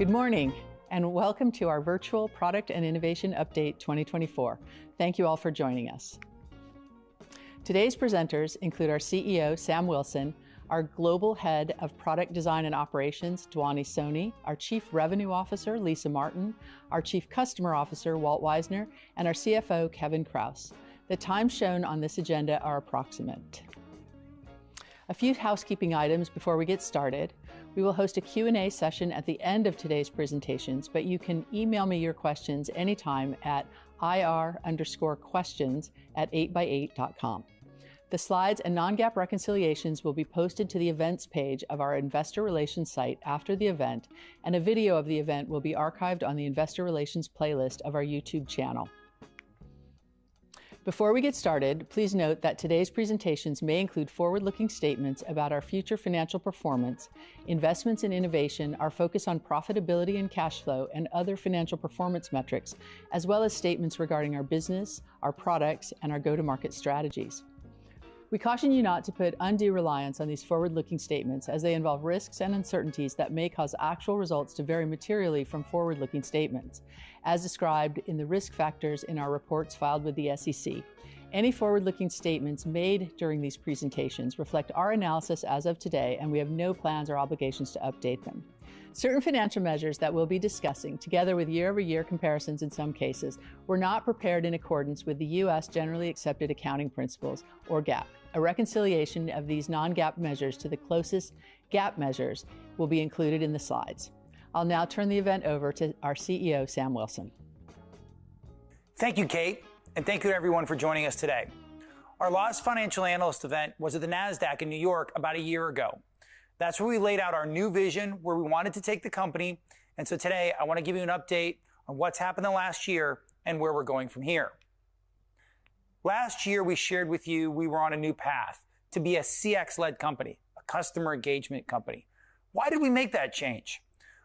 Good morning, and welcome to our virtual Product and Innovation Update 2024. Thank you all for joining us. Today's presenters include our CEO, Sam Wilson, our Global Head of Product Design and Operations, Dhwani Soni, our Chief Revenue Officer, Lisa Martin, our Chief Customer Officer, Walt Weisner, and our CFO, Kevin Krause. The times shown on this agenda are approximate. A few housekeeping items before we get started. We will host a Q&A session at the end of today's presentations, but you can email me your questions anytime at ir_questions@8x8.com. The slides and non-GAAP reconciliations will be posted to the Events page of our investor relations site after the event, and a video of the event will be archived on the Investor Relations playlist of our YouTube channel. Before we get started, please note that today's presentations may include forward-looking statements about our future financial performance, investments in innovation, our focus on profitability and cash flow, and other financial performance metrics, as well as statements regarding our business, our products, and our go-to-market strategies. We caution you not to put undue reliance on these forward-looking statements, as they involve risks and uncertainties that may cause actual results to vary materially from forward-looking statements, as described in the risk factors in our reports filed with the SEC. Any forward-looking statements made during these presentations reflect our analysis as of today, and we have no plans or obligations to update them. Certain financial measures that we'll be discussing, together with year-over-year comparisons in some cases, were not prepared in accordance with the U.S. generally accepted accounting principles, or GAAP. A reconciliation of these non-GAAP measures to the closest GAAP measures will be included in the slides. I'll now turn the event over to our CEO, Sam Wilson. Thank you, Kate, and thank you, everyone, for joining us today. Our last financial analyst event was at the Nasdaq in New York about a year ago. That's where we laid out our new vision, where we wanted to take the company, and so today I wanna give you an update on what's happened in the last year and where we're going from here. Last year, we shared with you we were on a new path, to be a CX-led company, a customer engagement company. Why did we make that change?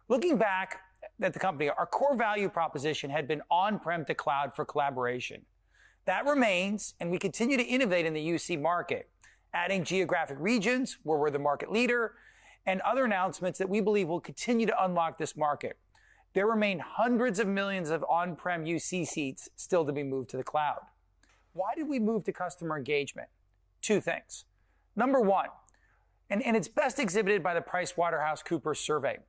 Looking back at the company, our core value proposition had been on-prem to cloud for collaboration. That remains, and we continue to innovate in the UC market, adding geographic regions where we're the market leader and other announcements that we believe will continue to unlock this market. There remain hundreds of millions of on-prem UC seats still to be moved to the cloud. Why did we move to customer engagement? Two things. Number one, and it's best exhibited by the PricewaterhouseCoopers survey,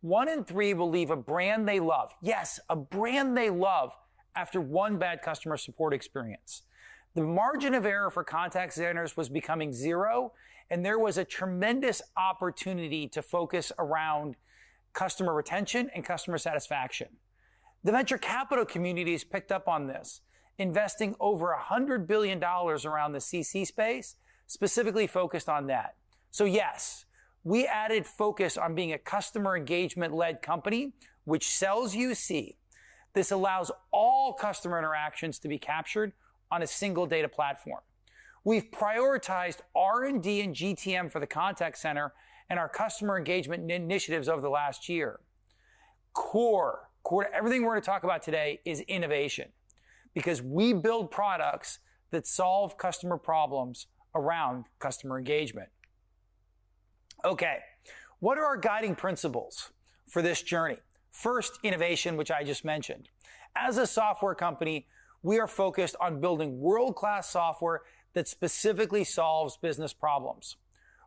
one in three will leave a brand they love, yes, a brand they love, after one bad customer support experience. The margin of error for contact centers was becoming zero, and there was a tremendous opportunity to focus around customer retention and customer satisfaction. The venture capital community's picked up on this, investing over $100 billion around the CC space, specifically focused on that. So yes, we added focus on being a customer engagement-led company which sells UC. This allows all customer interactions to be captured on a single data platform. We've prioritized R&D and GTM for the contact center and our customer engagement initiatives over the last year. Core, core to everything we're gonna talk about today is innovation, because we build products that solve customer problems around customer engagement. Okay, what are our guiding principles for this journey? First, innovation, which I just mentioned. As a software company, we are focused on building world-class software that specifically solves business problems.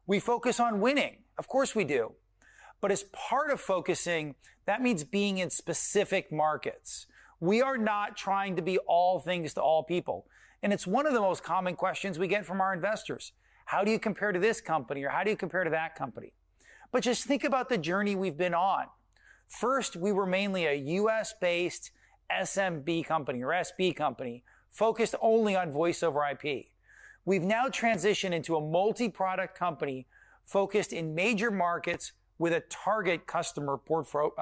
We focus on winning. Of course we do, but as part of focusing, that means being in specific markets. We are not trying to be all things to all people, and it's one of the most common questions we get from our investors: "How do you compare to this company?" or, "How do you compare to that company?" But just think about the journey we've been on. First, we were mainly a U.S.-based SMB company, or SB company, focused only on voice-over IP. We've now transitioned into a multi-product company focused in major markets with a target customer profile.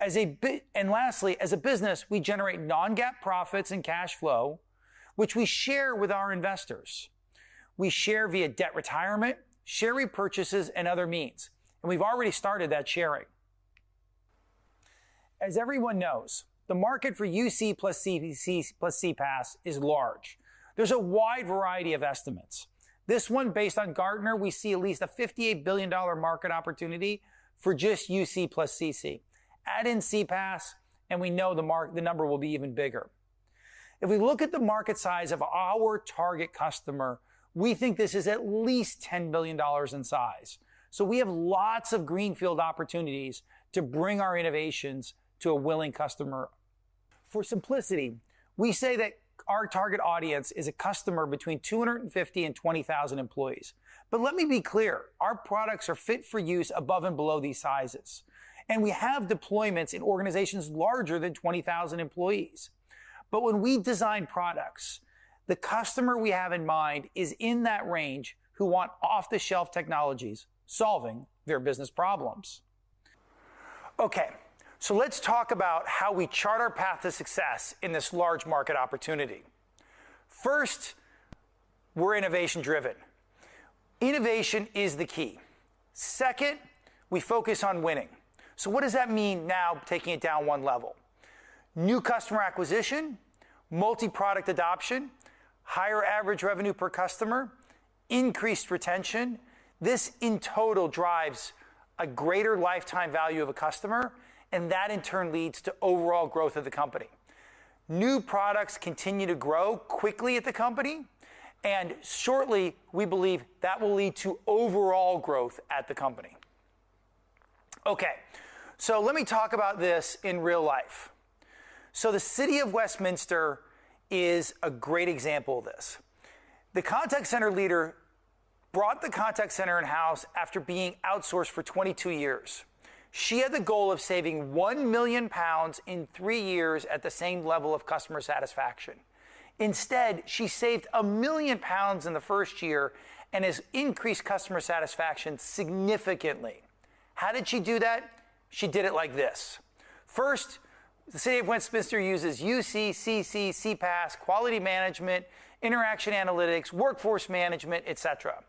And lastly, as a business, we generate non-GAAP profits and cash flow, which we share with our investors. We share via debt retirement, share repurchases, and other means, and we've already started that sharing. As everyone knows, the market for UC plus CC plus CPaaS is large. There's a wide variety of estimates. This one, based on Gartner, we see at least a $58 billion market opportunity for just UC plus CC. Add in CPaaS, and we know the number will be even bigger. If we look at the market size of our target customer, we think this is at least $10 billion in size, so we have lots of greenfield opportunities to bring our innovations to a willing customer. For simplicity, we say that our target audience is a customer between 250 and 20,000 employees. But let me be clear, our products are fit for use above and below these sizes, and we have deployments in organizations larger than 20,000 employees. But when we design products, the customer we have in mind is in that range, who want off-the-shelf technologies solving their business problems. Okay, so let's talk about how we chart our path to success in this large market opportunity. First, we're innovation-driven. Innovation is the key. Second, we focus on winning. So what does that mean now, taking it down one level? New customer acquisition, multi-product adoption, higher average revenue per customer, increased retention. This, in total, drives a greater lifetime value of a customer, and that, in turn, leads to overall growth of the company. New products continue to grow quickly at the company, and shortly, we believe that will lead to overall growth at the company. Okay, so let me talk about this in real life. The City of Westminster is a great example of this. The contact center leader brought the contact center in-house after being outsourced for 22 years. She had the goal of saving 1 million pounds in 3 years at the same level of customer satisfaction. Instead, she saved 1 million pounds in the first year and has increased customer satisfaction significantly. How did she do that? She did it like this. First, the City of Westminster uses UC, CC, CPaaS, quality management, interaction analytics, workforce management, et cetera.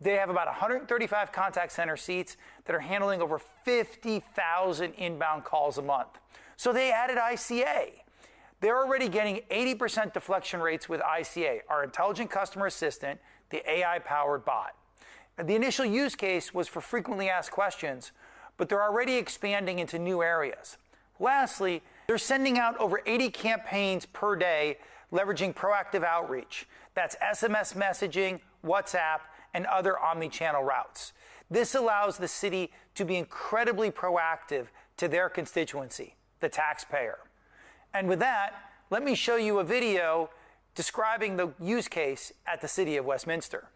They have about 135 contact center seats that are handling over 50,000 inbound calls a month, so they added ICA. They're already getting 80% deflection rates with ICA, our Intelligent Customer Assistant, the AI-powered bot, and the initial use case was for frequently asked questions, but they're already expanding into new areas. Lastly, they're sending out over 80 campaigns per day, leveraging Proactive Outreach. That's SMS messaging, WhatsApp, and other omni-channel routes. This allows the city to be incredibly proactive to their constituency, the taxpayer. And with that, let me show you a video describing the use case at the City of Westminster.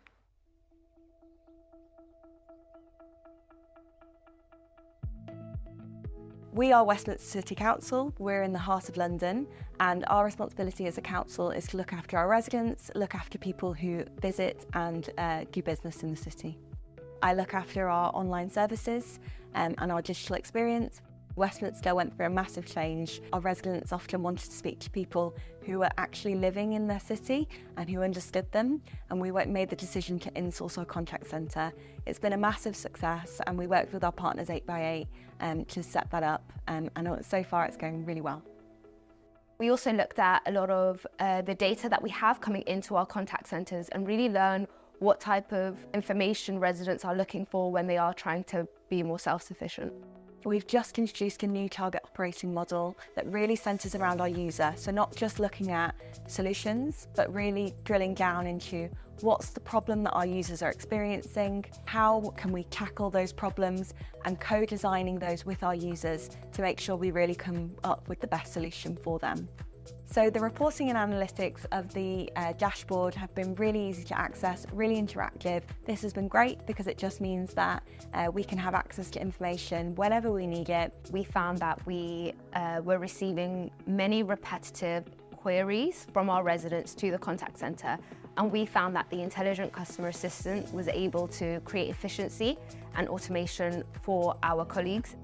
We are Westminster City Council. We're in the heart of London, and our responsibility as a council is to look after our residents, look after people who visit, and do business in the city. I look after our online services, and our digital experience. Westminster went through a massive change. Our residents often wanted to speak to people who were actually living in their city and who understood them, and we went and made the decision to insource our contact center. It's been a massive success, and we worked with our partners, 8x8, to set that up, and so far, it's going really well. We also looked at a lot of the data that we have coming into our contact centers and really learn what type of information residents are looking for when they are trying to be more self-sufficient. We've just introduced a new target operating model that really centers around our user, so not just looking at solutions, but really drilling down into: What's the problem that our users are experiencing? How can we tackle those problems? And co-designing those with our users to make sure we really come up with the best solution for them. So the reporting and analytics of the dashboard have been really easy to access, really interactive. This has been great because it just means that we can have access to information whenever we need it. We found that we were receiving many repetitive queries from our residents to the contact center, and we found that the Intelligent Customer Assistant was able to create efficiency and automation for our colleagues.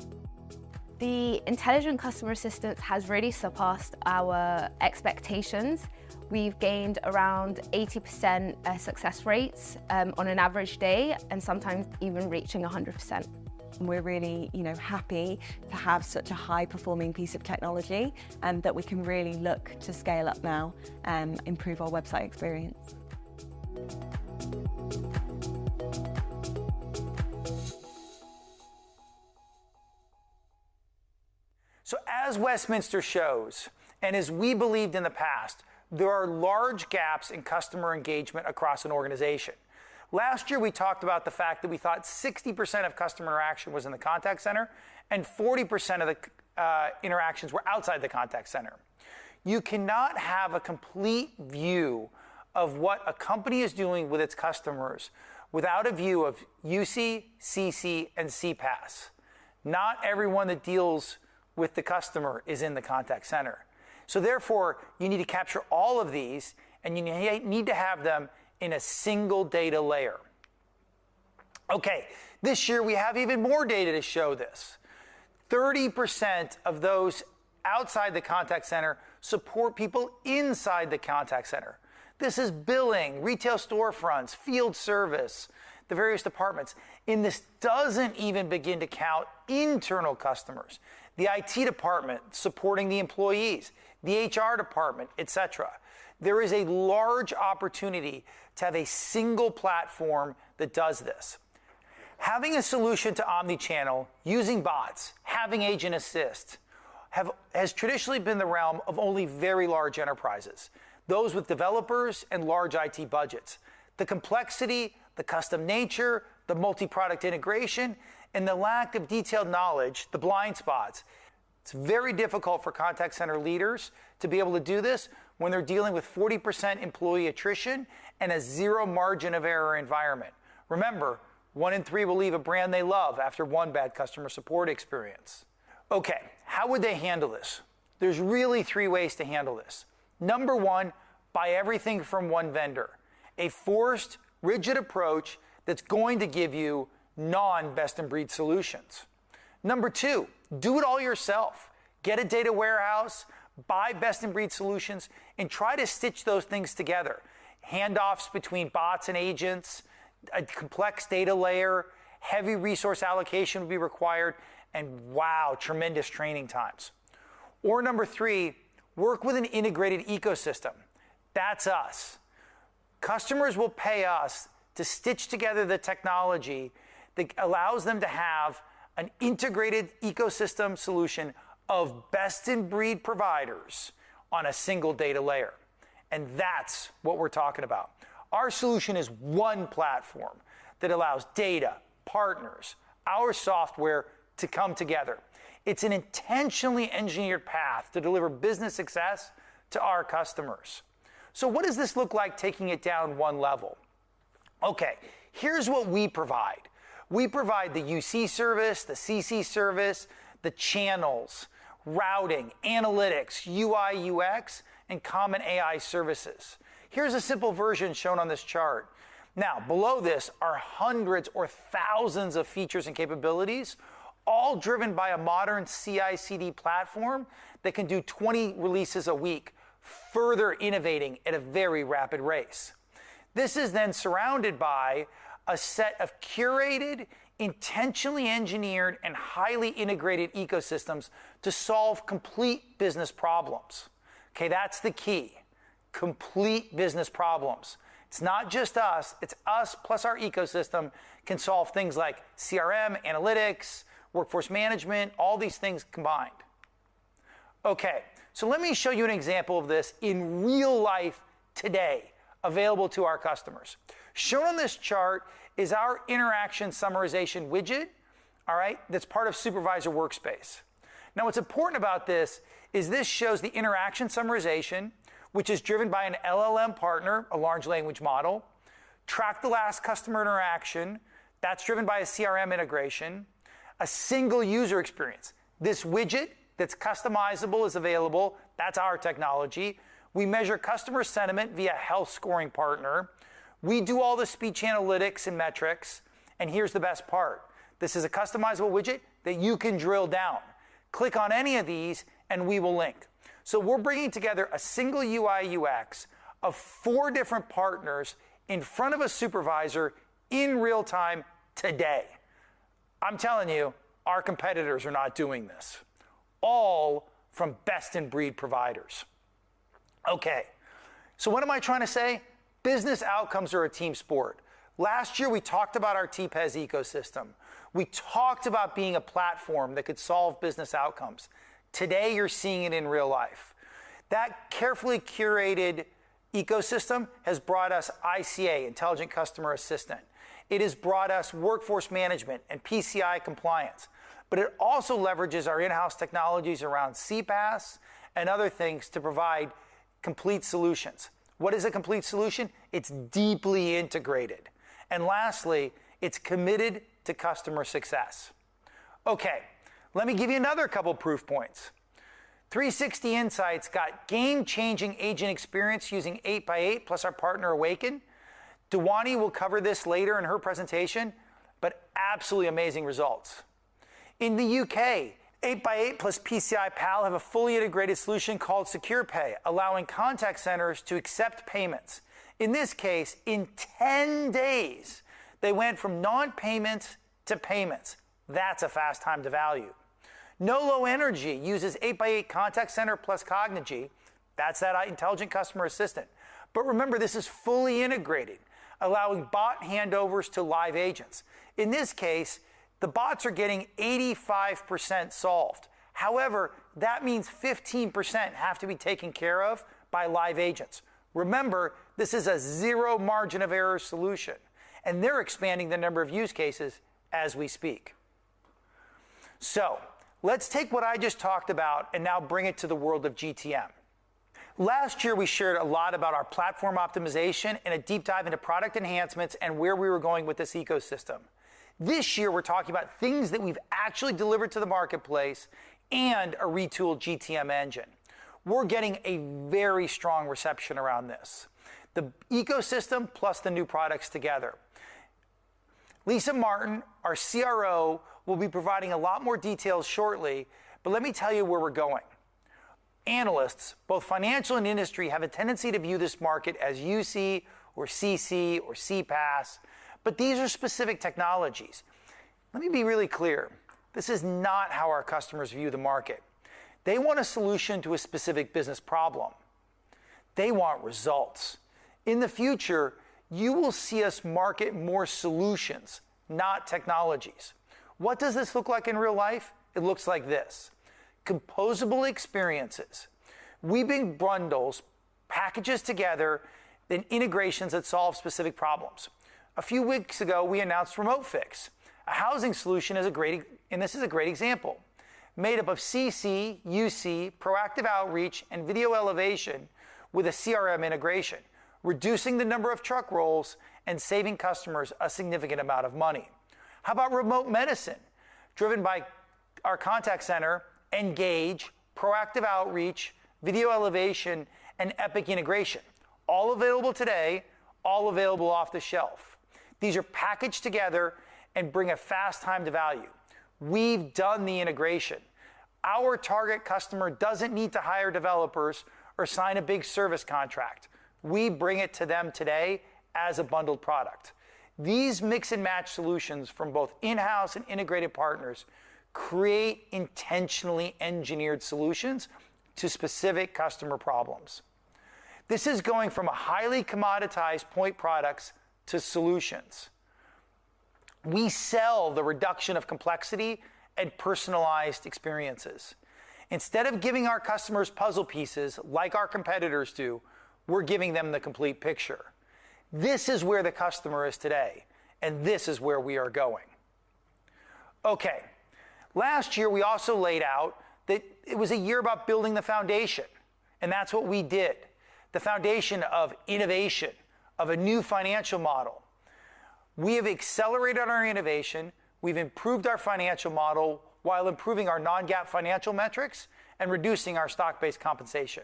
The Intelligent Customer Assistant has really surpassed our expectations. We've gained around 80%, success rates, on an average day, and sometimes even reaching a 100%. We're really, you know, happy to have such a high-performing piece of technology, and that we can really look to scale up now and improve our website experience. So as Westminster shows, and as we believed in the past, there are large gaps in customer engagement across an organization. Last year, we talked about the fact that we thought 60% of customer interaction was in the contact center and 40% of the interactions were outside the contact center. You cannot have a complete view of what a company is doing with its customers without a view of UC, CC, and CPaaS. Not everyone that deals with the customer is in the contact center, so therefore, you need to capture all of these, and you need to have them in a single data layer. Okay, this year, we have even more data to show this. 30% of those outside the contact center support people inside the contact center. This is billing, retail storefronts, field service, the various departments, and this doesn't even begin to count internal customers, the IT department supporting the employees, the HR department, et cetera. There is a large opportunity to have a single platform that does this. Having a solution to omni-channel, using bots, having Agent Assist, has traditionally been the realm of only very large enterprises, those with developers and large IT budgets. The complexity, the custom nature, the multi-product integration, and the lack of detailed knowledge, the blind spots, it's very difficult for contact center leaders to be able to do this when they're dealing with 40% employee attrition and a zero margin of error environment. Remember, one in three will leave a brand they love after one bad customer support experience. Okay, how would they handle this? There's really three ways to handle this. Number 1, buy everything from one vendor, a forced, rigid approach that's going to give you non-best-in-breed solutions. Number 2, do it all yourself. Get a data warehouse, buy best-in-breed solutions, and try to stitch those things together, handoffs between bots and agents, a complex data layer, heavy resource allocation will be required, and, wow, tremendous training times. Or number 3, work with an integrated ecosystem. That's us. Customers will pay us to stitch together the technology that allows them to have an integrated ecosystem solution of best-in-breed providers on a single data layer, and that's what we're talking about. Our solution is one platform that allows data, partners, our software to come together. It's an intentionally engineered path to deliver business success to our customers. So what does this look like, taking it down one level? Okay, here's what we provide. We provide the UC service, the CC service, the channels, routing, analytics, UI/UX, and common AI services. Here's a simple version shown on this chart. Now, below this are hundreds or thousands of features and capabilities, all driven by a modern CI/CD platform that can do 20 releases a week, further innovating at a very rapid pace. This is then surrounded by a set of curated, intentionally engineered, and highly integrated ecosystems to solve complete business problems. Okay, that's the key: complete business problems. It's not just us, it's us plus our ecosystem can solve things like CRM, analytics, workforce management, all these things combined. Okay, so let me show you an example of this in real life today, available to our customers. Shown on this chart is our interaction summarization widget, all right? That's part of Supervisor Workspace. Now, what's important about this is this shows the interaction summarization, which is driven by an LLM partner, a large language model. Track the last customer interaction, that's driven by a CRM integration, a single user experience. This widget that's customizable is available. That's our technology. We measure customer sentiment via health scoring partner. We do all the speech analytics and metrics, and here's the best part: this is a customizable widget that you can drill down. Click on any of these, and we will link. So we're bringing together a single UI/UX of four different partners in front of a supervisor in real time today. I'm telling you, our competitors are not doing this, all from best-in-breed providers. Okay, so what am I trying to say? Business outcomes are a team sport. Last year, we talked about our TPaaS ecosystem. We talked about being a platform that could solve business outcomes. Today, you're seeing it in real life. That carefully curated ecosystem has brought us ICA, Intelligent Customer Assistant. It has brought us workforce management and PCI compliance, but it also leverages our in-house technologies around CPaaS and other things to provide complete solutions. What is a complete solution? It's deeply integrated, and lastly, it's committed to customer success. Okay, let me give you another couple proof points. 360insights got game-changing agent experience using 8x8, plus our partner, Awaken. Dhwani will cover this later in her presentation, but absolutely amazing results. In the UK, 8x8 plus PCI Pal have a fully integrated solution called Secure Pay, allowing contact centers to accept payments. In this case, in 10 days, they went from non-payment to payments. That's a fast time to value. OVO Energy uses 8x8 Contact Center plus Cognigy. That's the intelligent customer assistant. But remember, this is fully integrated, allowing bot handovers to live agents. In this case, the bots are getting 85% solved. However, that means 15% have to be taken care of by live agents. Remember, this is a zero margin of error solution, and they're expanding the number of use cases as we speak. So let's take what I just talked about and now bring it to the world of GTM. Last year, we shared a lot about our platform optimization and a deep dive into product enhancements and where we were going with this ecosystem. This year, we're talking about things that we've actually delivered to the marketplace and a retooled GTM engine. We're getting a very strong reception around this, the ecosystem plus the new products together. Lisa Martin, our CRO, will be providing a lot more details shortly, but let me tell you where we're going. Analysts, both financial and industry, have a tendency to view this market as UC or CC or CPaaS, but these are specific technologies. Let me be really clear: This is not how our customers view the market. They want a solution to a specific business problem. They want results. In the future, you will see us market more solutions, not technologies. What does this look like in real life? It looks like this, composable experiences, weaving bundles, packages together, then integrations that solve specific problems. A few weeks ago, we announced Remote Fix, a housing solution as a great example, and this is a great example, made up of CC, UC, Proactive Outreach, and Video Elevation with a CRM integration, reducing the number of truck rolls and saving customers a significant amount of money. How about remote medicine? Driven by our contact center, Engage, Proactive Outreach, Video Elevation, and Epic integration, all available today, all available off the shelf. These are packaged together and bring a fast time to value. We've done the integration. Our target customer doesn't need to hire developers or sign a big service contract. We bring it to them today as a bundled product. These mix-and-match solutions from both in-house and integrated partners create intentionally engineered solutions to specific customer problems. This is going from a highly commoditized point products to solutions. We sell the reduction of complexity and personalized experiences. Instead of giving our customers puzzle pieces, like our competitors do, we're giving them the complete picture. This is where the customer is today, and this is where we are going. Okay, last year, we also laid out that it was a year about building the foundation, and that's what we did. The foundation of innovation, of a new financial model. We have accelerated our innovation, we've improved our financial model while improving our non-GAAP financial metrics and reducing our stock-based compensation.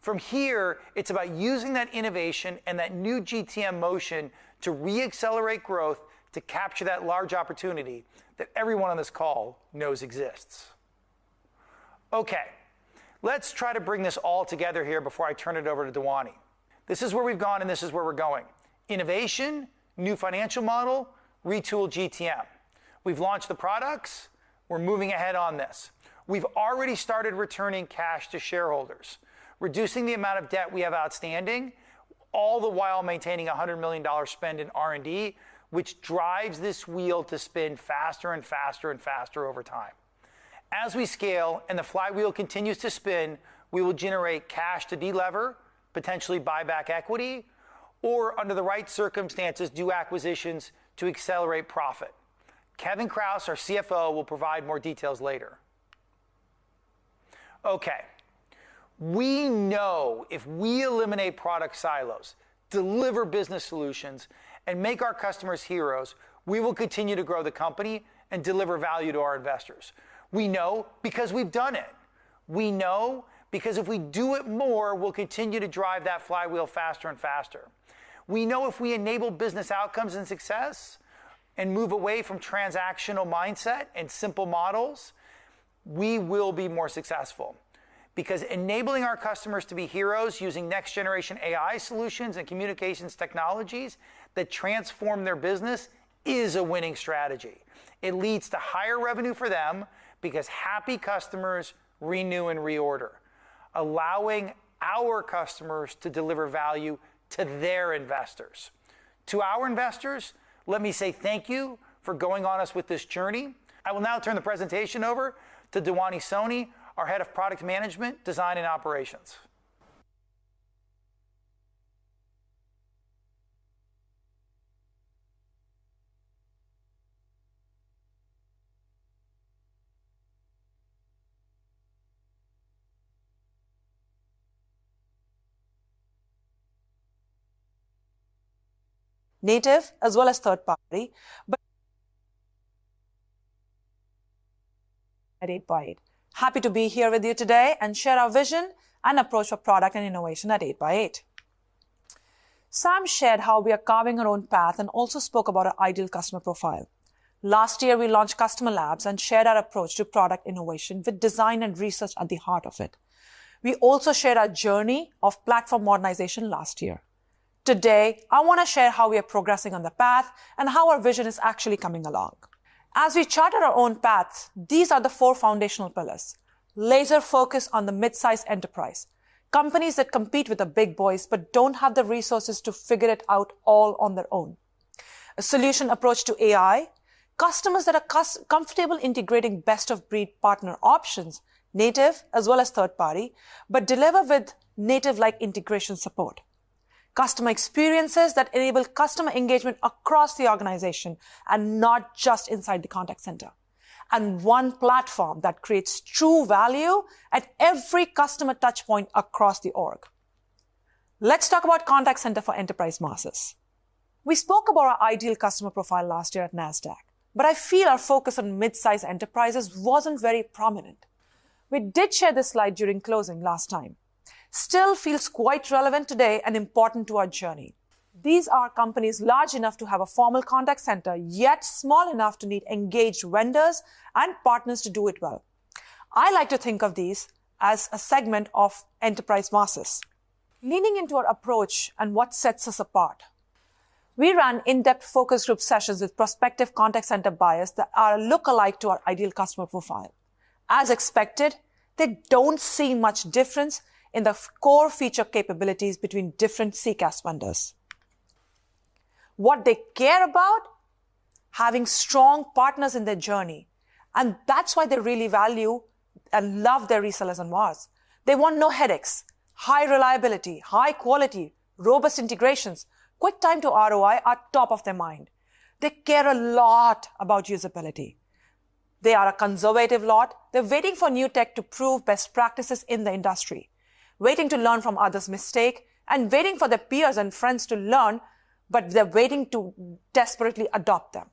From here, it's about using that innovation and that new GTM motion to re-accelerate growth to capture that large opportunity that everyone on this call knows exists. Okay, let's try to bring this all together here before I turn it over to Dhwani. This is where we've gone, and this is where we're going: innovation, new financial model, retool GTM. We've launched the products. We're moving ahead on this. We've already started returning cash to shareholders, reducing the amount of debt we have outstanding, all the while maintaining a $100 million spend in R&D, which drives this wheel to spin faster and faster and faster over time. As we scale and the flywheel continues to spin, we will generate cash to delever, potentially buy back equity, or under the right circumstances, do acquisitions to accelerate profit. Kevin Kraus, our CFO, will provide more details later. Okay, we know if we eliminate product silos, deliver business solutions, and make our customers heroes, we will continue to grow the company and deliver value to our investors. We know because we've done it. We know because if we do it more, we'll continue to drive that flywheel faster and faster. We know if we enable business outcomes and success and move away from transactional mindset and simple models, we will be more successful. Because enabling our customers to be heroes using next-generation AI solutions and communications technologies that transform their business is a winning strategy. It leads to higher revenue for them because happy customers renew and reorder, allowing our customers to deliver value to their investors. To our investors, let me say thank you for going on us with this journey. I will now turn the presentation over to Dhwani Soni, our Head of Product Management, Design, and Operations. Native as well as third party, but at 8x8. Happy to be here with you today and share our vision and approach for product and innovation at 8x8. Sam shared how we are carving our own path and also spoke about our ideal customer profile. Last year, we launched Customer Labs and shared our approach to product innovation, with design and research at the heart of it. We also shared our journey of platform modernization last year. Today, I wanna share how we are progressing on the path and how our vision is actually coming along. As we chart our own path, these are the four foundational pillars. Laser focus on the mid-size enterprise, companies that compete with the big boys but don't have the resources to figure it out all on their own. A solution approach to AI, customers that are comfortable integrating best-of-breed partner options, native as well as third party, but deliver with native-like integration support. Customer experiences that enable customer engagement across the organization and not just inside the contact center. One platform that creates true value at every customer touchpoint across the org. Let's talk about contact center for enterprise masses. We spoke about our ideal customer profile last year at Nasdaq, but I feel our focus on mid-size enterprises wasn't very prominent. We did share this slide during closing last time. Still feels quite relevant today and important to our journey. These are companies large enough to have a formal contact center, yet small enough to need engaged vendors and partners to do it well. I like to think of these as a segment of enterprise masses. Leaning into our approach and what sets us apart, we ran in-depth focus group sessions with prospective contact center buyers that are lookalike to our ideal customer profile. As expected, they don't see much difference in the core feature capabilities between different CCaaS vendors. What they care about, having strong partners in their journey, and that's why they really value and love their resellers and VARs. They want no headaches, high reliability, high quality, robust integrations, quick time to ROI are top of their mind. They care a lot about usability. They are a conservative lot. They're waiting for new tech to prove best practices in the industry, waiting to learn from others' mistake, and waiting for their peers and friends to learn, but they're waiting to desperately adopt them.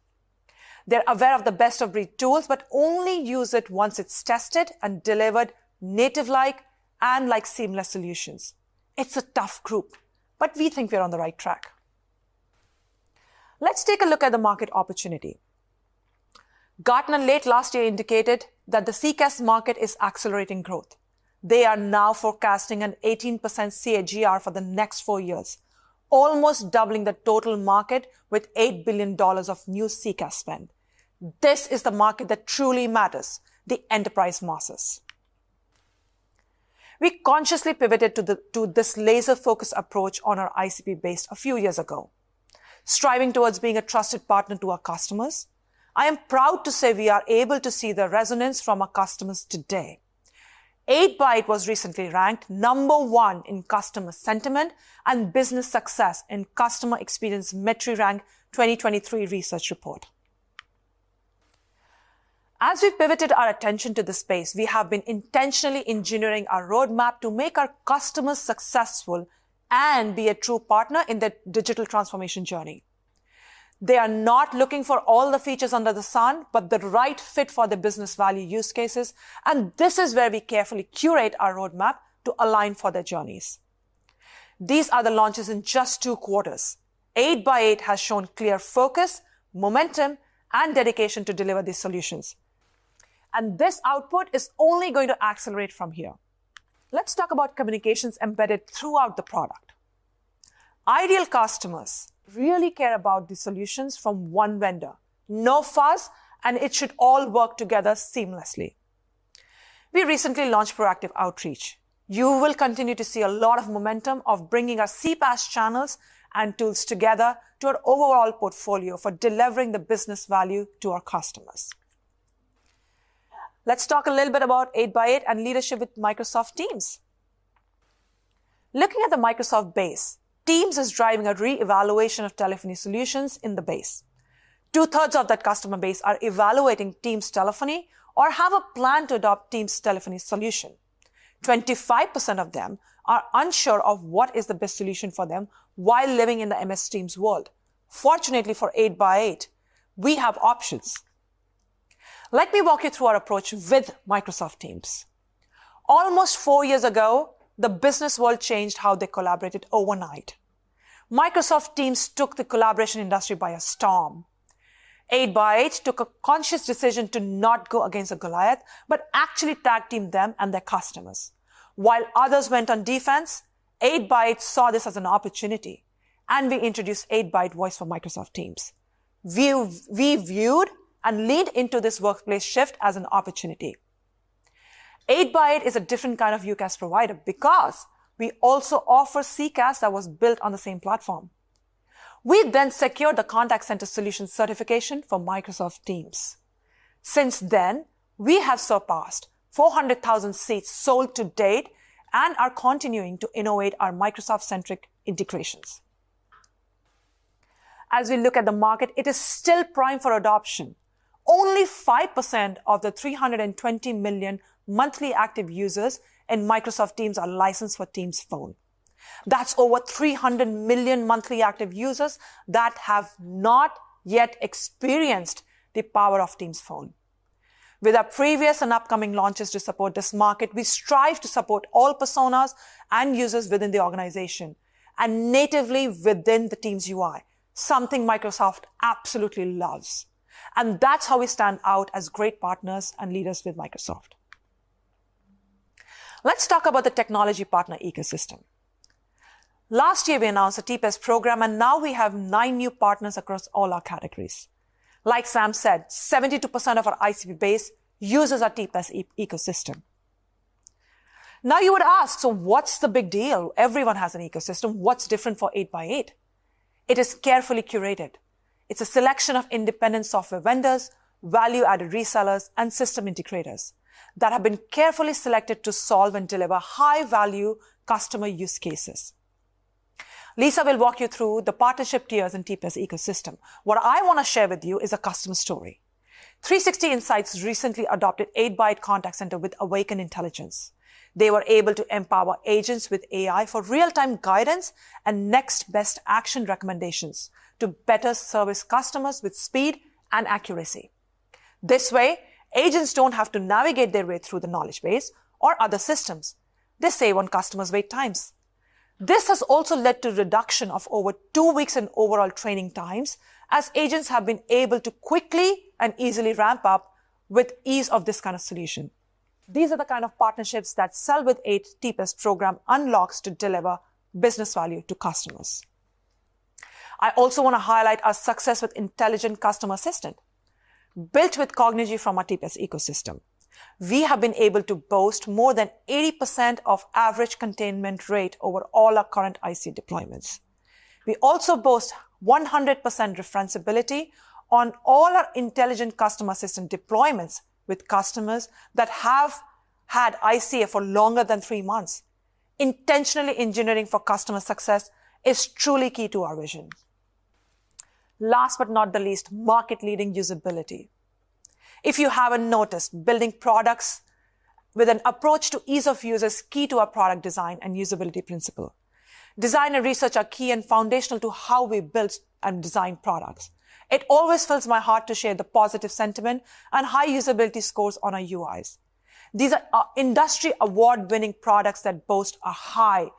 They're aware of the best-of-breed tools, but only use it once it's tested and delivered native-like and like seamless solutions. It's a tough group, but we think we're on the right track. Let's take a look at the market opportunity. Gartner late last year indicated that the CCaaS market is accelerating growth. They are now forecasting an 18% CAGR for the next four years, almost doubling the total market with $8 billion of new CCaaS spend. This is the market that truly matters, the enterprise masses. We consciously pivoted to this laser-focused approach on our ICP base a few years ago, striving towards being a trusted partner to our customers. I am proud to say we are able to see the resonance from our customers today. 8x8 was recently ranked number one in customer sentiment and business success in Metrigy's Customer Experience MetriRank 2023 research report. As we pivoted our attention to the space, we have been intentionally engineering our roadmap to make our customers successful and be a true partner in their digital transformation journey. They are not looking for all the features under the sun, but the right fit for the business value use cases, and this is where we carefully curate our roadmap to align for their journeys. These are the launches in just two quarters. 8x8 has shown clear focus, momentum, and dedication to deliver these solutions, and this output is only going to accelerate from here. Let's talk about communications embedded throughout the product. Ideal customers really care about the solutions from one vendor, no fuss, and it should all work together seamlessly. We recently launched Proactive Outreach. You will continue to see a lot of momentum of bringing our CPaaS channels and tools together to our overall portfolio for delivering the business value to our customers. Let's talk a little bit about 8x8 and leadership with Microsoft Teams. Looking at the Microsoft base, Teams is driving a re-evaluation of telephony solutions in the base. Two-thirds of that customer base are evaluating Teams telephony or have a plan to adopt Teams telephony solution. 25% of them are unsure of what is the best solution for them while living in the MS Teams world. Fortunately, for 8x8, we have options. Let me walk you through our approach with Microsoft Teams. Almost four years ago, the business world changed how they collaborated overnight. Microsoft Teams took the collaboration industry by a storm. 8x8 took a conscious decision to not go against a Goliath, but actually tag-team them and their customers. While others went on defense, 8x8 saw this as an opportunity, and we introduced 8x8 Voice for Microsoft Teams. We viewed and led into this workplace shift as an opportunity. 8x8 is a different kind of UCaaS provider because we also offer CCaaS that was built on the same platform. We then secured the contact center solution certification for Microsoft Teams. Since then, we have surpassed 400,000 seats sold to date and are continuing to innovate our Microsoft-centric integrations. As we look at the market, it is still prime for adoption. Only 5% of the 320 million monthly active users in Microsoft Teams are licensed for Teams Phone. That's over 300 million monthly active users that have not yet experienced the power of Teams Phone. With our previous and upcoming launches to support this market, we strive to support all personas and users within the organization and natively within the Teams UI, something Microsoft absolutely loves, and that's how we stand out as great partners and leaders with Microsoft. Let's talk about the technology partner ecosystem. Last year, we announced a CPaaS program, and now we have 9 new partners across all our categories. Like Sam said, 72% of our ICP base uses our TPaaS ecosystem. Now, you would ask, "So what's the big deal? Everyone has an ecosystem. What's different for 8x8?" It is carefully curated. It's a selection of independent software vendors, value-added resellers, and system integrators that have been carefully selected to solve and deliver high-value customer use cases. Lisa will walk you through the partnership tiers and TPaaS ecosystem. What I want to share with you is a customer story. 360insights recently adopted 8x8 Contact Center with Awaken Intelligence. They were able to empower agents with AI for real-time guidance and next best action recommendations to better service customers with speed and accuracy. This way, agents don't have to navigate their way through the knowledge base or other systems. They save on customers' wait times. This has also led to reduction of over 2 weeks in overall training times, as agents have been able to quickly and easily ramp up with ease of this kind of solution. These are the kind of partnerships that Sell with 8 TPaaS program unlocks to deliver business value to customers. I also want to highlight our success with Intelligent Customer Assistant. Built with Cognigy from our TPaaS ecosystem, we have been able to boast more than 80% of average containment rate over all our current ICA deployments. We also boast 100% referencability on all our intelligent customer assistant deployments with customers that have had ICA for longer than three months. Intentionally engineering for customer success is truly key to our vision. Last but not the least, market-leading usability. If you haven't noticed, building products with an approach to ease of use is key to our product design and usability principle. Design and research are key and foundational to how we build and design products. It always fills my heart to share the positive sentiment and high usability scores on our UIs. These are industry award-winning products that boast a high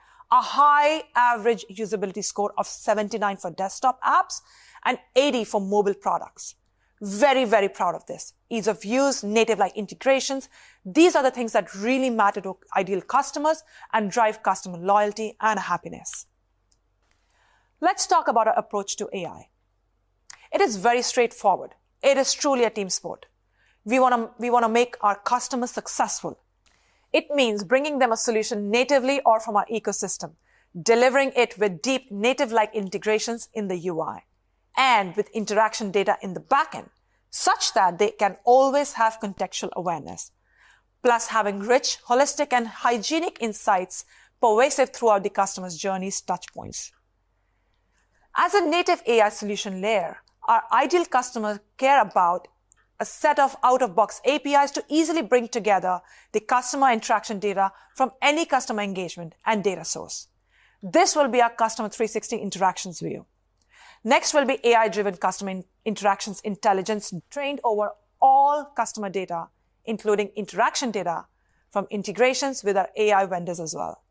average usability score of 79 for desktop apps and 80 for mobile products. Very, very proud of this. Ease of use, native-like integrations, these are the things that really matter to ideal customers and drive customer loyalty and happiness. Let's talk about our approach to AI. It is very straightforward. It is truly a team sport. We wanna, we wanna make our customers successful. It means bringing them a solution natively or from our ecosystem, delivering it with deep native-like integrations in the UI, and with interaction data in the backend, such that they can always have contextual awareness. Plus, having rich, holistic, and hygienic insights pervasive throughout the customer's journey's touchpoints. As a native AI solution layer, our ideal customers care about a set of out-of-box APIs to easily bring together the Customer Interaction data from any customer engagement and data source. This will be our Customer 360 interactions view. Next will be AI-driven customer interactions intelligence trained over all customer data, including interaction data from integrations with our AI vendors as well.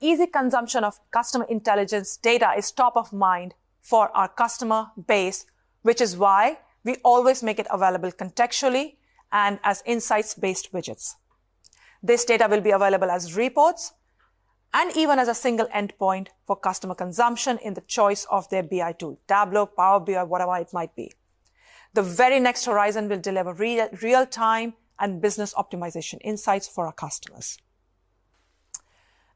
Easy consumption of customer intelligence data is top of mind for our customer base, which is why we always make it available contextually and as insights-based widgets. This data will be available as reports and even as a single endpoint for customer consumption in the choice of their BI tool, Tableau, Power BI, or whatever it might be. The very next horizon will deliver real-time and business optimization insights for our customers.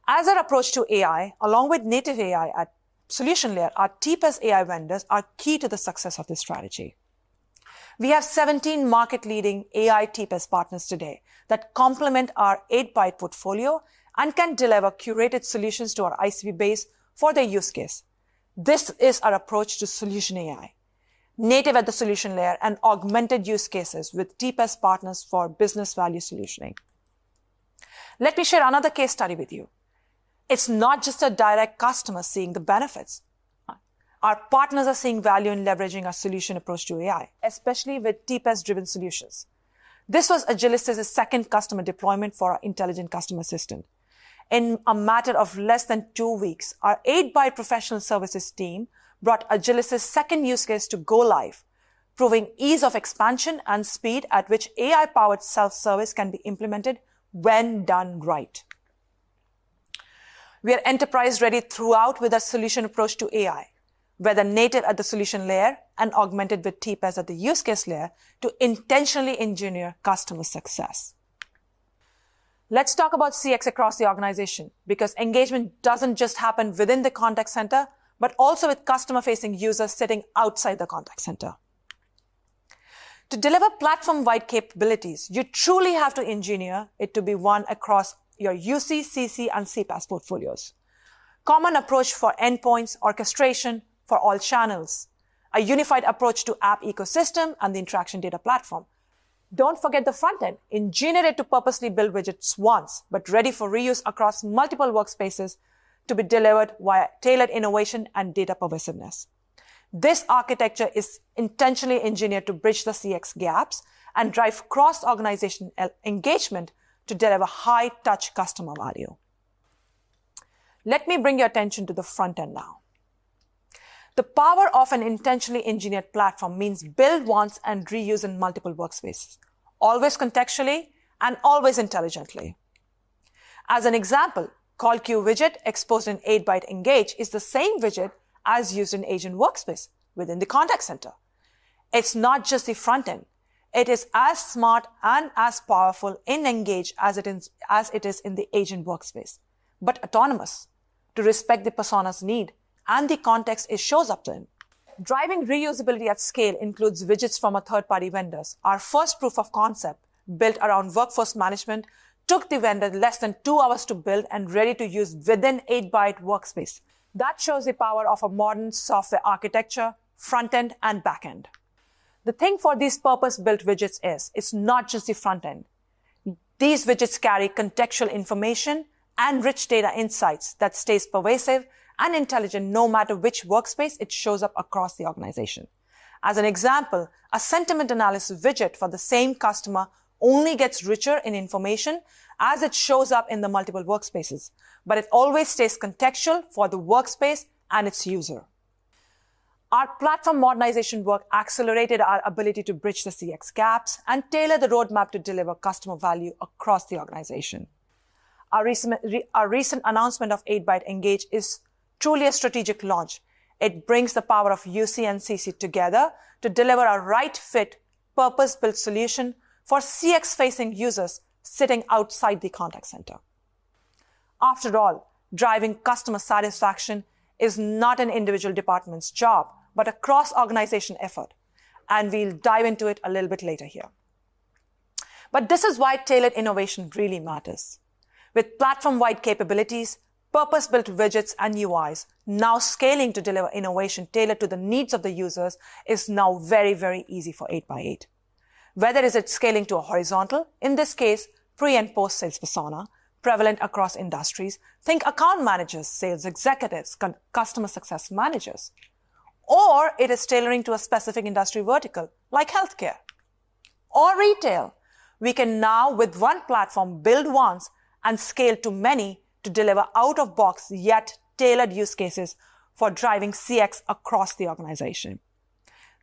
As our approach to AI, along with native AI at solution layer, our TPaaS AI vendors are key to the success of this strategy. We have 17 market-leading AI TPaaS partners today, that complement our 8x8 portfolio and can deliver curated solutions to our ICP base for their use case. This is our approach to solution AI, native at the solution layer and augmented use cases with TPaaS partners for business value solutioning. Let me share another case study with you. It's not just our direct customers seeing the benefits. Our partners are seeing value in leveraging our solution approach to AI, especially with TPaaS-driven solutions. This was Agilisys second customer deployment for our Intelligent Customer Assistant. In a matter of less than two weeks, our 8x8 professional services team brought Agilisys second use case to go live, proving ease of expansion and speed at which AI-powered self-service can be implemented when done right. We are enterprise-ready throughout with a solution approach to AI, whether native at the solution layer and augmented with TPaaS at the use case layer, to intentionally engineer customer success. Let's talk about CX across the organization, because engagement doesn't just happen within the contact center, but also with customer-facing users sitting outside the contact center. To deliver platform-wide capabilities, you truly have to engineer it to be one across your UC, CC, and CPaaS portfolios. Common approach for endpoints, orchestration for all channels, a unified approach to app ecosystem, and the interaction data platform. Don't forget the front end, engineered to purposely build widgets once, but ready for reuse across multiple workspaces to be delivered via tailored innovation and data pervasiveness. This architecture is intentionally engineered to bridge the CX gaps and drive cross-organization engagement to deliver high-touch customer value. Let me bring your attention to the front end now. The power of an intentionally engineered platform means build once and reuse in multiple workspaces, always contextually and always intelligently. As an example, call queue widget exposed in 8x8 Engage is the same widget as used in Agent Workspace within the contact center. It's not just the front end. It is as smart and as powerful in Engage as it in, as it is in the Agent Workspace, but autonomous to respect the persona's need and the context it shows up in. Driving reusability at scale includes widgets from our third-party vendors. Our first proof of concept, built around workforce management, took the vendor less than 2 hours to build and ready to use within 8x8 Workspace. That shows the power of a modern software architecture, front end and back end. The thing for these purpose-built widgets is, it's not just the front end. These widgets carry contextual information and rich data insights that stays pervasive and intelligent, no matter which workspace it shows up across the organization. As an example, a sentiment analysis widget for the same customer only gets richer in information as it shows up in the multiple workspaces, but it always stays contextual for the workspace and its user. Our platform modernization work accelerated our ability to bridge the CX gaps and tailor the roadmap to deliver customer value across the organization. Our recent announcement of 8x8 Engage is truly a strategic launch. It brings the power of UC and CC together to deliver a right-fit, purpose-built solution for CX-facing users sitting outside the contact center. After all, driving customer satisfaction is not an individual department's job, but a cross-organization effort, and we'll dive into it a little bit later here. But this is why tailored innovation really matters. With platform-wide capabilities, purpose-built widgets, and UIs, now scaling to deliver innovation tailored to the needs of the users is now very, very easy for 8x8. Whether is it scaling to a horizontal, in this case, pre- and post-sales persona, prevalent across industries, think account managers, sales executives, customer success managers, or it is tailoring to a specific industry vertical, like healthcare or retail, we can now, with one platform, build once and scale to many to deliver out-of-box, yet tailored use cases for driving CX across the organization.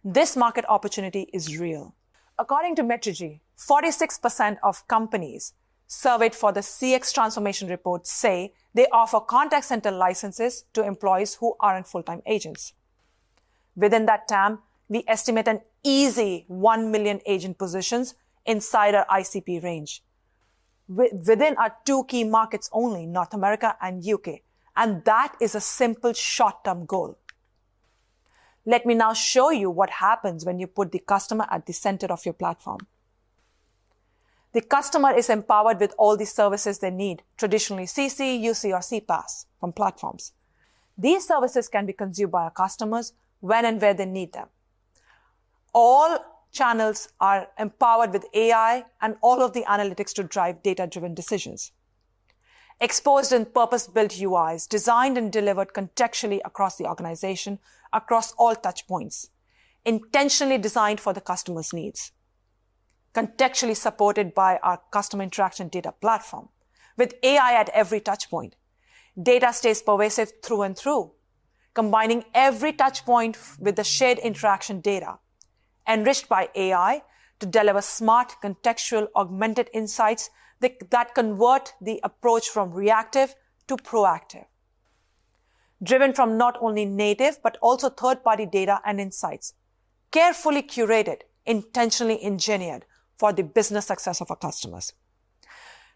This market opportunity is real. According to Metrigy, 46% of companies surveyed for the CX Transformation Report say they offer contact center licenses to employees who aren't full-time agents. Within that TAM, we estimate an easy 1 million agent positions inside our ICP range. Within our two key markets only, North America and UK, and that is a simple short-term goal. Let me now show you what happens when you put the customer at the center of your platform. The customer is empowered with all the services they need, traditionally CC, UC, or CPaaS from platforms. These services can be consumed by our customers when and where they need them. All channels are empowered with AI and all of the analytics to drive data-driven decisions. Exposed and purpose-built UIs, designed and delivered contextually across the organization, across all touchpoints, intentionally designed for the customer's needs. Contextually supported by our Customer Interaction Data Platform with AI at every touchpoint. Data stays pervasive through and through, combining every touchpoint with the shared interaction data, enriched by AI to deliver smart, contextual, augmented insights that convert the approach from reactive to proactive. Driven from not only native, but also third-party data and insights, carefully curated, intentionally engineered for the business success of our customers.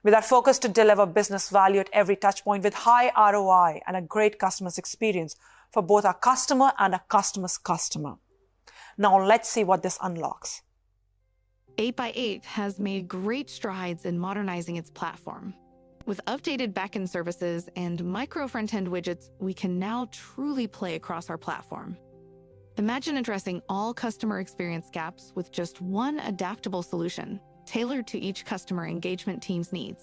With our focus to deliver business value at every touchpoint with high ROI and a great customer's experience for both our customer and our customer's customer. Now, let's see what this unlocks. 8x8 has made great strides in modernizing its platform. With updated back-end services and micro-frontend widgets, we can now truly play across our platform. Imagine addressing all customer experience gaps with just one adaptable solution, tailored to each customer engagement team's needs.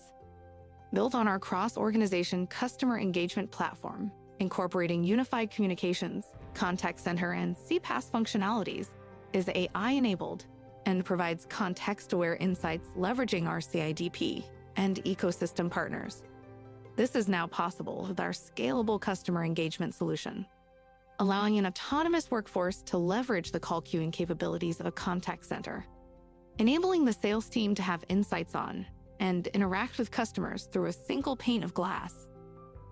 Built on our cross-organization customer engagement platform, incorporating unified communications, contact center, and CPaaS functionalities, is AI-enabled and provides context-aware insights leveraging our CIDP and ecosystem partners. This is now possible with our scalable customer engagement solution, allowing an autonomous workforce to leverage the call queuing capabilities of a contact center, enabling the sales team to have insights on and interact with customers through a single pane of glass,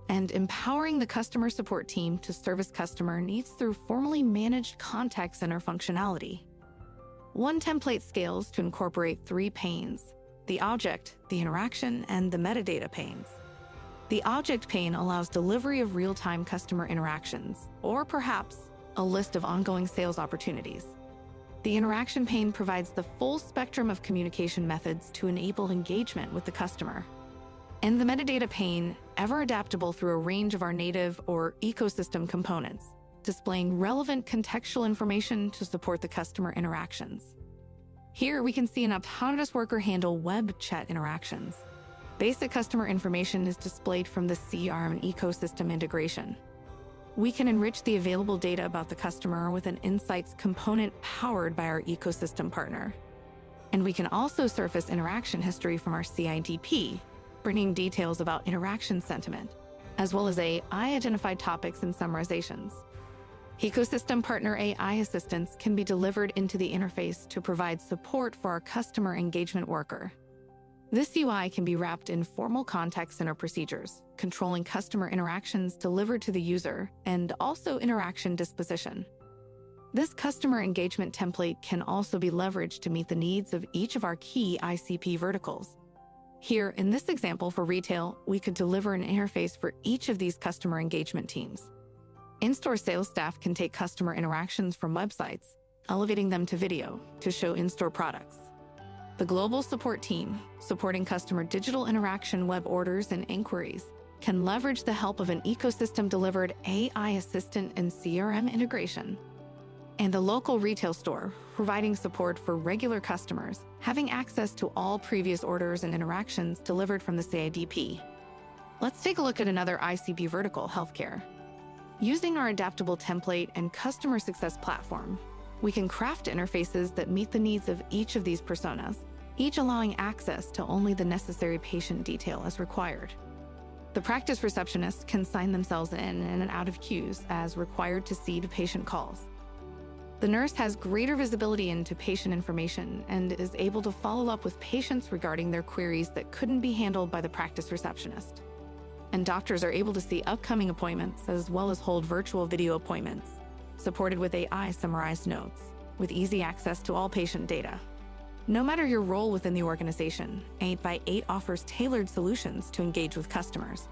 and empowering the customer support team to service customer needs through formally managed contact center functionality. One template scales to incorporate three panes: the object, the interaction, and the metadata panes. The object pane allows delivery of real-time customer interactions or perhaps a list of ongoing sales opportunities. The interaction pane provides the full spectrum of communication methods to enable engagement with the customer. The metadata pane, ever adaptable through a range of our native or ecosystem components, displaying relevant contextual information to support the customer interactions. Here, we can see an autonomous worker handle web chat interactions. Basic customer information is displayed from the CRM ecosystem integration. We can enrich the available data about the customer with an insights component powered by our ecosystem partner, and we can also surface interaction history from our CIDP, bringing details about interaction sentiment, as well as AI-identified topics and summarizations. Ecosystem partner AI assistants can be delivered into the interface to provide support for our customer engagement worker. This UI can be wrapped in formal contact center procedures, controlling customer interactions delivered to the user and also interaction disposition. This customer engagement template can also be leveraged to meet the needs of each of our key ICP verticals. Here, in this example for retail, we could deliver an interface for each of these customer engagement teams. In-store sales staff can take customer interactions from websites, elevating them to video to show in-store products. The global support team, supporting customer digital interaction, web orders, and inquiries, can leverage the help of an ecosystem-delivered AI assistant and CRM integration. The local retail store, providing support for regular customers, having access to all previous orders and interactions delivered from the CIDP. Let's take a look at another ICP vertical: healthcare. Using our adaptable template and customer success platform, we can craft interfaces that meet the needs of each of these personas, each allowing access to only the necessary patient detail as required. The practice receptionist can sign themselves in and out of queues as required to see the patient calls. The nurse has greater visibility into patient information and is able to follow up with patients regarding their queries that couldn't be handled by the practice receptionist. Doctors are able to see upcoming appointments, as well as hold virtual video appointments, supported with AI summarized notes, with easy access to all patient data. No matter your role within the organization, 8x8 offers tailored solutions to engage with customers.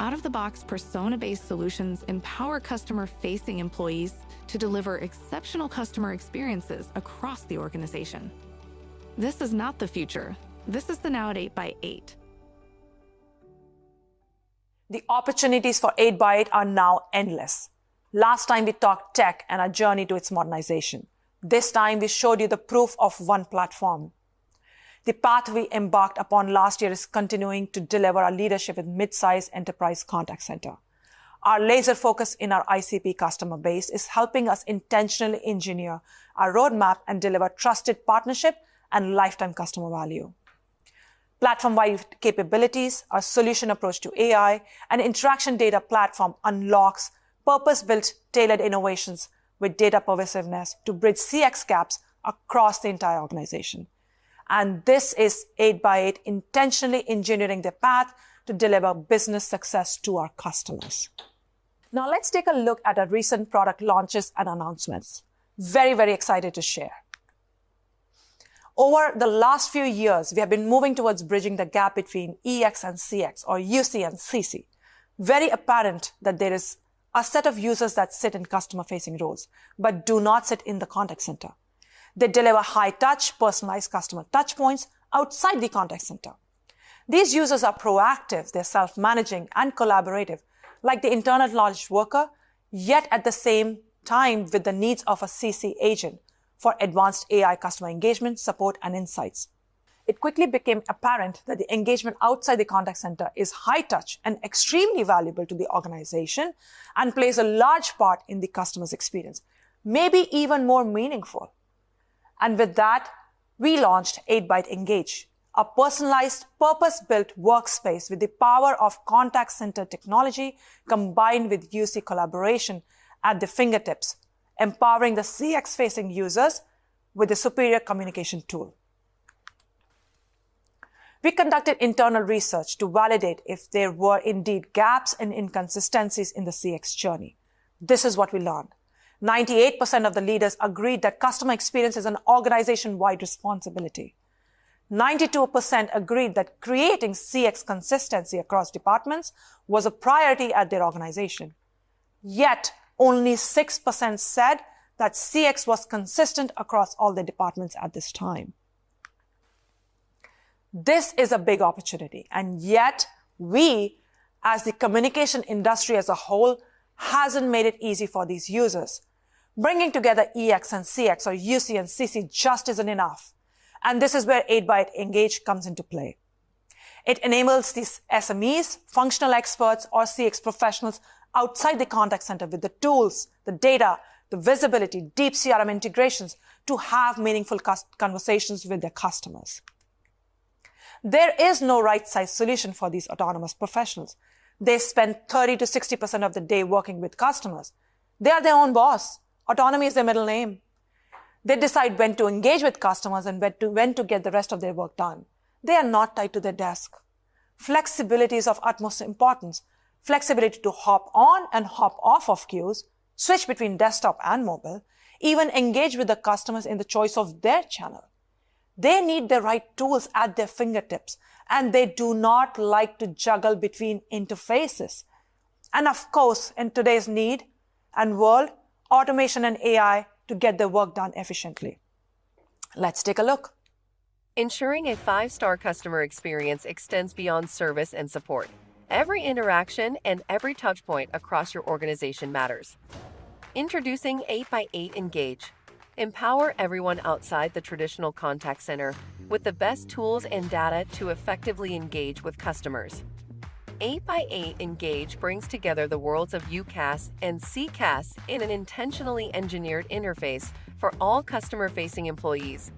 Out-of-the-box persona-based solutions empower customer-facing employees to deliver exceptional customer experiences across the organization. This is not the future. This is the now at 8x8. The opportunities for 8x8 are now endless. Last time, we talked tech and our journey to its modernization. This time, we showed you the proof of one platform…. The path we embarked upon last year is continuing to deliver our leadership in mid-size enterprise contact center. Our laser focus in our ICP customer base is helping us intentionally engineer our roadmap and deliver trusted partnership and lifetime customer value. Platform-wide capabilities, our solution approach to AI, and interaction data platform unlocks purpose-built, tailored innovations with data pervasiveness to bridge CX gaps across the entire organization. And this is 8x8 intentionally engineering the path to deliver business success to our customers. Now, let's take a look at our recent product launches and announcements. Very, very excited to share. Over the last few years, we have been moving towards bridging the gap between EX and CX or UC and CC. Very apparent that there is a set of users that sit in customer-facing roles but do not sit in the contact center. They deliver high-touch, personalized customer touchpoints outside the contact center. These users are proactive, they're self-managing, and collaborative, like the internal knowledge worker, yet at the same time, with the needs of a CC agent for advanced AI customer engagement, support, and insights. It quickly became apparent that the engagement outside the contact center is high-touch and extremely valuable to the organization and plays a large part in the customer's experience, maybe even more meaningful. With that, we launched 8x8 Engage, a personalized, purpose-built workspace with the power of contact center technology combined with UC collaboration at the fingertips, empowering the CX-facing users with a superior communication tool. We conducted internal research to validate if there were indeed gaps and inconsistencies in the CX journey. This is what we learned: 98% of the leaders agreed that customer experience is an organization-wide responsibility. 92% agreed that creating CX consistency across departments was a priority at their organization, yet only 6% said that CX was consistent across all the departments at this time. This is a big opportunity, and yet we, as the communication industry as a whole, hasn't made it easy for these users. Bringing together EX and CX or UC and CC just isn't enough, and this is where 8x8 Engage comes into play. It enables these SMEs, functional experts, or CX professionals outside the contact center with the tools, the data, the visibility, deep CRM integrations to have meaningful customer conversations with their customers. There is no right-size solution for these autonomous professionals. They spend 30%-60% of the day working with customers. They are their own boss. Autonomy is their middle name. They decide when to engage with customers and when to get the rest of their work done. They are not tied to their desk. Flexibility is of utmost importance. Flexibility to hop on and hop off of queues, switch between desktop and mobile, even engage with the customers in the choice of their channel. They need the right tools at their fingertips, and they do not like to juggle between interfaces, and of course, in today's need and world, automation and AI to get their work done efficiently. Let's take a look. Ensuring a five-star customer experience extends beyond service and support. Every interaction and every touchpoint across your organization matters. Introducing 8x8 Engage. Empower everyone outside the traditional contact center with the best tools and data to effectively engage with customers. 8x8 Engage brings together the worlds of UCaaS and CCaaS in an intentionally engineered interface for all customer-facing employees.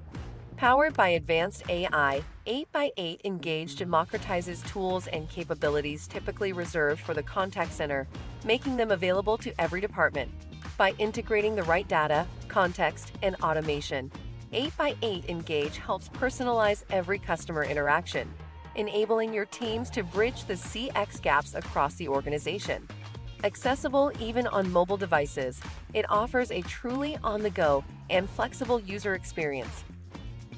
Powered by advanced AI, 8x8 Engage democratizes tools and capabilities typically reserved for the contact center, making them available to every department. By integrating the right data, context, and automation, 8x8 Engage helps personalize every customer interaction, enabling your teams to bridge the CX gaps across the organization. Accessible even on mobile devices, it offers a truly on-the-go and flexible user experience.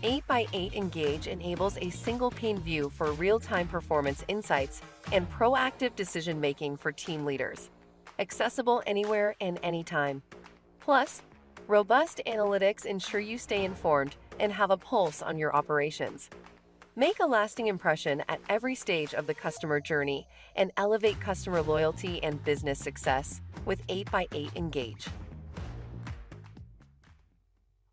8x8 Engage enables a single-pane view for real-time performance insights and proactive decision-making for team leaders, accessible anywhere and anytime. Plus, robust analytics ensure you stay informed and have a pulse on your operations. Make a lasting impression at every stage of the customer journey, and elevate customer loyalty and business success with 8x8 Engage.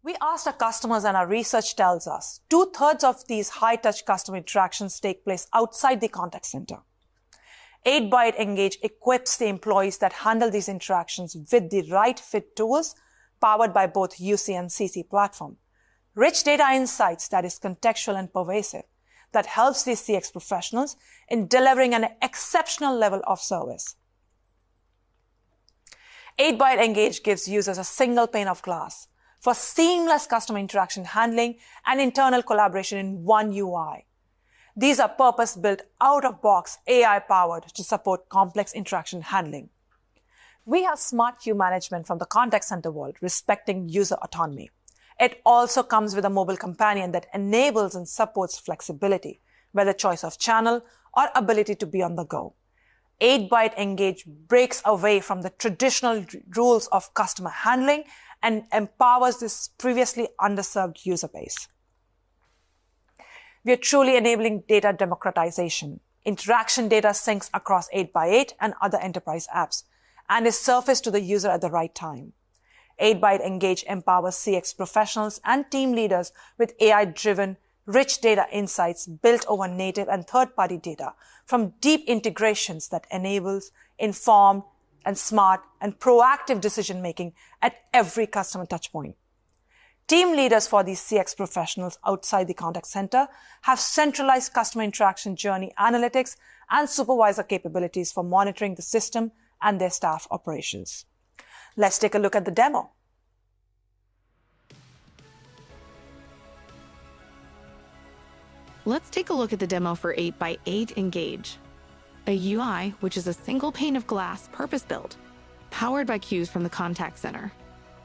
We asked our customers, and our research tells us two-thirds of these high-touch customer interactions take place outside the contact center. 8x8 Engage equips the employees that handle these interactions with the right fit tools, powered by both UC and CC platform. Rich data insights that is contextual and pervasive, that helps these CX professionals in delivering an exceptional level of service. 8x8 Engage gives users a single pane of glass for seamless customer interaction handling and internal collaboration in one UI. These are purpose-built out-of-box, AI-powered to support complex interaction handling. We have smart queue management from the contact center world, respecting user autonomy. It also comes with a mobile companion that enables and supports flexibility, by the choice of channel or ability to be on the go. 8x8 Engage breaks away from the traditional roles of customer handling and empowers this previously underserved user base. We are truly enabling data democratization. Interaction data syncs across 8x8 and other enterprise apps and is surfaced to the user at the right time. 8x8 Engage empowers CX professionals and team leaders with AI-driven, rich data insights built over native and third-party data from deep integrations that enables informed and smart and proactive decision-making at every customer touchpoint. Team leaders for these CX professionals outside the contact center have centralized customer interaction journey analytics and supervisor capabilities for monitoring the system and their staff operations. Let's take a look at the demo. Let's take a look at the demo for 8x8 Engage, a UI, which is a single pane of glass, purpose-built, powered by queues from the contact center.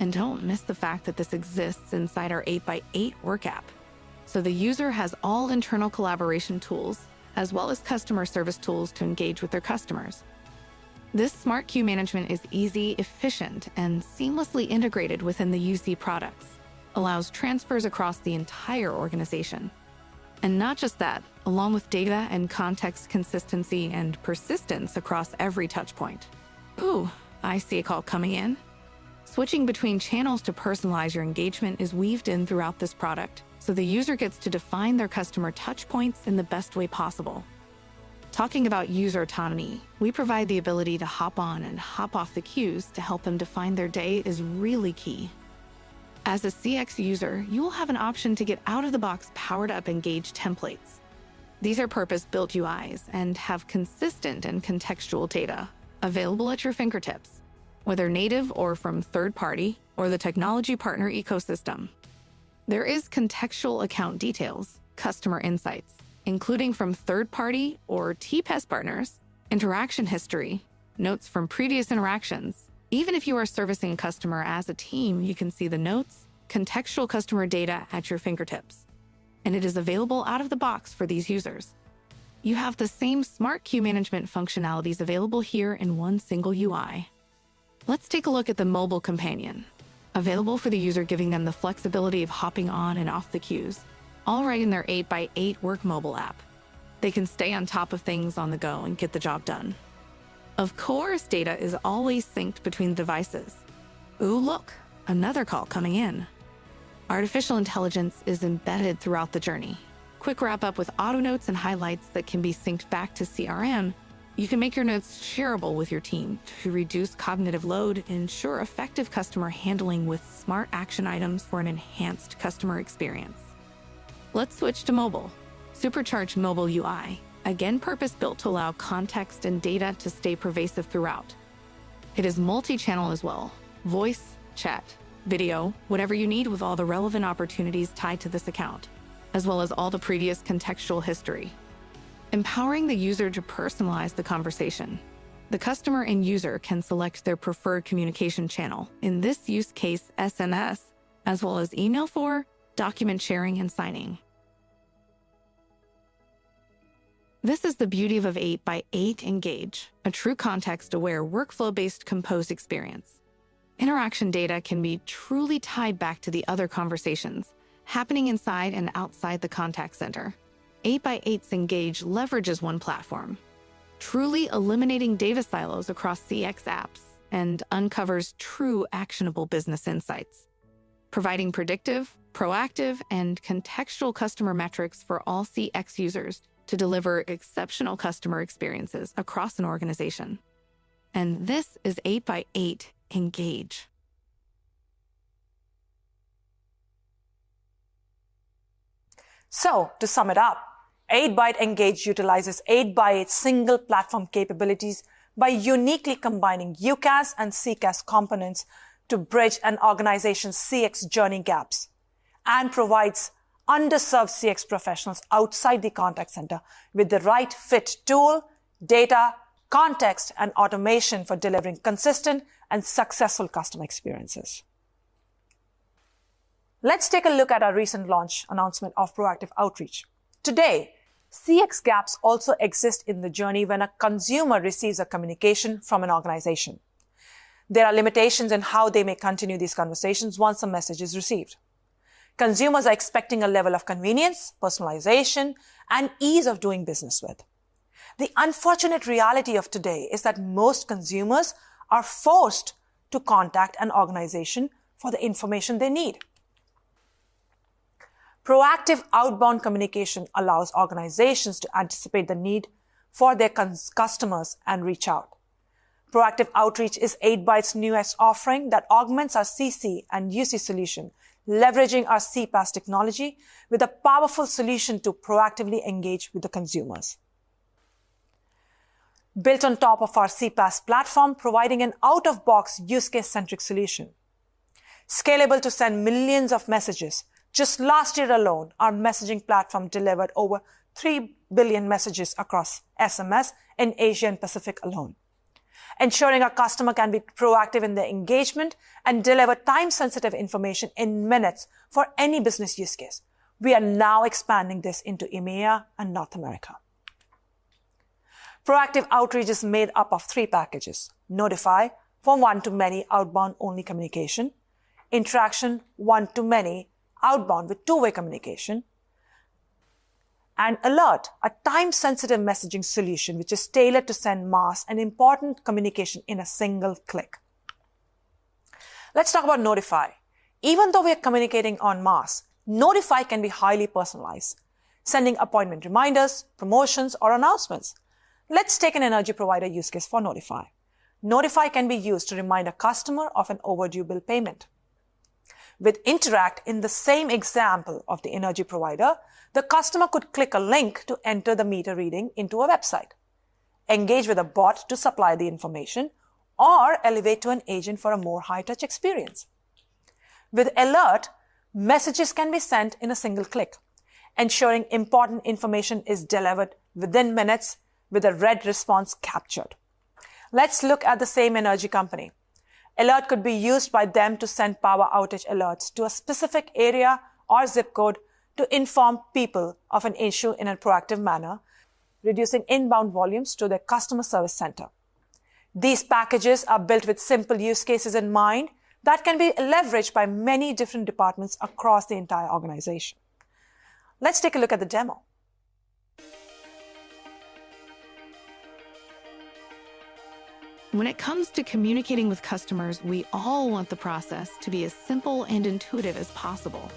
Don't miss the fact that this exists inside our 8x8 Work app, so the user has all internal collaboration tools, as well as customer service tools to engage with their customers. This smart queue management is easy, efficient, and seamlessly integrated within the UC products, allows transfers across the entire organization. Not just that, along with data and context, consistency and persistence across every touchpoint. Ooh, I see a call coming in! Switching between channels to personalize your engagement is weaved in throughout this product, so the user gets to define their customer touchpoints in the best way possible. Talking about user autonomy, we provide the ability to hop on and hop off the queues to help them define their day, which is really key. As a CX user, you will have an option to get out-of-the-box powered-up Engage templates. These are purpose-built UIs and have consistent and contextual data available at your fingertips, whether native or from third party or the technology partner ecosystem. There is contextual account details, customer insights, including from third party or TPaaS partners, interaction history, notes from previous interactions. Even if you are servicing a customer as a team, you can see the notes, contextual customer data at your fingertips, and it is available out of the box for these users. You have the same smart queue management functionalities available here in one single UI. Let's take a look at the mobile companion, available for the user, giving them the flexibility of hopping on and off the queues, all right in their 8x8 Work mobile app. They can stay on top of things on the go and get the job done. Of course, data is always synced between devices. Oh, look, another call coming in. Artificial intelligence is embedded throughout the journey. Quick wrap-up with auto notes and highlights that can be synced back to CRM. You can make your notes shareable with your team to reduce cognitive load, ensure effective customer handling with smart action items for an enhanced customer experience. Let's switch to mobile. Supercharged mobile UI, again, purpose-built to allow context and data to stay pervasive throughout. It is multi-channel as well: voice, chat, video, whatever you need, with all the relevant opportunities tied to this account, as well as all the previous contextual history, empowering the user to personalize the conversation. The customer and user can select their preferred communication channel, in this use case, SMS, as well as email for document sharing and signing. This is the beauty of 8x8 Engage, a true context-aware, workflow-based, composed experience. Interaction data can be truly tied back to the other conversations happening inside and outside the contact center. 8x8's Engage leverages one platform, truly eliminating data silos across CX apps, and uncovers true, actionable business insights, providing predictive, proactive, and contextual customer metrics for all CX users to deliver exceptional customer experiences across an organization. This is 8x8 Engage. So to sum it up, 8x8 Engage utilizes 8x8's single platform capabilities by uniquely combining UCaaS and CCaaS components to bridge an organization's CX journey gaps and provides underserved CX professionals outside the contact center with the right fit tool, data, context, and automation for delivering consistent and successful customer experiences. Let's take a look at our recent launch announcement of Proactive Outreach. Today, CX gaps also exist in the journey when a consumer receives a communication from an organization. There are limitations in how they may continue these conversations once a message is received. Consumers are expecting a level of convenience, personalization, and ease of doing business with. The unfortunate reality of today is that most consumers are forced to contact an organization for the information they need. Proactive outbound communication allows organizations to anticipate the need for their customers and reach out. Proactive Outreach is 8x8's newest offering that augments our CC and UC solution, leveraging our CPaaS technology with a powerful solution to proactively engage with the consumers. Built on top of our CPaaS platform, providing an out-of-box, use-case-centric solution, scalable to send millions of messages. Just last year alone, our messaging platform delivered over 3 billion messages across SMS in Asia Pacific alone, ensuring our customer can be proactive in their engagement and deliver time-sensitive information in minutes for any business use case. We are now expanding this into EMEA and North America. Proactive Outreach is made up of three packages: Notify for one-to-many outbound-only communication, Interact for one-to-many outbound with two-way communication, and Alert, a time-sensitive messaging solution which is tailored to send mass and important communication in a single click. Let's talk about Notify. Even though we are communicating en masse, Notify can be highly personalized, sending appointment reminders, promotions, or announcements. Let's take an energy provider use case for Notify. Notify can be used to remind a customer of an overdue bill payment. With Interact, in the same example of the energy provider, the customer could click a link to enter the meter reading into a website, engage with a bot to supply the information, or elevate to an agent for a more high-touch experience. With Alert, messages can be sent in a single click, ensuring important information is delivered within minutes, with a read response captured. Let's look at the same energy company. Alert could be used by them to send power outage alerts to a specific area or zip code to inform people of an issue in a proactive manner, reducing inbound volumes to their customer service center. These packages are built with simple use cases in mind that can be leveraged by many different departments across the entire organization. Let's take a look at the demo. When it comes to communicating with customers, we all want the process to be as simple and intuitive as possible.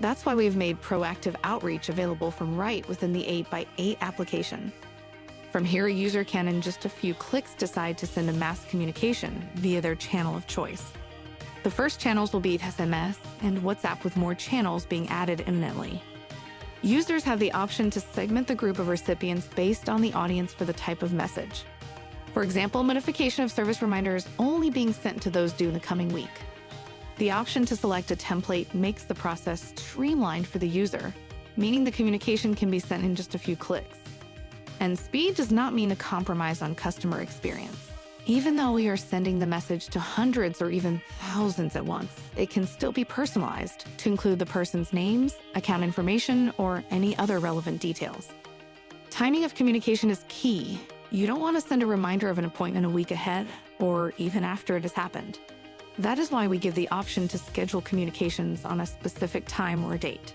That's why we've made Proactive Outreach available from right within the 8x8 application. From here, a user can, in just a few clicks, decide to send a mass communication via their channel of choice. The first channels will be SMS and WhatsApp, with more channels being added imminently. Users have the option to segment the group of recipients based on the audience for the type of message. For example, modification of service reminders only being sent to those due in the coming week. The option to select a template makes the process streamlined for the user, meaning the communication can be sent in just a few clicks. Speed does not mean a compromise on customer experience. Even though we are sending the message to hundreds or even thousands at once, it can still be personalized to include the person's names, account information, or any other relevant details. Timing of communication is key. You don't want to send a reminder of an appointment a week ahead or even after it has happened. That is why we give the option to schedule communications on a specific time or date.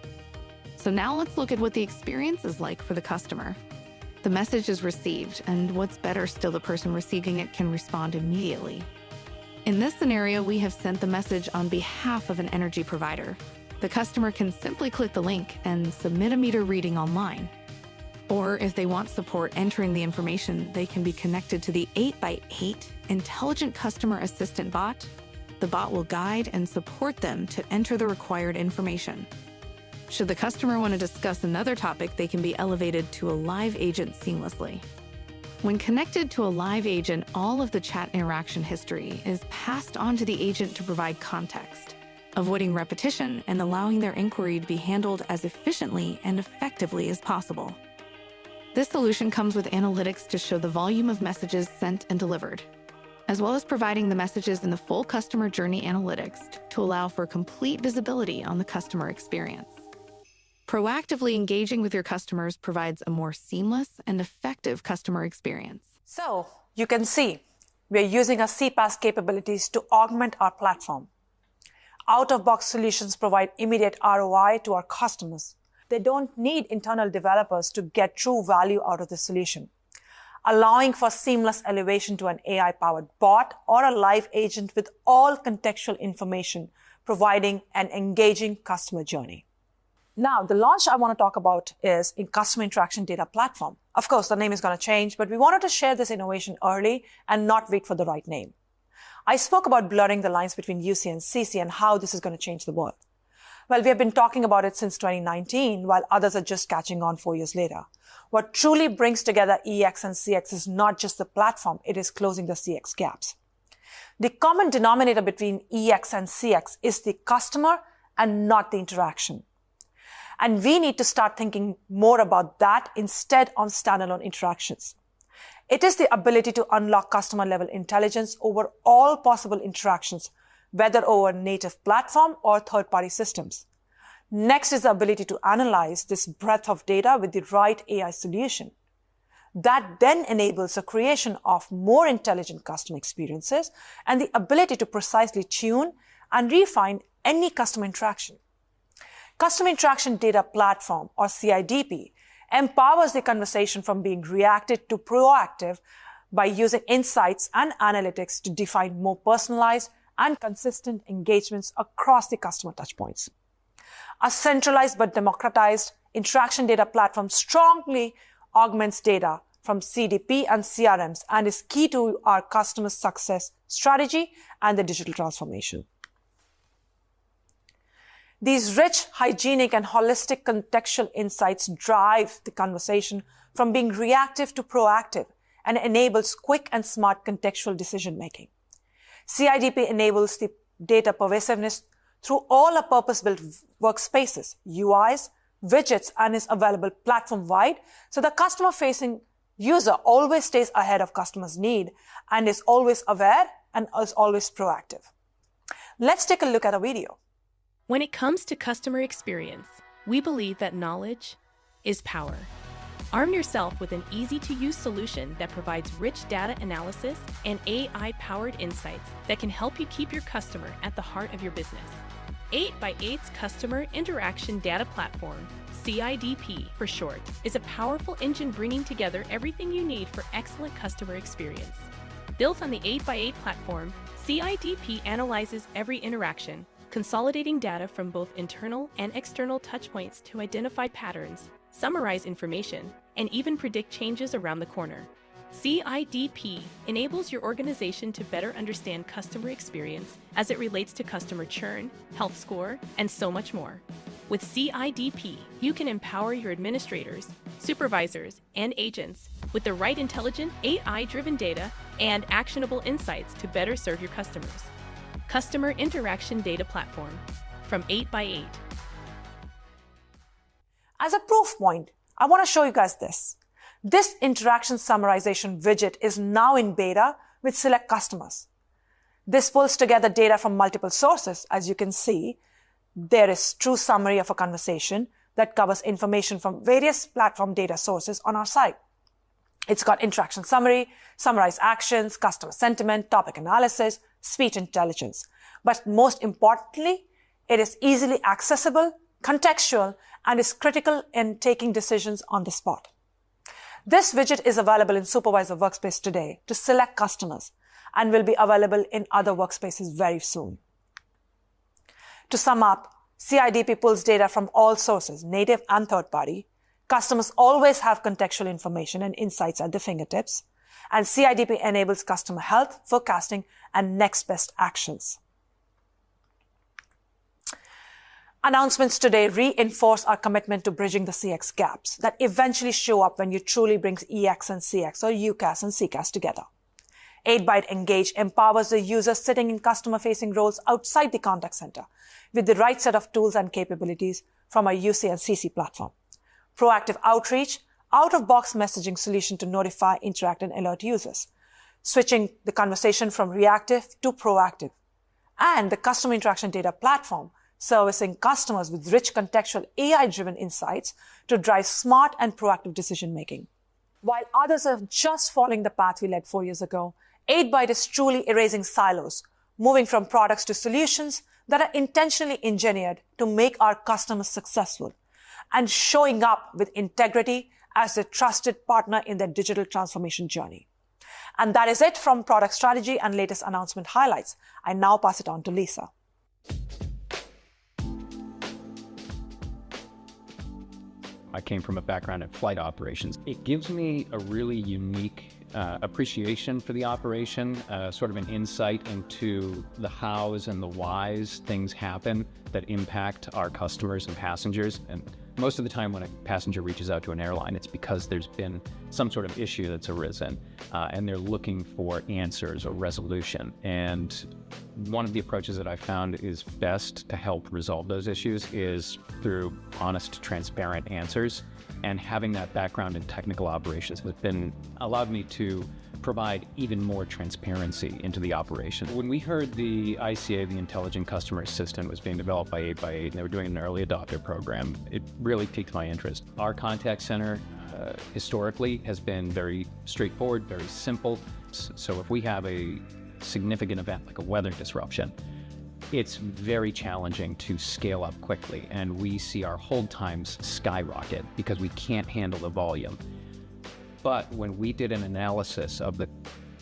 So now let's look at what the experience is like for the customer. The message is received, and what's better still, the person receiving it can respond immediately. In this scenario, we have sent the message on behalf of an energy provider. The customer can simply click the link and submit a meter reading online, or if they want support entering the information, they can be connected to the 8x8 Intelligent Customer Assistant bot. The bot will guide and support them to enter the required information. Should the customer want to discuss another topic, they can be elevated to a live agent seamlessly. When connected to a live agent, all of the chat interaction history is passed on to the agent to provide context, avoiding repetition and allowing their inquiry to be handled as efficiently and effectively as possible. This solution comes with analytics to show the volume of messages sent and delivered, as well as providing the messages in the full customer journey analytics to allow for complete visibility on the customer experience. Proactively engaging with your customers provides a more seamless and effective customer experience. So you can see we are using our CPaaS capabilities to augment our platform. Out-of-box solutions provide immediate ROI to our customers. They don't need internal developers to get true value out of the solution. Allowing for seamless elevation to an AI-powered bot or a live agent with all contextual information, providing an engaging customer journey. Now, the launch I want to talk about is a Customer Interaction Data Platform. Of course, the name is gonna change, but we wanted to share this innovation early and not wait for the right name. I spoke about blurring the lines between UC and CC and how this is gonna change the world. Well, we have been talking about it since 2019, while others are just catching on four years later. What truly brings together EX and CX is not just the platform. It is closing the CX gaps. The common denominator between EX and CX is the customer and not the interaction, and we need to start thinking more about that instead of standalone interactions. It is the ability to unlock customer-level intelligence over all possible interactions, whether over native platform or third-party systems. Next is the ability to analyze this breadth of data with the right AI solution. That then enables the creation of more intelligent customer experiences and the ability to precisely tune and refine any customer interaction. Customer Interaction Data Platform, or CIDP, empowers the conversation from being reactive to proactive by using insights and analytics to define more personalized and consistent engagements across the customer touchpoints. A centralized but democratized interaction data platform strongly augments data from CDP and CRMs and is key to our customer success strategy and the digital transformation. These rich, hygienic, and holistic contextual insights drive the conversation from being reactive to proactive and enables quick and smart contextual decision-making. CIDP enables the data pervasiveness through all our purpose-built workspaces, UIs, widgets, and is available platform-wide, so the customer-facing user always stays ahead of customers' need and is always aware and is always proactive. Let's take a look at a video. When it comes to customer experience, we believe that knowledge is power. Arm yourself with an easy-to-use solution that provides rich data analysis and AI-powered insights that can help you keep your customer at the heart of your business. 8x8's Customer Interaction Data Platform, CIDP for short, is a powerful engine bringing together everything you need for excellent customer experience. Built on the 8x8 platform, CIDP analyzes every interaction, consolidating data from both internal and external touchpoints to identify patterns, summarize information, and even predict changes around the corner. CIDP enables your organization to better understand customer experience as it relates to customer churn, health score, and so much more. With CIDP, you can empower your administrators, supervisors, and agents with the right intelligent, AI-driven data and actionable insights to better serve your customers. Customer Interaction Data Platform from 8x8. As a proof point, I wanna show you guys this. This interaction summarization widget is now in beta with select customers. This pulls together data from multiple sources. As you can see, there is true summary of a conversation that covers information from various platform data sources on our site. It's got interaction summary, summarized actions, customer sentiment, topic analysis, speech intelligence, but most importantly, it is easily accessible, contextual, and is critical in taking decisions on the spot. This widget is available in Supervisor Workspace today to select customers and will be available in other workspaces very soon. To sum up, CIDP pulls data from all sources, native and third party. Customers always have contextual information and insights at their fingertips, and CIDP enables customer health, forecasting, and next best actions. Announcements today reinforce our commitment to bridging the CX gaps that eventually show up when you truly bring EX and CX or UCaaS and CCaaS together. 8x8 Engage empowers the user sitting in customer-facing roles outside the contact center with the right set of tools and capabilities from our UC and CC platform. Proactive outreach, out-of-the-box messaging solution to notify, interact, and alert users, switching the conversation from reactive to proactive, and the Customer Interaction Data Platform, servicing customers with rich, contextual, AI-driven insights to drive smart and proactive decision-making. While others are just following the path we led four years ago, 8x8 is truly erasing silos, moving from products to solutions that are intentionally engineered to make our customers successful and showing up with integrity as a trusted partner in their digital transformation journey. And that is it from product strategy and latest announcement highlights. I now pass it on to Lisa. I came from a background in flight operations. It gives me a really unique appreciation for the operation, sort of an insight into the hows and the whys things happen that impact our customers and passengers. Most of the time, when a passenger reaches out to an airline, it's because there's been some sort of issue that's arisen, and they're looking for answers or resolution. One of the approaches that I've found is best to help resolve those issues is through honest, transparent answers, and having that background in technical operations has been allowed me to provide even more transparency into the operation. When we heard the ICA, the Intelligent Customer Assistant, was being developed by 8x8, and they were doing an early adopter program, it really piqued my interest. Our contact center, historically, has been very straightforward, very simple. So if we have a significant event, like a weather disruption, it's very challenging to scale up quickly, and we see our hold times skyrocket because we can't handle the volume. But when we did an analysis of the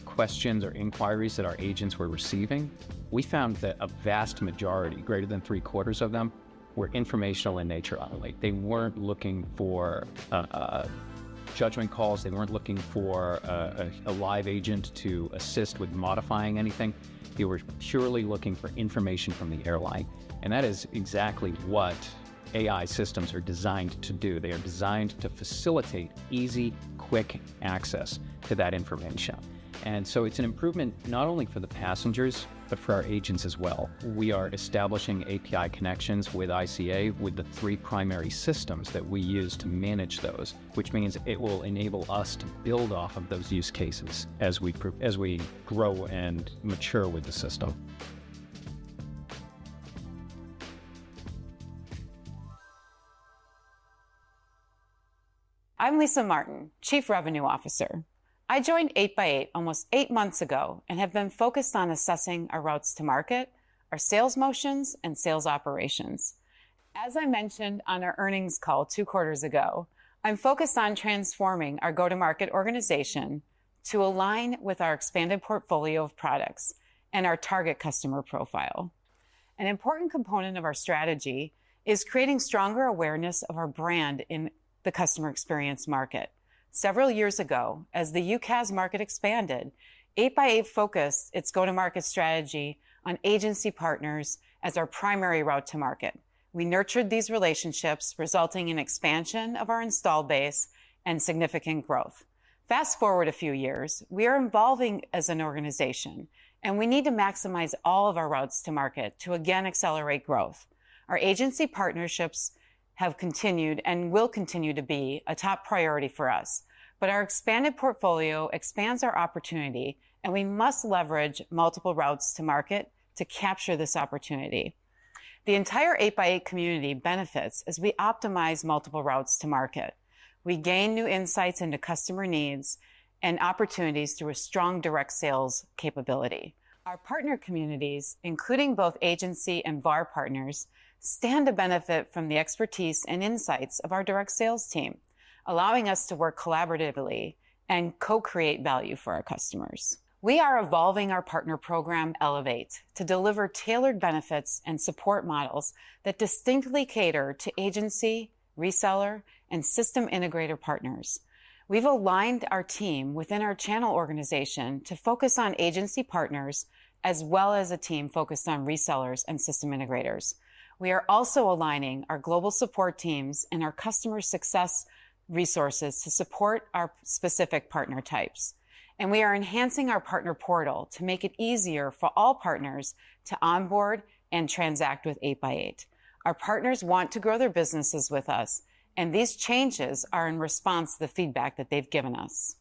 questions or inquiries that our agents were receiving, we found that a vast majority, greater than three-quarters of them, were informational in nature only. They weren't looking for judgment calls. They weren't looking for a live agent to assist with modifying anything. They were purely looking for information from the airline, and that is exactly what AI systems are designed to do. They are designed to facilitate easy, quick access to that information, and so it's an improvement not only for the passengers but for our agents as well. We are establishing API connections with ICA, with the three primary systems that we use to manage those, which means it will enable us to build off of those use cases as we grow and mature with the system. I'm Lisa Martin, Chief Revenue Officer. I joined 8x8 almost eight months ago and have been focused on assessing our routes to market, our sales motions, and sales operations. As I mentioned on our earnings call two quarters ago, I'm focused on transforming our go-to-market organization to align with our expanded portfolio of products and our target customer profile. An important component of our strategy is creating stronger awareness of our brand in the customer experience market. Several years ago, as the UCaaS market expanded, 8x8 focused its go-to-market strategy on agency partners as our primary route to market. We nurtured these relationships, resulting in expansion of our installed base and significant growth. Fast-forward a few years, we are evolving as an organization and we need to maximize all of our routes to market to again accelerate growth. Our agency partnerships have continued and will continue to be a top priority for us, but our expanded portfolio expands our opportunity, and we must leverage multiple routes to market to capture this opportunity. The entire 8x8 community benefits as we optimize multiple routes to market. We gain new insights into customer needs and opportunities through a strong direct sales capability. Our partner communities, including both agency and VAR partners, stand to benefit from the expertise and insights of our direct sales team, allowing us to work collaboratively and co-create value for our customers. We are evolving our partner program, Elevate, to deliver tailored benefits and support models that distinctly cater to agency, reseller, and system integrator partners. We've aligned our team within our channel organization to focus on agency partners, as well as a team focused on resellers and system integrators. We are also aligning our global support teams and our customer success resources to support our specific partner types, and we are enhancing our partner portal to make it easier for all partners to onboard and transact with 8x8. Our partners want to grow their businesses with us, and these changes are in response to the feedback that they've given us.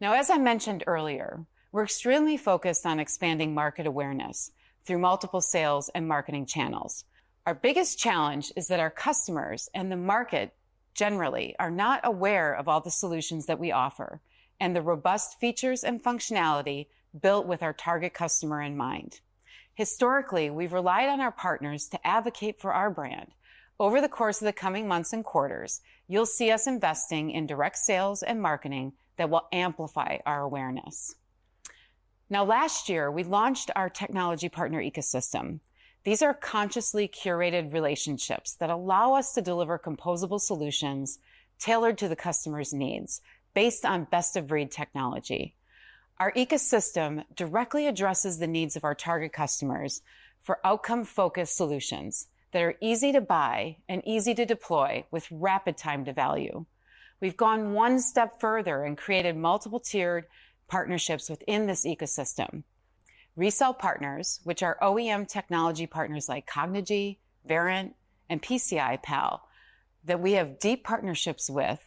Now, as I mentioned earlier, we're extremely focused on expanding market awareness through multiple sales and marketing channels. Our biggest challenge is that our customers and the market generally are not aware of all the solutions that we offer and the robust features and functionality built with our target customer in mind. Historically, we've relied on our partners to advocate for our brand. Over the course of the coming months and quarters, you'll see us investing in direct sales and marketing that will amplify our awareness. Now, last year, we launched our technology partner ecosystem. These are consciously curated relationships that allow us to deliver composable solutions tailored to the customer's needs based on best-of-breed technology. Our ecosystem directly addresses the needs of our target customers for outcome-focused solutions that are easy to buy and easy to deploy with rapid time to value. We've gone one step further and created multiple tiered partnerships within this ecosystem. Resell partners, which are OEM technology partners like Cognigy, Verint, and PCI Pal, that we have deep partnerships with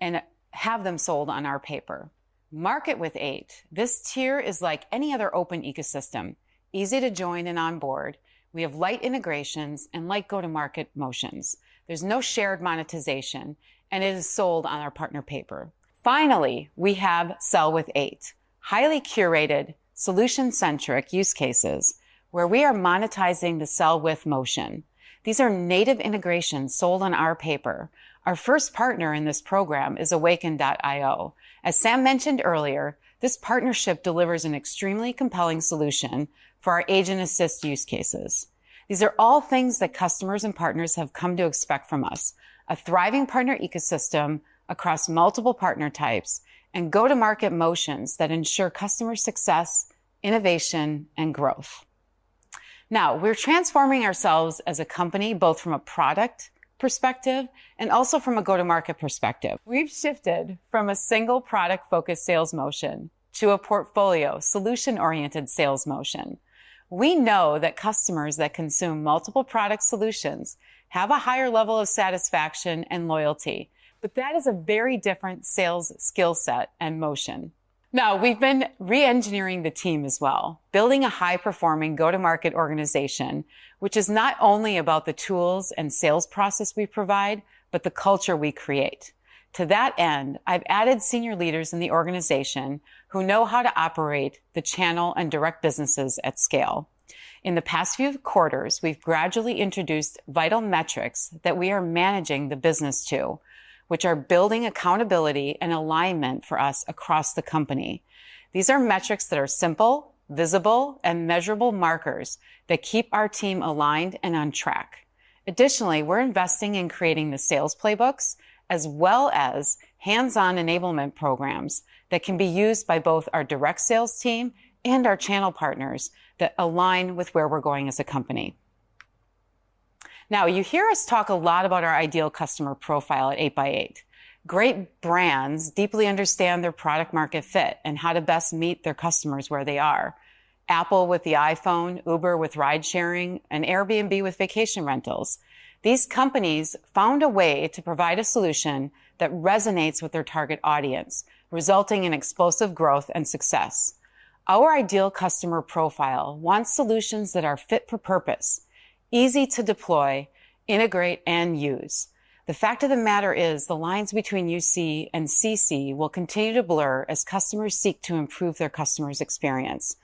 and have them sold on our paper. Market with 8, this tier is like any other open ecosystem, easy to join and onboard. We have light integrations and light go-to-market motions. There's no shared monetization, and it is sold on our partner paper. Finally, we have Sell with 8, highly curated, solution-centric use cases where we are monetizing the sell with motion. These are native integrations sold on our paper. Our first partner in this program is Awaken.io. As Sam mentioned earlier, this partnership delivers an extremely compelling solution for our Agent Assist use cases. These are all things that customers and partners have come to expect from us, a thriving partner ecosystem across multiple partner types and go-to-market motions that ensure customer success, innovation, and growth. Now, we're transforming ourselves as a company, both from a product perspective and also from a go-to-market perspective. We've shifted from a single product-focused sales motion to a portfolio solution-oriented sales motion. We know that customers that consume multiple product solutions have a higher level of satisfaction and loyalty, but that is a very different sales skill set and motion. Now, we've been reengineering the team as well, building a high-performing go-to-market organization, which is not only about the tools and sales process we provide, but the culture we create. To that end, I've added senior leaders in the organization who know how to operate the channel and direct businesses at scale. In the past few quarters, we've gradually introduced vital metrics that we are managing the business to, which are building accountability and alignment for us across the company. These are metrics that are simple, visible, and measurable markers that keep our team aligned and on track. Additionally, we're investing in creating the sales playbooks, as well as hands-on enablement programs that can be used by both our direct sales team and our channel partners that align with where we're going as a company. Now, you hear us talk a lot about our ideal customer profile at 8x8. Great brands deeply understand their product market fit and how to best meet their customers where they are. Apple with the iPhone, Uber with ride-sharing, and Airbnb with vacation rentals. These companies found a way to provide a solution that resonates with their target audience, resulting in explosive growth and success. Our ideal customer profile wants solutions that are fit for purpose, easy to deploy, integrate, and use. The fact of the matter is, the lines between UC and CC will continue to blur as customers seek to improve their customer's experience.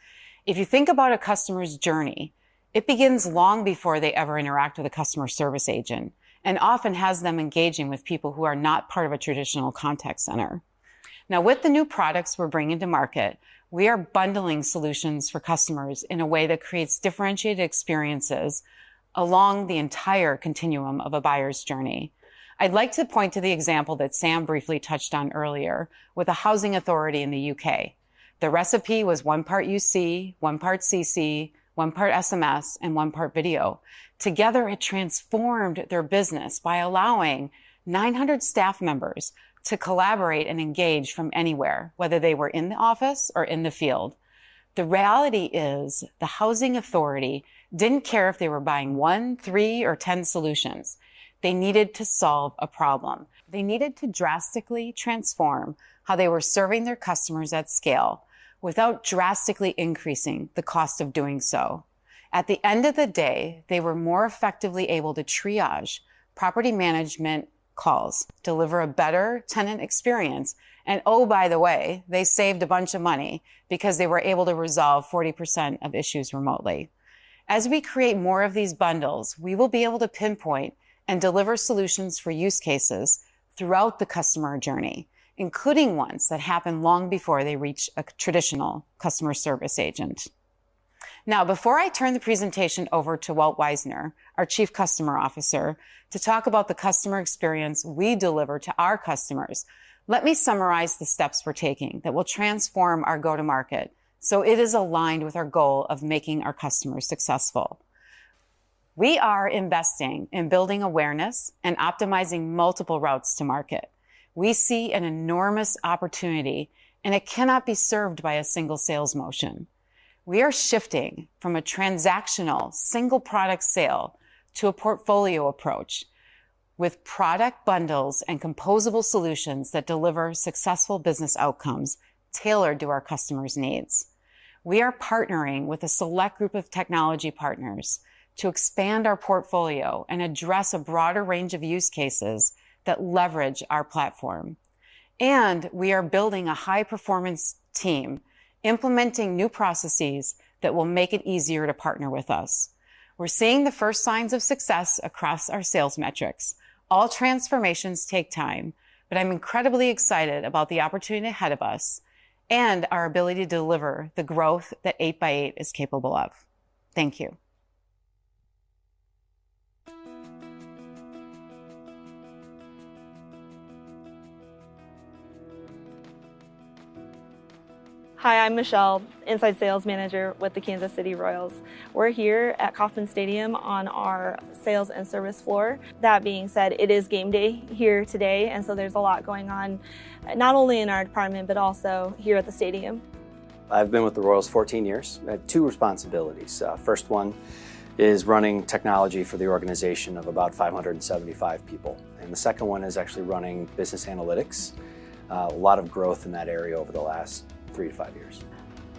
If you think about a customer's journey, it begins long before they ever interact with a customer service agent and often has them engaging with people who are not part of a traditional contact center. Now, with the new products we're bringing to market, we are bundling solutions for customers in a way that creates differentiated experiences along the entire continuum of a buyer's journey. I'd like to point to the example that Sam briefly touched on earlier with the housing authority in the U.K. The recipe was 1 part UC, 1 part CC, 1 part SMS, and 1 part video. Together, it transformed their business by allowing 900 staff members to collaborate and engage from anywhere, whether they were in the office or in the field. The reality is the housing authority didn't care if they were buying 1, 3, or 10 solutions. They needed to solve a problem. They needed to drastically transform how they were serving their customers at scale without drastically increasing the cost of doing so. At the end of the day, they were more effectively able to triage property management calls, deliver a better tenant experience, and oh, by the way, they saved a bunch of money because they were able to resolve 40% of issues remotely. As we create more of these bundles, we will be able to pinpoint and deliver solutions for use cases throughout the customer journey, including ones that happen long before they reach a traditional customer service agent. Now, before I turn the presentation over to Walt Weisner, our Chief Customer Officer, to talk about the customer experience we deliver to our customers, let me summarize the steps we're taking that will transform our go-to-market so it is aligned with our goal of making our customers successful. We are investing in building awareness and optimizing multiple routes to market. We see an enormous opportunity, and it cannot be served by a single sales motion. We are shifting from a transactional single-product sale to a portfolio approach, with product bundles and composable solutions that deliver successful business outcomes tailored to our customers' needs. We are partnering with a select group of technology partners to expand our portfolio and address a broader range of use cases that leverage our platform, and we are building a high-performance team, implementing new processes that will make it easier to partner with us. We're seeing the first signs of success across our sales metrics. All transformations take time, but I'm incredibly excited about the opportunity ahead of us and our ability to deliver the growth that 8x8 is capable of. Thank you. Hi, I'm Michelle, Inside Sales Manager with the Kansas City Royals. We're here at Kauffman Stadium on our sales and service floor. That being said, it is game day here today, and so there's a lot going on, not only in our department, but also here at the stadium. I've been with the Royals 14 years. I have two responsibilities. First one is running technology for the organization of about 575 people, and the second one is actually running business analytics. A lot of growth in that area over the last 3-5 years.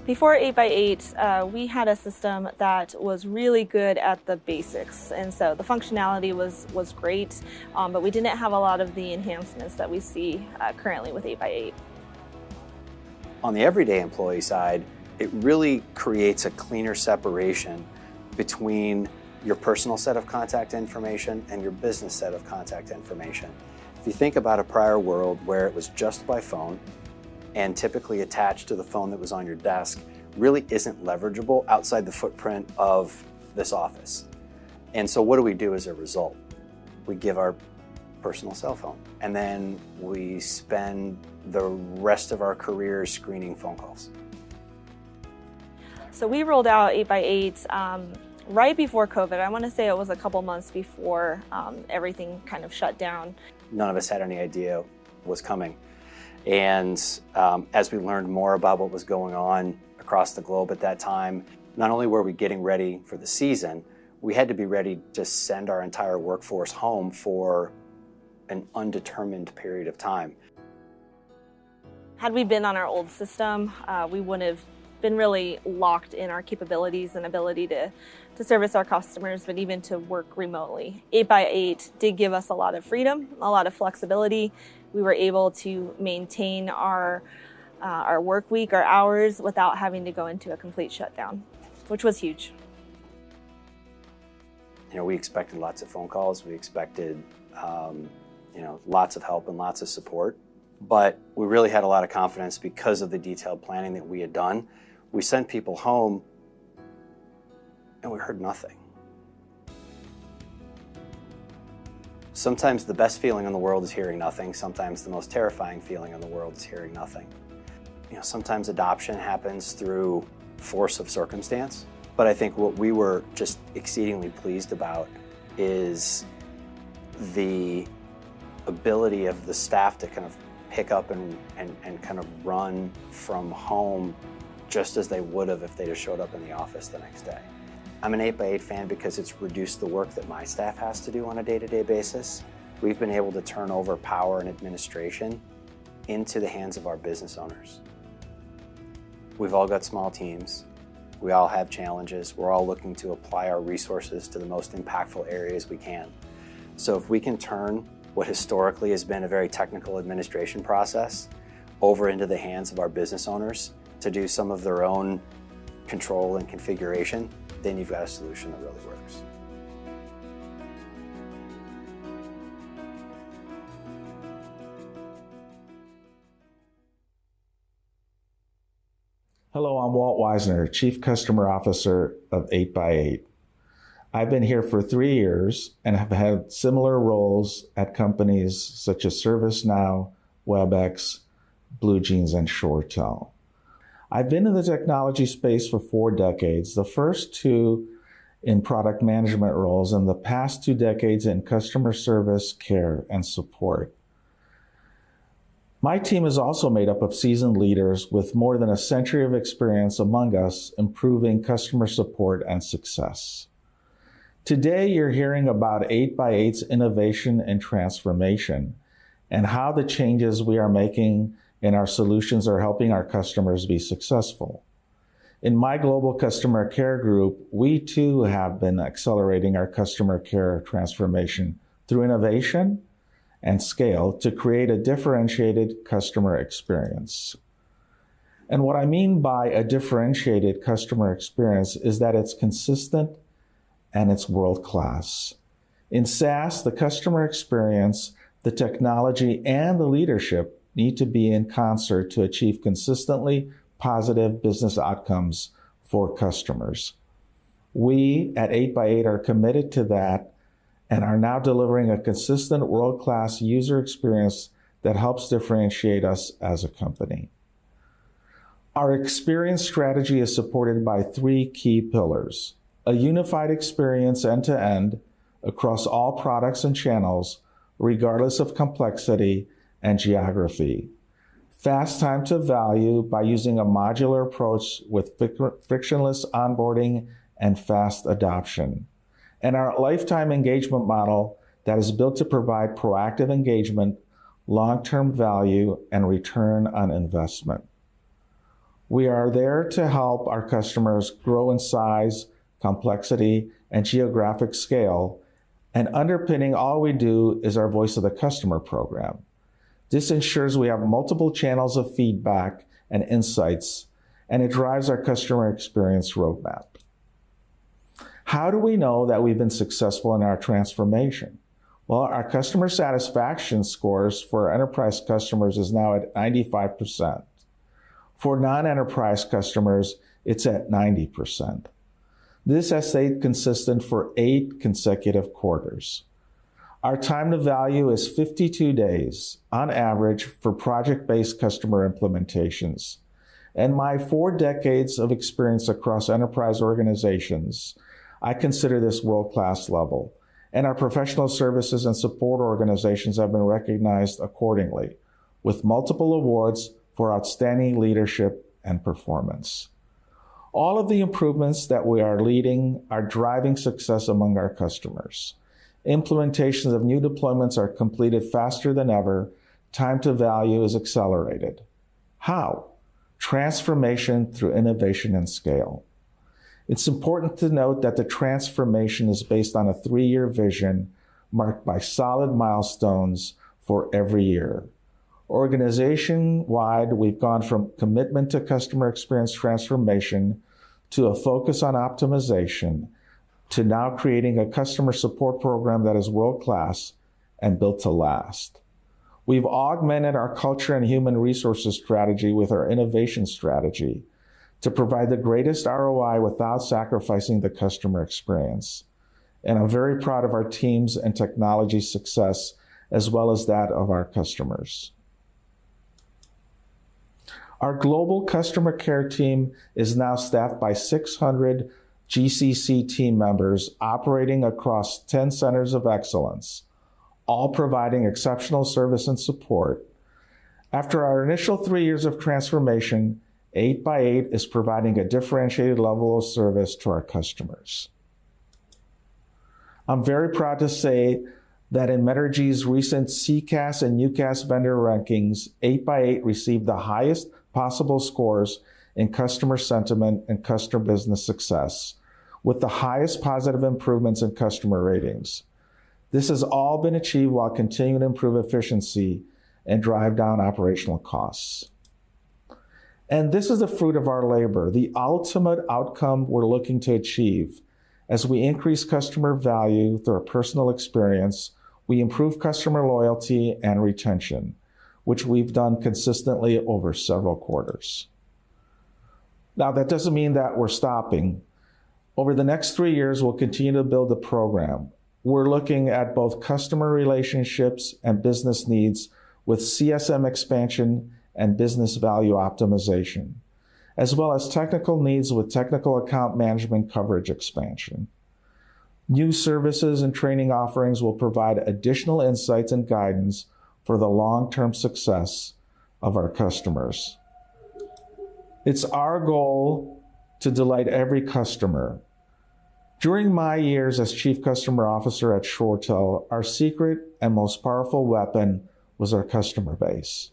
Before 8x8, we had a system that was really good at the basics, and so the functionality was great, but we didn't have a lot of the enhancements that we see currently with 8x8. On the everyday employee side, it really creates a cleaner separation between your personal set of contact information and your business set of contact information. If you think about a prior world where it was just by phone and typically attached to the phone that was on your desk, really isn't leverageable outside the footprint of this office. And so what do we do as a result? We give our personal cell phone, and then we spend the rest of our career screening phone calls. So we rolled out 8x8, right before COVID. I wanna say it was a couple months before, everything kind of shut down. None of us had any idea what was coming, and, as we learned more about what was going on across the globe at that time, not only were we getting ready for the season, we had to be ready to send our entire workforce home for an undetermined period of time. Had we been on our old system, we would've been really locked in our capabilities and ability to service our customers, but even to work remotely. 8x8 did give us a lot of freedom, a lot of flexibility. We were able to maintain our work week, our hours, without having to go into a complete shutdown, which was huge. You know, we expected lots of phone calls. We expected, you know, lots of help and lots of support, but we really had a lot of confidence because of the detailed planning that we had done. We sent people home, and we heard nothing. Sometimes the best feeling in the world is hearing nothing. Sometimes the most terrifying feeling in the world is hearing nothing. You know, sometimes adoption happens through force of circumstance, but I think what we were just exceedingly pleased about is the ability of the staff to kind of pick up and kind of run from home just as they would've if they just showed up in the office the next day. I'm an 8x8 fan because it's reduced the work that my staff has to do on a day-to-day basis. We've been able to turn over power and administration into the hands of our business owners. We've all got small teams. We all have challenges. We're all looking to apply our resources to the most impactful areas we can. So if we can turn what historically has been a very technical administration process over into the hands of our business owners to do some of their own control and configuration, then you've got a solution that really works. Hello, I'm Walt Weisner, Chief Customer Officer of 8x8. I've been here for 3 years and have had similar roles at companies such as ServiceNow, Webex, BlueJeans, and ShoreTel. I've been in the technology space for 4 decades, the first 2 in product management roles, and the past 2 decades in customer service, care, and support. My team is also made up of seasoned leaders with more than a century of experience among us, improving customer support and success. Today, you're hearing about 8x8's innovation and transformation, and how the changes we are making in our solutions are helping our customers be successful. In my global customer care group, we too have been accelerating our customer care transformation through innovation and scale to create a differentiated customer experience. And what I mean by a differentiated customer experience is that it's consistent and it's world-class. In SaaS, the customer experience, the technology, and the leadership need to be in concert to achieve consistently positive business outcomes for customers. We at 8x8 are committed to that and are now delivering a consistent world-class user experience that helps differentiate us as a company. Our experience strategy is supported by three key pillars: a unified experience end-to-end across all products and channels, regardless of complexity and geography; fast time to value by using a modular approach with frictionless onboarding and fast adoption; and our lifetime engagement model that is built to provide proactive engagement, long-term value, and return on investment. We are there to help our customers grow in size, complexity, and geographic scale, and underpinning all we do is our Voice of the Customer program. This ensures we have multiple channels of feedback and insights, and it drives our customer experience roadmap. How do we know that we've been successful in our transformation? Well, our customer satisfaction scores for enterprise customers is now at 95%. For non-enterprise customers, it's at 90%. This has stayed consistent for 8 consecutive quarters. Our time to value is 52 days on average for project-based customer implementations. In my 4 decades of experience across enterprise organizations, I consider this world-class level, and our professional services and support organizations have been recognized accordingly, with multiple awards for outstanding leadership and performance. All of the improvements that we are leading are driving success among our customers. Implementations of new deployments are completed faster than ever. Time to value is accelerated. How? Transformation through innovation and scale. It's important to note that the transformation is based on a three-year vision marked by solid milestones for every year. Organization-wide, we've gone from commitment to customer experience transformation, to a focus on optimization, to now creating a customer support program that is world-class and built to last. We've augmented our culture and human resources strategy with our innovation strategy to provide the greatest ROI without sacrificing the customer experience, and I'm very proud of our teams' and technology success, as well as that of our customers. Our global customer care team is now staffed by 600 GCC team members operating across 10 centers of excellence, all providing exceptional service and support. After our initial three years of transformation, 8x8 is providing a differentiated level of service to our customers. I'm very proud to say that in Metrigy's recent CCaaS and UCaaS vendor rankings, 8x8 received the highest possible scores in customer sentiment and customer business success, with the highest positive improvements in customer ratings. This has all been achieved while continuing to improve efficiency and drive down operational costs. This is the fruit of our labor, the ultimate outcome we're looking to achieve. As we increase customer value through a personal experience, we improve customer loyalty and retention, which we've done consistently over several quarters. Now, that doesn't mean that we're stopping. Over the next three years, we'll continue to build the program. We're looking at both customer relationships and business needs with CSM expansion and business value optimization, as well as technical needs with technical account management coverage expansion. New services and training offerings will provide additional insights and guidance for the long-term success of our customers. It's our goal to delight every customer. During my years as Chief Customer Officer at ShoreTel, our secret and most powerful weapon was our customer base.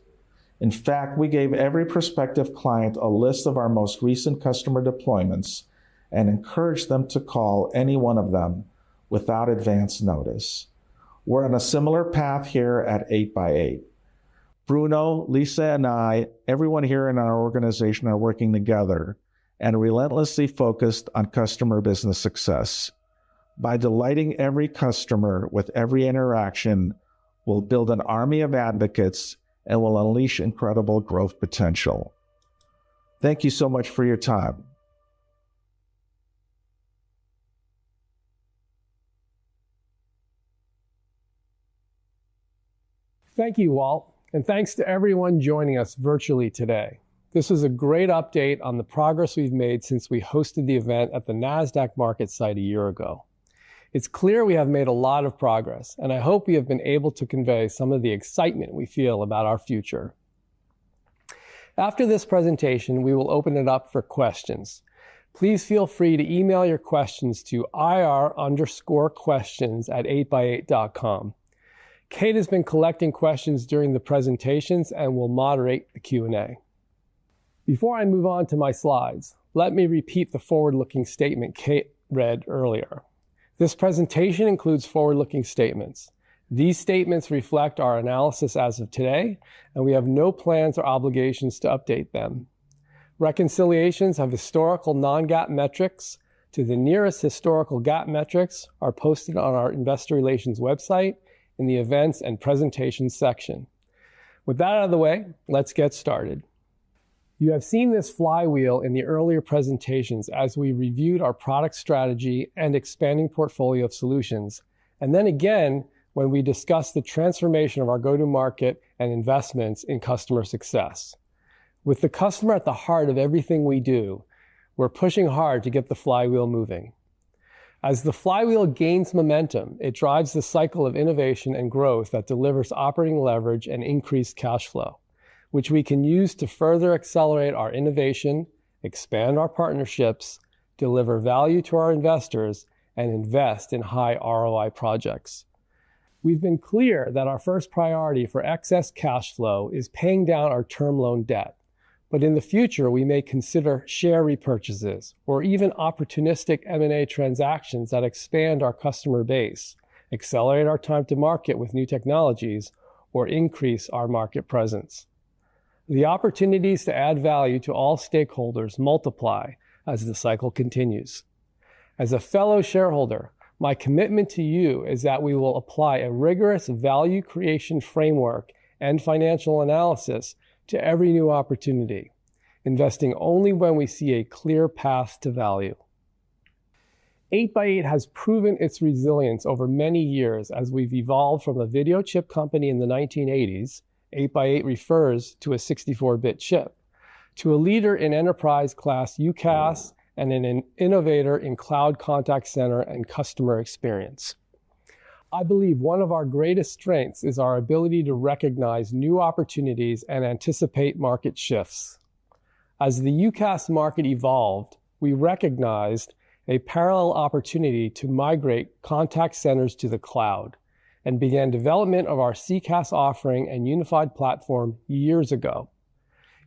In fact, we gave every prospective client a list of our most recent customer deployments and encouraged them to call any one of them without advance notice. We're on a similar path here at 8x8. Bruno, Lisa, and I, everyone here in our organization are working together and relentlessly focused on customer business success. By delighting every customer with every interaction, we'll build an army of advocates and will unleash incredible growth potential. Thank you so much for your time. Thank you, Walt, and thanks to everyone joining us virtually today. This is a great update on the progress we've made since we hosted the event at the Nasdaq MarketSite a year ago. It's clear we have made a lot of progress, and I hope we have been able to convey some of the excitement we feel about our future. After this presentation, we will open it up for questions. Please feel free to email your questions to ir_questions@8x8.com. Kate has been collecting questions during the presentations and will moderate the Q&A. Before I move on to my slides, let me repeat the forward-looking statement Kate read earlier. This presentation includes forward-looking statements. These statements reflect our analysis as of today, and we have no plans or obligations to update them. Reconciliations of historical non-GAAP metrics to the nearest historical GAAP metrics are posted on our investor relations website in the Events and Presentation section. With that out of the way, let's get started. You have seen this flywheel in the earlier presentations as we reviewed our product strategy and expanding portfolio of solutions, and then again, when we discussed the transformation of our go-to-market and investments in customer success. With the customer at the heart of everything we do, we're pushing hard to get the flywheel moving. As the flywheel gains momentum, it drives the cycle of innovation and growth that delivers operating leverage and increased cash flow, which we can use to further accelerate our innovation, expand our partnerships, deliver value to our investors, and invest in high ROI projects. We've been clear that our first priority for excess cash flow is paying down our term loan debt, but in the future, we may consider share repurchases or even opportunistic M&A transactions that expand our customer base, accelerate our time to market with new technologies, or increase our market presence. The opportunities to add value to all stakeholders multiply as the cycle continues. As a fellow shareholder, my commitment to you is that we will apply a rigorous value creation framework and financial analysis to every new opportunity, investing only when we see a clear path to value. 8x8 has proven its resilience over many years as we've evolved from a video chip company in the 1980s, 8 by 8 refers to a 64-bit chip, to a leader in enterprise-class UCaaS and an innovator in cloud contact center and customer experience. I believe one of our greatest strengths is our ability to recognize new opportunities and anticipate market shifts. As the UCaaS market evolved, we recognized a parallel opportunity to migrate contact centers to the cloud and began development of our CCaaS offering and unified platform years ago.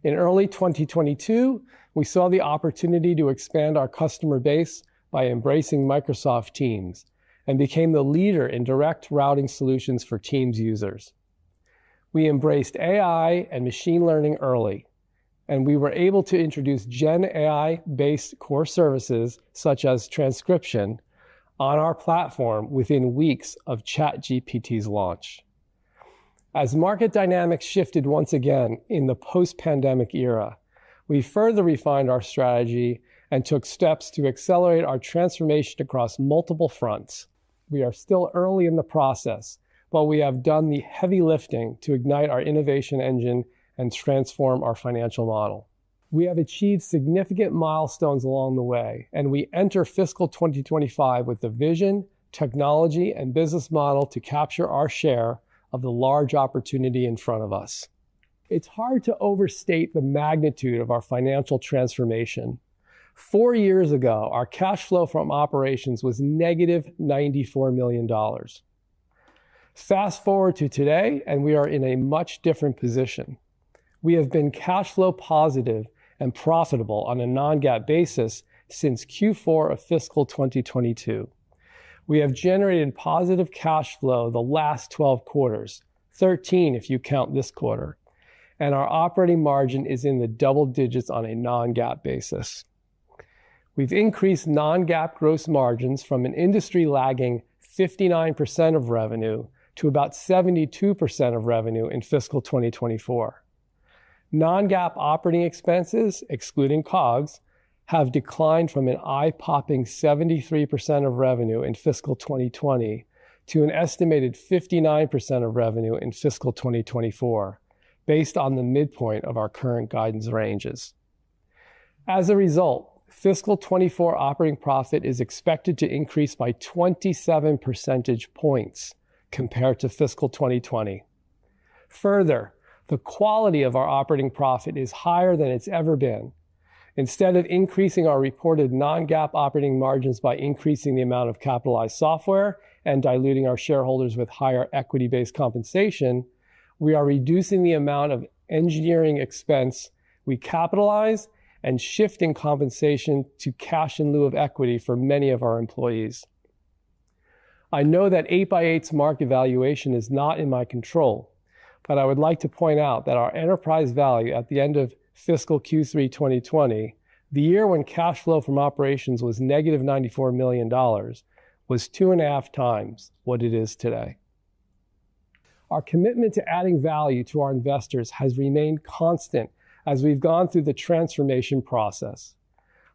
In early 2022, we saw the opportunity to expand our customer base by embracing Microsoft Teams and became the leader in direct routing solutions for Teams users. We embraced AI and machine learning early, and we were able to introduce GenAI-based core services, such as transcription, on our platform within weeks of ChatGPT's launch. As market dynamics shifted once again in the post-pandemic era, we further refined our strategy and took steps to accelerate our transformation across multiple fronts. We are still early in the process, but we have done the heavy lifting to ignite our innovation engine and transform our financial model. We have achieved significant milestones along the way, and we enter fiscal 2025 with the vision, technology, and business model to capture our share of the large opportunity in front of us. It's hard to overstate the magnitude of our financial transformation. Four years ago, our cash flow from operations was negative $94 million. Fast-forward to today, and we are in a much different position. We have been cash flow positive and profitable on a non-GAAP basis since Q4 of fiscal 2022. We have generated positive cash flow the last 12 quarters, 13 if you count this quarter, and our operating margin is in the double digits on a non-GAAP basis. We've increased non-GAAP gross margins from an industry-lagging 59% of revenue to about 72% of revenue in fiscal 2024. Non-GAAP operating expenses, excluding COGS, have declined from an eye-popping 73% of revenue in fiscal 2020 to an estimated 59% of revenue in fiscal 2024, based on the midpoint of our current guidance ranges. As a result, fiscal 2024 operating profit is expected to increase by 27 percentage points compared to fiscal 2020. Further, the quality of our operating profit is higher than it's ever been. Instead of increasing our reported non-GAAP operating margins by increasing the amount of capitalized software and diluting our shareholders with higher equity-based compensation, we are reducing the amount of engineering expense we capitalize and shifting compensation to cash in lieu of equity for many of our employees. I know that 8x8's market valuation is not in my control, but I would like to point out that our enterprise value at the end of fiscal Q3 2020, the year when cash flow from operations was -$94 million, was 2.5 times what it is today. Our commitment to adding value to our investors has remained constant as we've gone through the transformation process.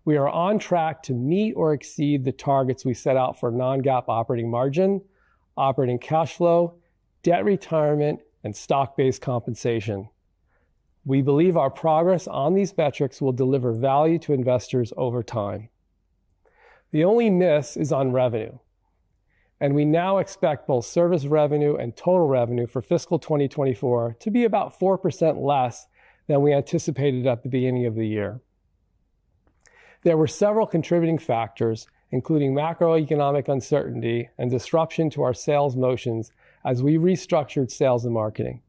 We are on track to meet or exceed the targets we set out for non-GAAP operating margin, operating cash flow, debt retirement, and stock-based compensation. We believe our progress on these metrics will deliver value to investors over time. The only miss is on revenue, and we now expect both service revenue and total revenue for fiscal 2024 to be about 4% less than we anticipated at the beginning of the year. There were several contributing factors, including macroeconomic uncertainty and disruption to our sales motions as we restructured sales and marketing.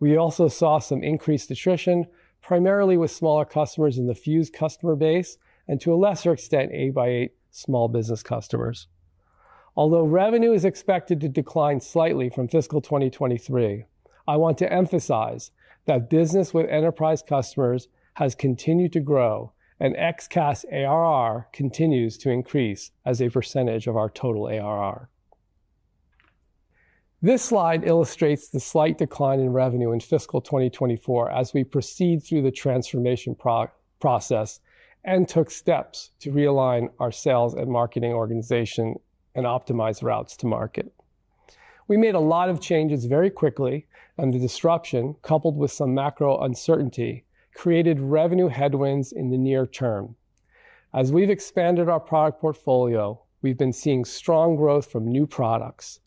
We also saw some increased attrition, primarily with smaller customers in the Fuze customer base, and to a lesser extent, 8x8 small business customers. Although revenue is expected to decline slightly from fiscal 2023, I want to emphasize that business with enterprise customers has continued to grow, and XCaaS ARR continues to increase as a percentage of our total ARR. This slide illustrates the slight decline in revenue in fiscal 2024 as we proceed through the transformation process and took steps to realign our sales and marketing organization and optimize routes to market. We made a lot of changes very quickly, and the disruption, coupled with some macro uncertainty, created revenue headwinds in the near term. As we've expanded our product portfolio, we've been seeing strong growth from new products.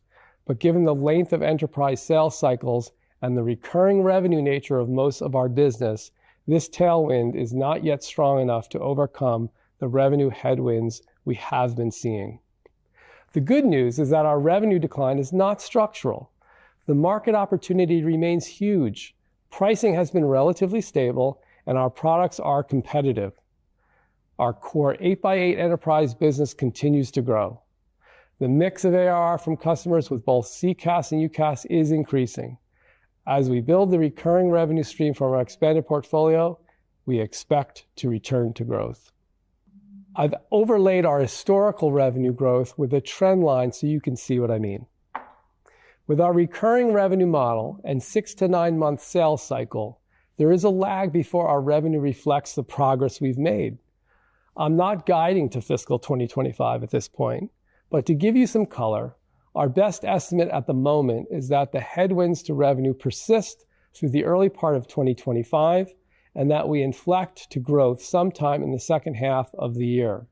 But given the length of enterprise sales cycles and the recurring revenue nature of most of our business, this tailwind is not yet strong enough to overcome the revenue headwinds we have been seeing. The good news is that our revenue decline is not structural. The market opportunity remains huge. Pricing has been relatively stable, and our products are competitive. Our core 8x8 enterprise business continues to grow. The mix of ARR from customers with both CCaaS and UCaaS is increasing. As we build the recurring revenue stream from our expanded portfolio, we expect to return to growth. I've overlaid our historical revenue growth with a trend line so you can see what I mean. With our recurring revenue model and 6- to 9-month sales cycle, there is a lag before our revenue reflects the progress we've made. I'm not guiding to fiscal 2025 at this point, but to give you some color, our best estimate at the moment is that the headwinds to revenue persist through the early part of 2025, and that we inflect to growth sometime in the second half of the year.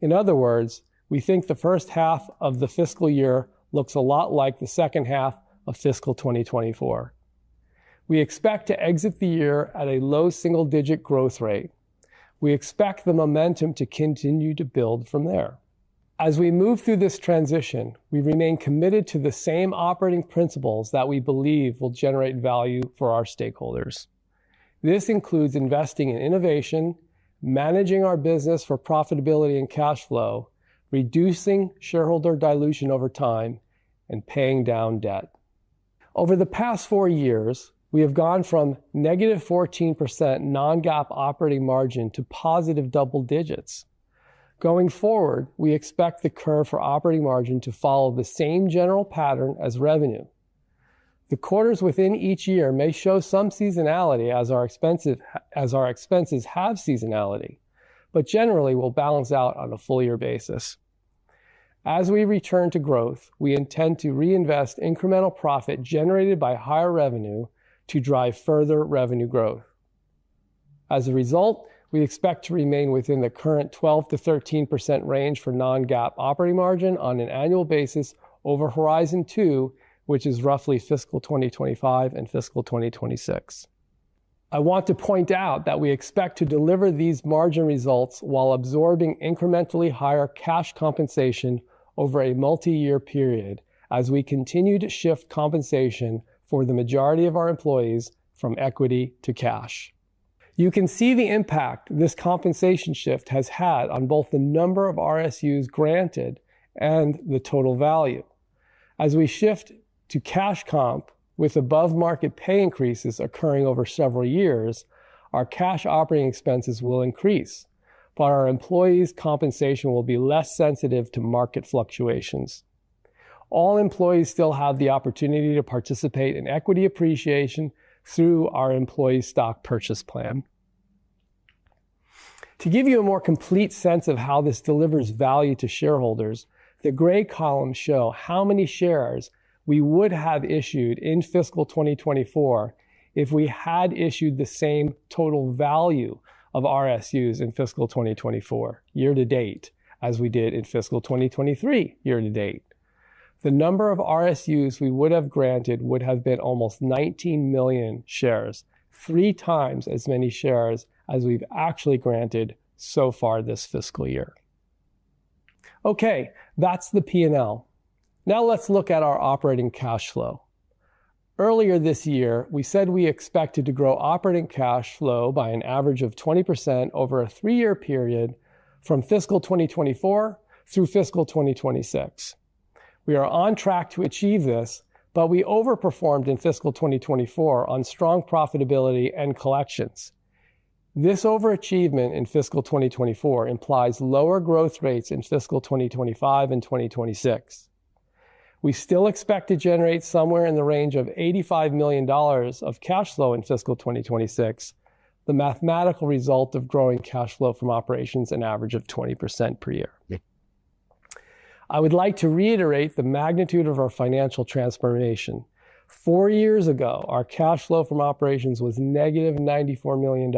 In other words, we think the first half of the fiscal year looks a lot like the second half of fiscal 2024. We expect to exit the year at a low single-digit growth rate. We expect the momentum to continue to build from there. As we move through this transition, we remain committed to the same operating principles that we believe will generate value for our stakeholders. This includes investing in innovation, managing our business for profitability and cash flow, reducing shareholder dilution over time, and paying down debt. Over the past four years, we have gone from negative 14% non-GAAP operating margin to positive double digits. Going forward, we expect the curve for operating margin to follow the same general pattern as revenue. The quarters within each year may show some seasonality as our expenses have seasonality, but generally will balance out on a full year basis. As we return to growth, we intend to reinvest incremental profit generated by higher revenue to drive further revenue growth. As a result, we expect to remain within the current 12%-13% range for non-GAAP operating margin on an annual basis over Horizon 2, which is roughly fiscal 2025 and fiscal 2026. I want to point out that we expect to deliver these margin results while absorbing incrementally higher cash compensation over a multi-year period, as we continue to shift compensation for the majority of our employees from equity to cash. You can see the impact this compensation shift has had on both the number of RSUs granted and the total value. As we shift to cash comp with above-market pay increases occurring over several years, our cash operating expenses will increase, but our employees' compensation will be less sensitive to market fluctuations. All employees still have the opportunity to participate in equity appreciation through our employee stock purchase plan. To give you a more complete sense of how this delivers value to shareholders, the gray columns show how many shares we would have issued in fiscal 2024 if we had issued the same total value of RSUs in fiscal 2024 year to date as we did in fiscal 2023 year to date. The number of RSUs we would have granted would have been almost 19 million shares, 3 times as many shares as we've actually granted so far this fiscal year. Okay, that's the P&L. Now, let's look at our operating cash flow. Earlier this year, we said we expected to grow operating cash flow by an average of 20% over a 3-year period from fiscal 2024 through fiscal 2026. We are on track to achieve this, but we overperformed in fiscal 2024 on strong profitability and collections. This overachievement in fiscal 2024 implies lower growth rates in fiscal 2025 and 2026. We still expect to generate somewhere in the range of $85 million of cash flow in fiscal 2026, the mathematical result of growing cash flow from operations an average of 20% per year. I would like to reiterate the magnitude of our financial transformation. Four years ago, our cash flow from operations was negative $94 million,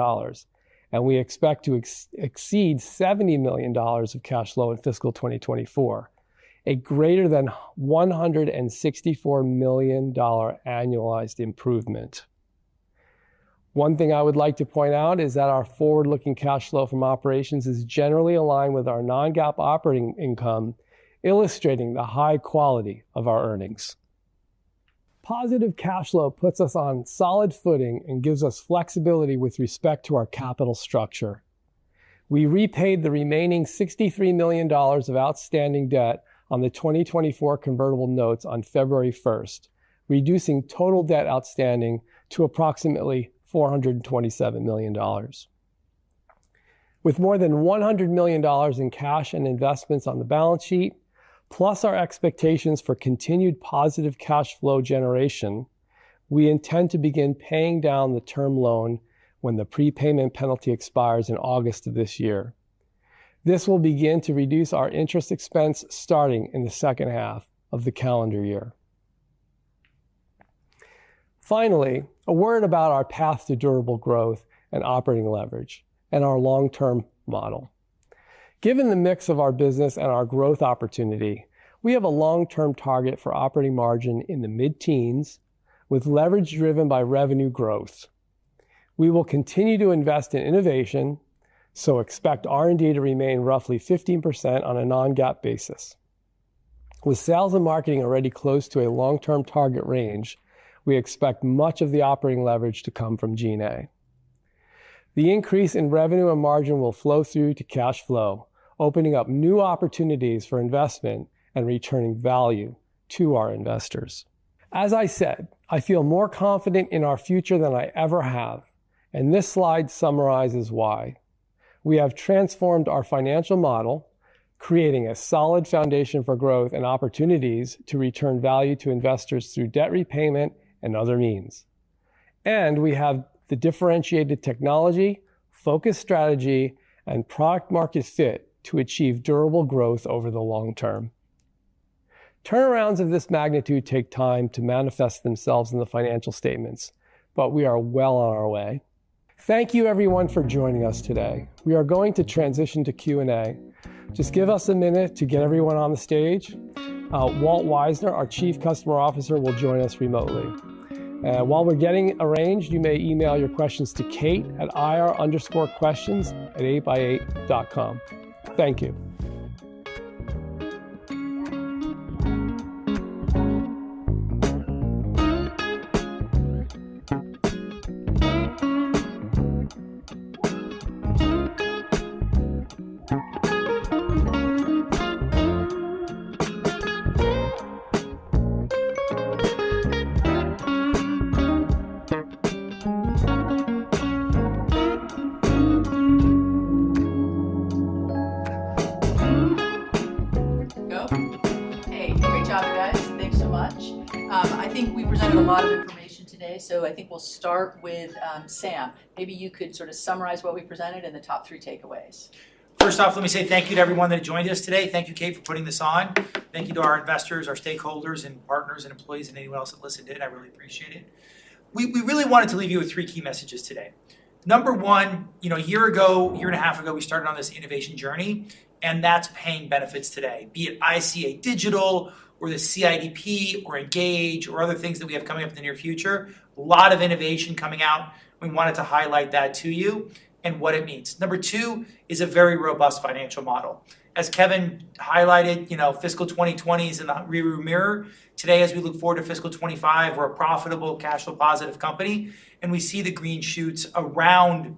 and we expect to exceed $70 million of cash flow in fiscal 2024, a greater than $164 million annualized improvement. One thing I would like to point out is that our forward-looking cash flow from operations is generally aligned with our non-GAAP operating income, illustrating the high quality of our earnings. Positive cash flow puts us on solid footing and gives us flexibility with respect to our capital structure. We repaid the remaining $63 million of outstanding debt on the 2024 convertible notes on February 1, reducing total debt outstanding to approximately $427 million. With more than $100 million in cash and investments on the balance sheet, plus our expectations for continued positive cash flow generation, we intend to begin paying down the term loan when the prepayment penalty expires in August of this year. This will begin to reduce our interest expense starting in the second half of the calendar year. Finally, a word about our path to durable growth and operating leverage and our long-term model. Given the mix of our business and our growth opportunity, we have a long-term target for operating margin in the mid-teens, with leverage driven by revenue growth. We will continue to invest in innovation, so expect R&D to remain roughly 15% on a non-GAAP basis. With sales and marketing already close to a long-term target range, we expect much of the operating leverage to come from G&A. The increase in revenue and margin will flow through to cash flow, opening up new opportunities for investment and returning value to our investors. As I said, I feel more confident in our future than I ever have, and this slide summarizes why. We have transformed our financial model, creating a solid foundation for growth and opportunities to return value to investors through debt repayment and other means. We have the differentiated technology, focused strategy, and product market fit to achieve durable growth over the long term. Turnarounds of this magnitude take time to manifest themselves in the financial statements, but we are well on our way. Thank you, everyone, for joining us today. We are going to transition to Q&A. Just give us a minute to get everyone on the stage. Walt Weisner, our Chief Customer Officer, will join us remotely. While we're getting arranged, you may email your questions to Kate at ir_questions@8x8.com. Thank you. Go. Hey, great job, you guys. Thanks so much. I think we presented a lot of information today, so I think we'll start with Sam. Maybe you could sort of summarize what we presented and the top three takeaways. First off, let me say thank you to everyone that joined us today. Thank you, Kate, for putting this on. Thank you to our investors, our stakeholders, and partners, and employees, and anyone else that listened in. I really appreciate it. We really wanted to leave you with three key messages today. Number one, you know, a year ago, a year and a half ago, we started on this innovation journey, and that's paying benefits today, be it ICA Digital or the CIDP or Engage or other things that we have coming up in the near future. A lot of innovation coming out. We wanted to highlight that to you and what it means. Number two is a very robust financial model. As Kevin highlighted, you know, fiscal 2020 is in the rearview mirror. Today, as we look forward to fiscal 2025, we're a profitable, cash-flow positive company, and we see the green shoots around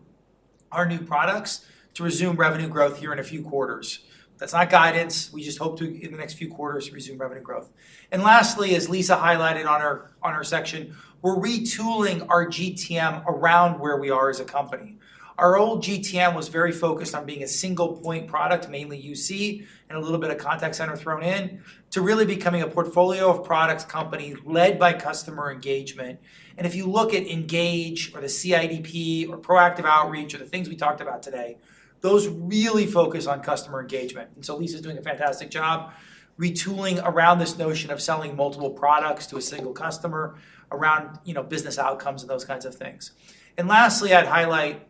our new products to resume revenue growth here in a few quarters. That's not guidance. We just hope to, in the next few quarters, resume revenue growth. And lastly, as Lisa highlighted on her, on her section, we're retooling our GTM around where we are as a company. Our old GTM was very focused on being a single point product, mainly UC, and a little bit of contact center thrown in, to really becoming a portfolio of products company led by customer engagement. And if you look at Engage or the CIDP or Proactive Outreach or the things we talked about today, those really focus on customer engagement. And so Lisa is doing a fantastic job retooling around this notion of selling multiple products to a single customer, around, you know, business outcomes and those kinds of things. And lastly, I'd highlight-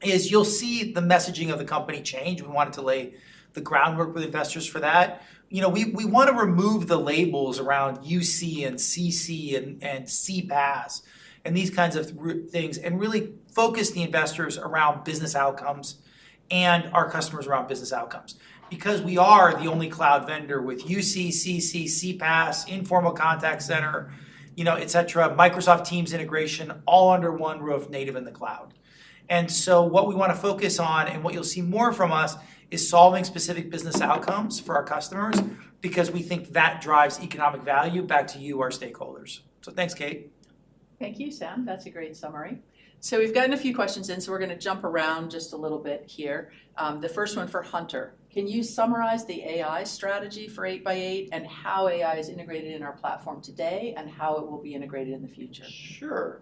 -is you'll see the messaging of the company change. We wanted to lay the groundwork with investors for that. You know, we, we wanna remove the labels around UC and CC and, and CPaaS, and these kinds of things, and really focus the investors around business outcomes and our customers around business outcomes. Because we are the only cloud vendor with UC, CC, CPaaS, informal contact center, you know, et cetera, Microsoft Teams integration, all under one roof, native in the cloud. And so what we wanna focus on and what you'll see more from us is solving specific business outcomes for our customers, because we think that drives economic value back to you, our stakeholders. So thanks, Kate. Thank you, Sam. That's a great summary. So we've gotten a few questions in, so we're gonna jump around just a little bit here. The first one for Hunter: Can you summarize the AI strategy for 8x8, and how AI is integrated in our platform today, and how it will be integrated in the future? Sure.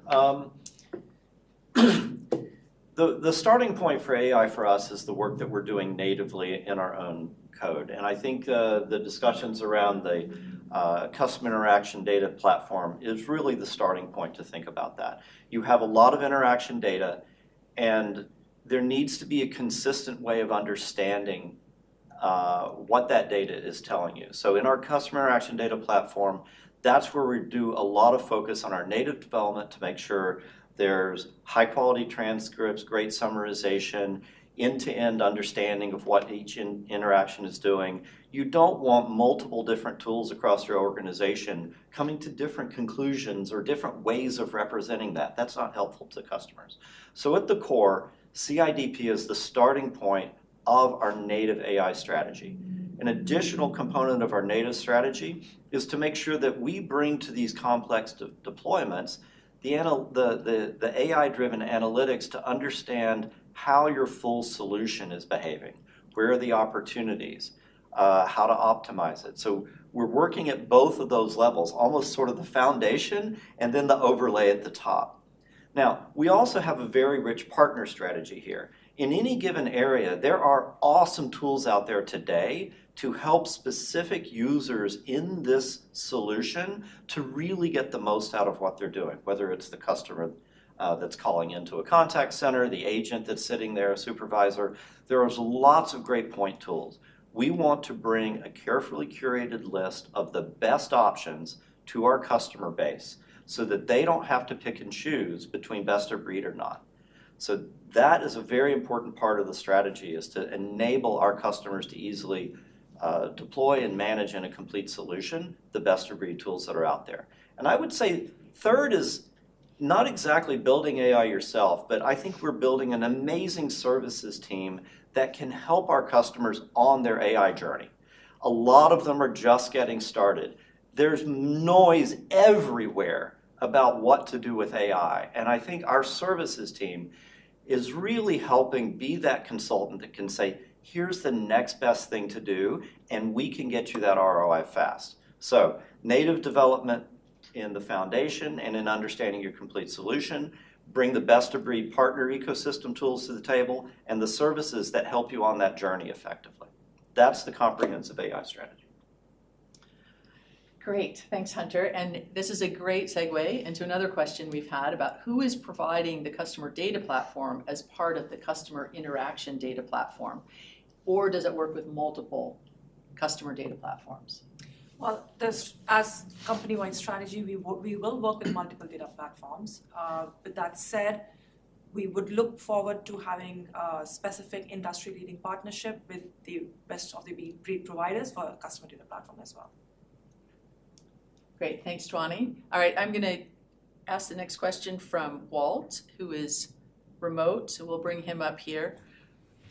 The starting point for AI for us is the work that we're doing natively in our own code, and I think the discussions around the Customer Interaction Data Platform is really the starting point to think about that. You have a lot of interaction data, and there needs to be a consistent way of understanding what that data is telling you. So in our Customer Interaction Data Platform, that's where we do a lot of focus on our native development to make sure there's high-quality transcripts, great summarization, end-to-end understanding of what each interaction is doing. You don't want multiple different tools across your organization coming to different conclusions or different ways of representing that. That's not helpful to customers. So at the core, CIDP is the starting point of our native AI strategy. An additional component of our native strategy is to make sure that we bring to these complex deployments the AI-driven analytics to understand how your full solution is behaving, where are the opportunities, how to optimize it. So we're working at both of those levels, almost sort of the foundation and then the overlay at the top. Now, we also have a very rich partner strategy here. In any given area, there are awesome tools out there today to help specific users in this solution to really get the most out of what they're doing, whether it's the customer that's calling into a contact center, the agent that's sitting there, a supervisor, there is lots of great point tools. We want to bring a carefully curated list of the best options to our customer base so that they don't have to pick and choose between best of breed or not. So that is a very important part of the strategy, is to enable our customers to easily, deploy and manage in a complete solution, the best of breed tools that are out there. And I would say, third is not exactly building AI yourself, but I think we're building an amazing services team that can help our customers on their AI journey. A lot of them are just getting started. There's noise everywhere about what to do with AI, and I think our services team is really helping be that consultant that can say, "Here's the next best thing to do, and we can get you that ROI fast." So native development in the foundation and in understanding your complete solution, bring the best-of-breed partner ecosystem tools to the table, and the services that help you on that journey effectively. That's the comprehensive AI strategy. Great. Thanks, Hunter. This is a great segue into another question we've had about: Who is providing the customer data platform as part of the customer interaction data platform, or does it work with multiple customer data platforms? Well, this, as company-wide strategy, we will work with multiple data platforms. But that said, we would look forward to having specific industry-leading partnership with the best-of-breed providers for our customer data platform as well. Great. Thanks, Dhwani. All right, I'm gonna ask the next question from Walt, who is remote, so we'll bring him up here.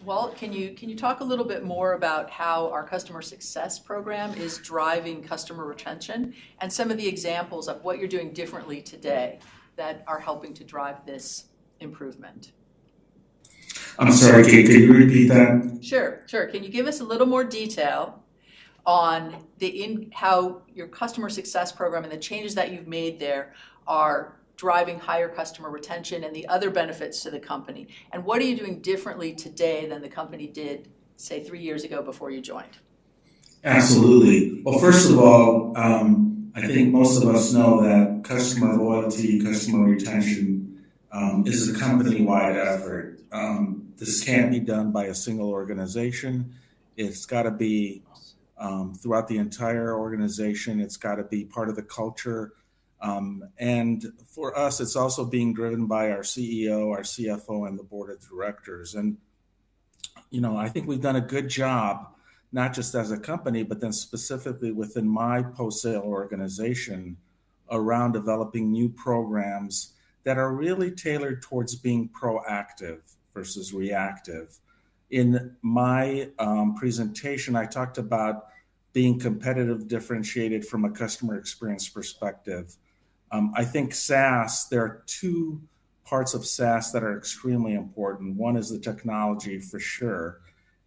Walt, can you, can you talk a little bit more about how our customer success program is driving customer retention, and some of the examples of what you're doing differently today that are helping to drive this improvement? I'm sorry, Kate, could you repeat that? Sure, sure. Can you give us a little more detail on how your customer success program and the changes that you've made there are driving higher customer retention and the other benefits to the company? What are you doing differently today than the company did, say, three years ago before you joined? Absolutely. Well, first of all, I think most of us know that customer loyalty, customer retention, is a company-wide effort. This can't be done by a single organization. It's gotta be throughout the entire organization. It's gotta be part of the culture. For us, it's also being driven by our CEO, our CFO, and the board of directors. You know, I think we've done a good job, not just as a company, but then specifically within my post-sale organization, around developing new programs that are really tailored towards being proactive versus reactive. In my presentation, I talked about being competitive, differentiated from a customer experience perspective. I think SaaS, there are two parts of SaaS that are extremely important. One is the technology, for sure,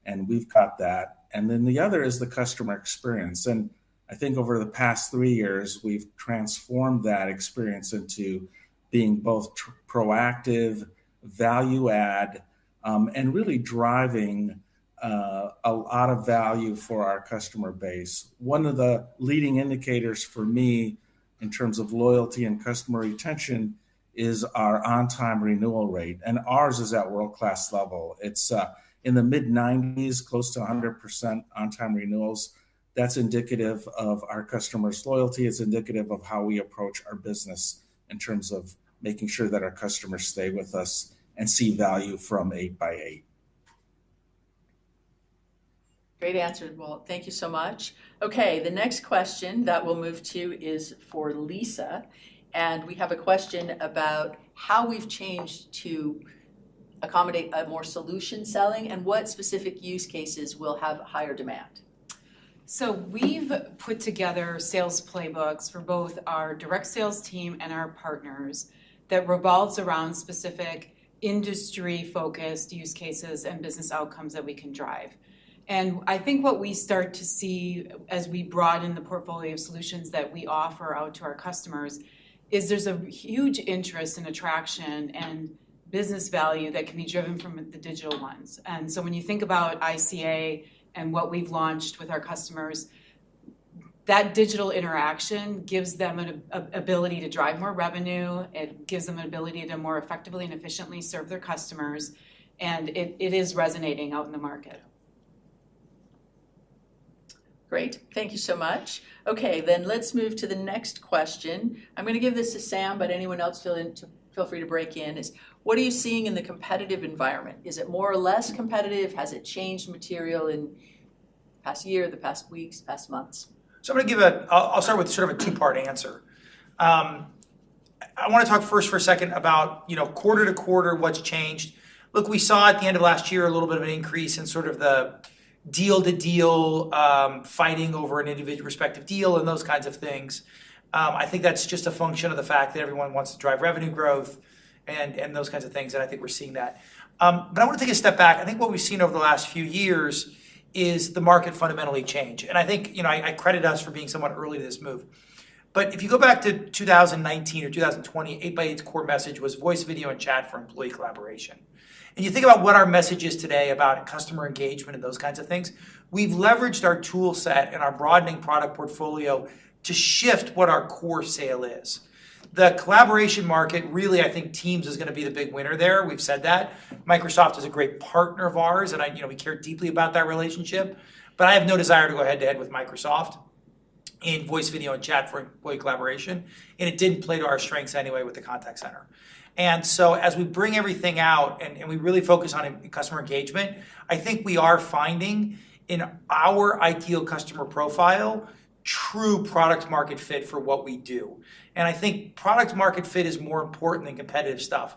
and we've got that, and then the other is the customer experience, and I think over the past three years, we've transformed that experience into being both proactive, value add, and really driving a lot of value for our customer base. One of the leading indicators for me, in terms of loyalty and customer retention, is our on-time renewal rate, and ours is at world-class level. It's in the mid-nineties, close to 100% on-time renewals. That's indicative of our customers' loyalty, it's indicative of how we approach our business in terms of making sure that our customers stay with us and see value from 8x8. Great answer, Walt. Thank you so much. Okay, the next question that we'll move to is for Lisa, and we have a question about how we've changed to accommodate a more solution selling, and what specific use cases will have higher demand. So we've put together sales playbooks for both our direct sales team and our partners that revolves around specific industry-focused use cases and business outcomes that we can drive. And I think what we start to see as we broaden the portfolio of solutions that we offer out to our customers, is there's a huge interest and attraction and business value that can be driven from the digital ones. And so when you think about ICA and what we've launched with our customers, that digital interaction gives them an ability to drive more revenue, it gives them an ability to more effectively and efficiently serve their customers, and it is resonating out in the market. Great. Thank you so much. Okay, then let's move to the next question. I'm gonna give this to Sam, but anyone else feel free to break in. What are you seeing in the competitive environment? Is it more or less competitive? Has it changed materially in the past year, the past weeks, past months? So I'm gonna give a two-part answer. I wanna talk first for a second about, you know, quarter to quarter, what's changed. Look, we saw at the end of last year a little bit of an increase in sort of the deal to deal fighting over an individual respective deal and those kinds of things. I think that's just a function of the fact that everyone wants to drive revenue growth and those kinds of things, and I think we're seeing that. But I wanna take a step back. I think what we've seen over the last few years is the market fundamentally change, and I think, you know, I credit us for being somewhat early to this move. But if you go back to 2019 or 2020, 8x8's core message was voice, video, and chat for employee collaboration. And you think about what our message is today about customer engagement and those kinds of things, we've leveraged our tool set and our broadening product portfolio to shift what our core sale is. The collaboration market, really, I think Teams is gonna be the big winner there. We've said that. Microsoft is a great partner of ours, and I, you know, we care deeply about that relationship, but I have no desire to go head-to-head with Microsoft in voice, video, and chat for employee collaboration, and it didn't play to our strengths anyway with the contact center. And so as we bring everything out and we really focus on customer engagement, I think we are finding, in our ideal customer profile, true product market fit for what we do. And I think product market fit is more important than competitive stuff.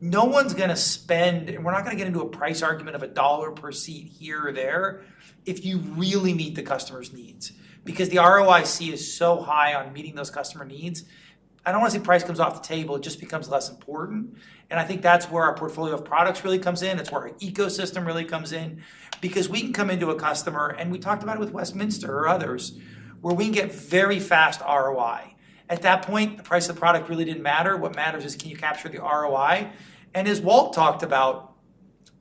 No one's gonna spend. And we're not gonna get into a price argument of $1 per seat here or there, if you really meet the customer's needs. Because the ROIC is so high on meeting those customer needs, I don't wanna say price comes off the table, it just becomes less important, and I think that's where our portfolio of products really comes in, that's where our ecosystem really comes in. Because we can come into a customer, and we talked about it with Westminster or others, where we can get very fast ROI. At that point, the price of the product really didn't matter. What matters is, can you capture the ROI? And as Walt talked about,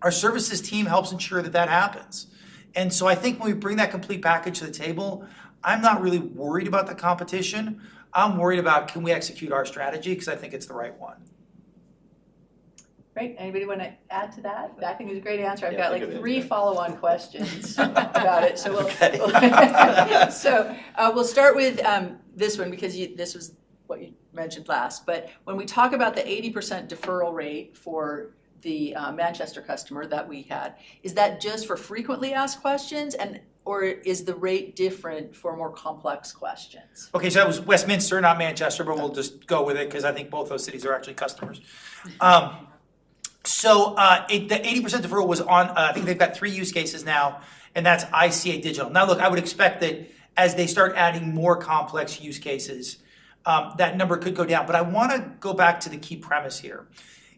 our services team helps ensure that that happens. And so I think when we bring that complete package to the table, I'm not really worried about the competition. I'm worried about, can we execute our strategy? 'Cause I think it's the right one. Great. Anybody want to add to that? That, I think, was a great answer. Yeah, good answer. I've got, like, three follow-on questions about it. So we'll- Okay. So, we'll start with this one because you, this was what you mentioned last. But when we talk about the 80% deferral rate for the Manchester customer that we had, is that just for frequently asked questions, and or is the rate different for more complex questions? Okay, so that was Westminster, not Manchester- Yeah -but we'll just go with it 'cause I think both those cities are actually customers. So, the 80% deferral was on. I think they've got three use cases now, and that's ICA Digital. Now, look, I would expect that as they start adding more complex use cases, that number could go down. But I wanna go back to the key premise here.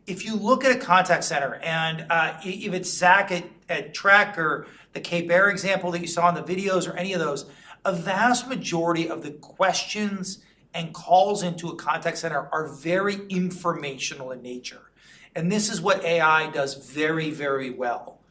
If you look at a contact center, and, if it's Zack at Track or the Cape Air example that you saw in the videos or any of those, a vast majority of the questions and calls into a contact center are very informational in nature. And this is what AI does very, very well.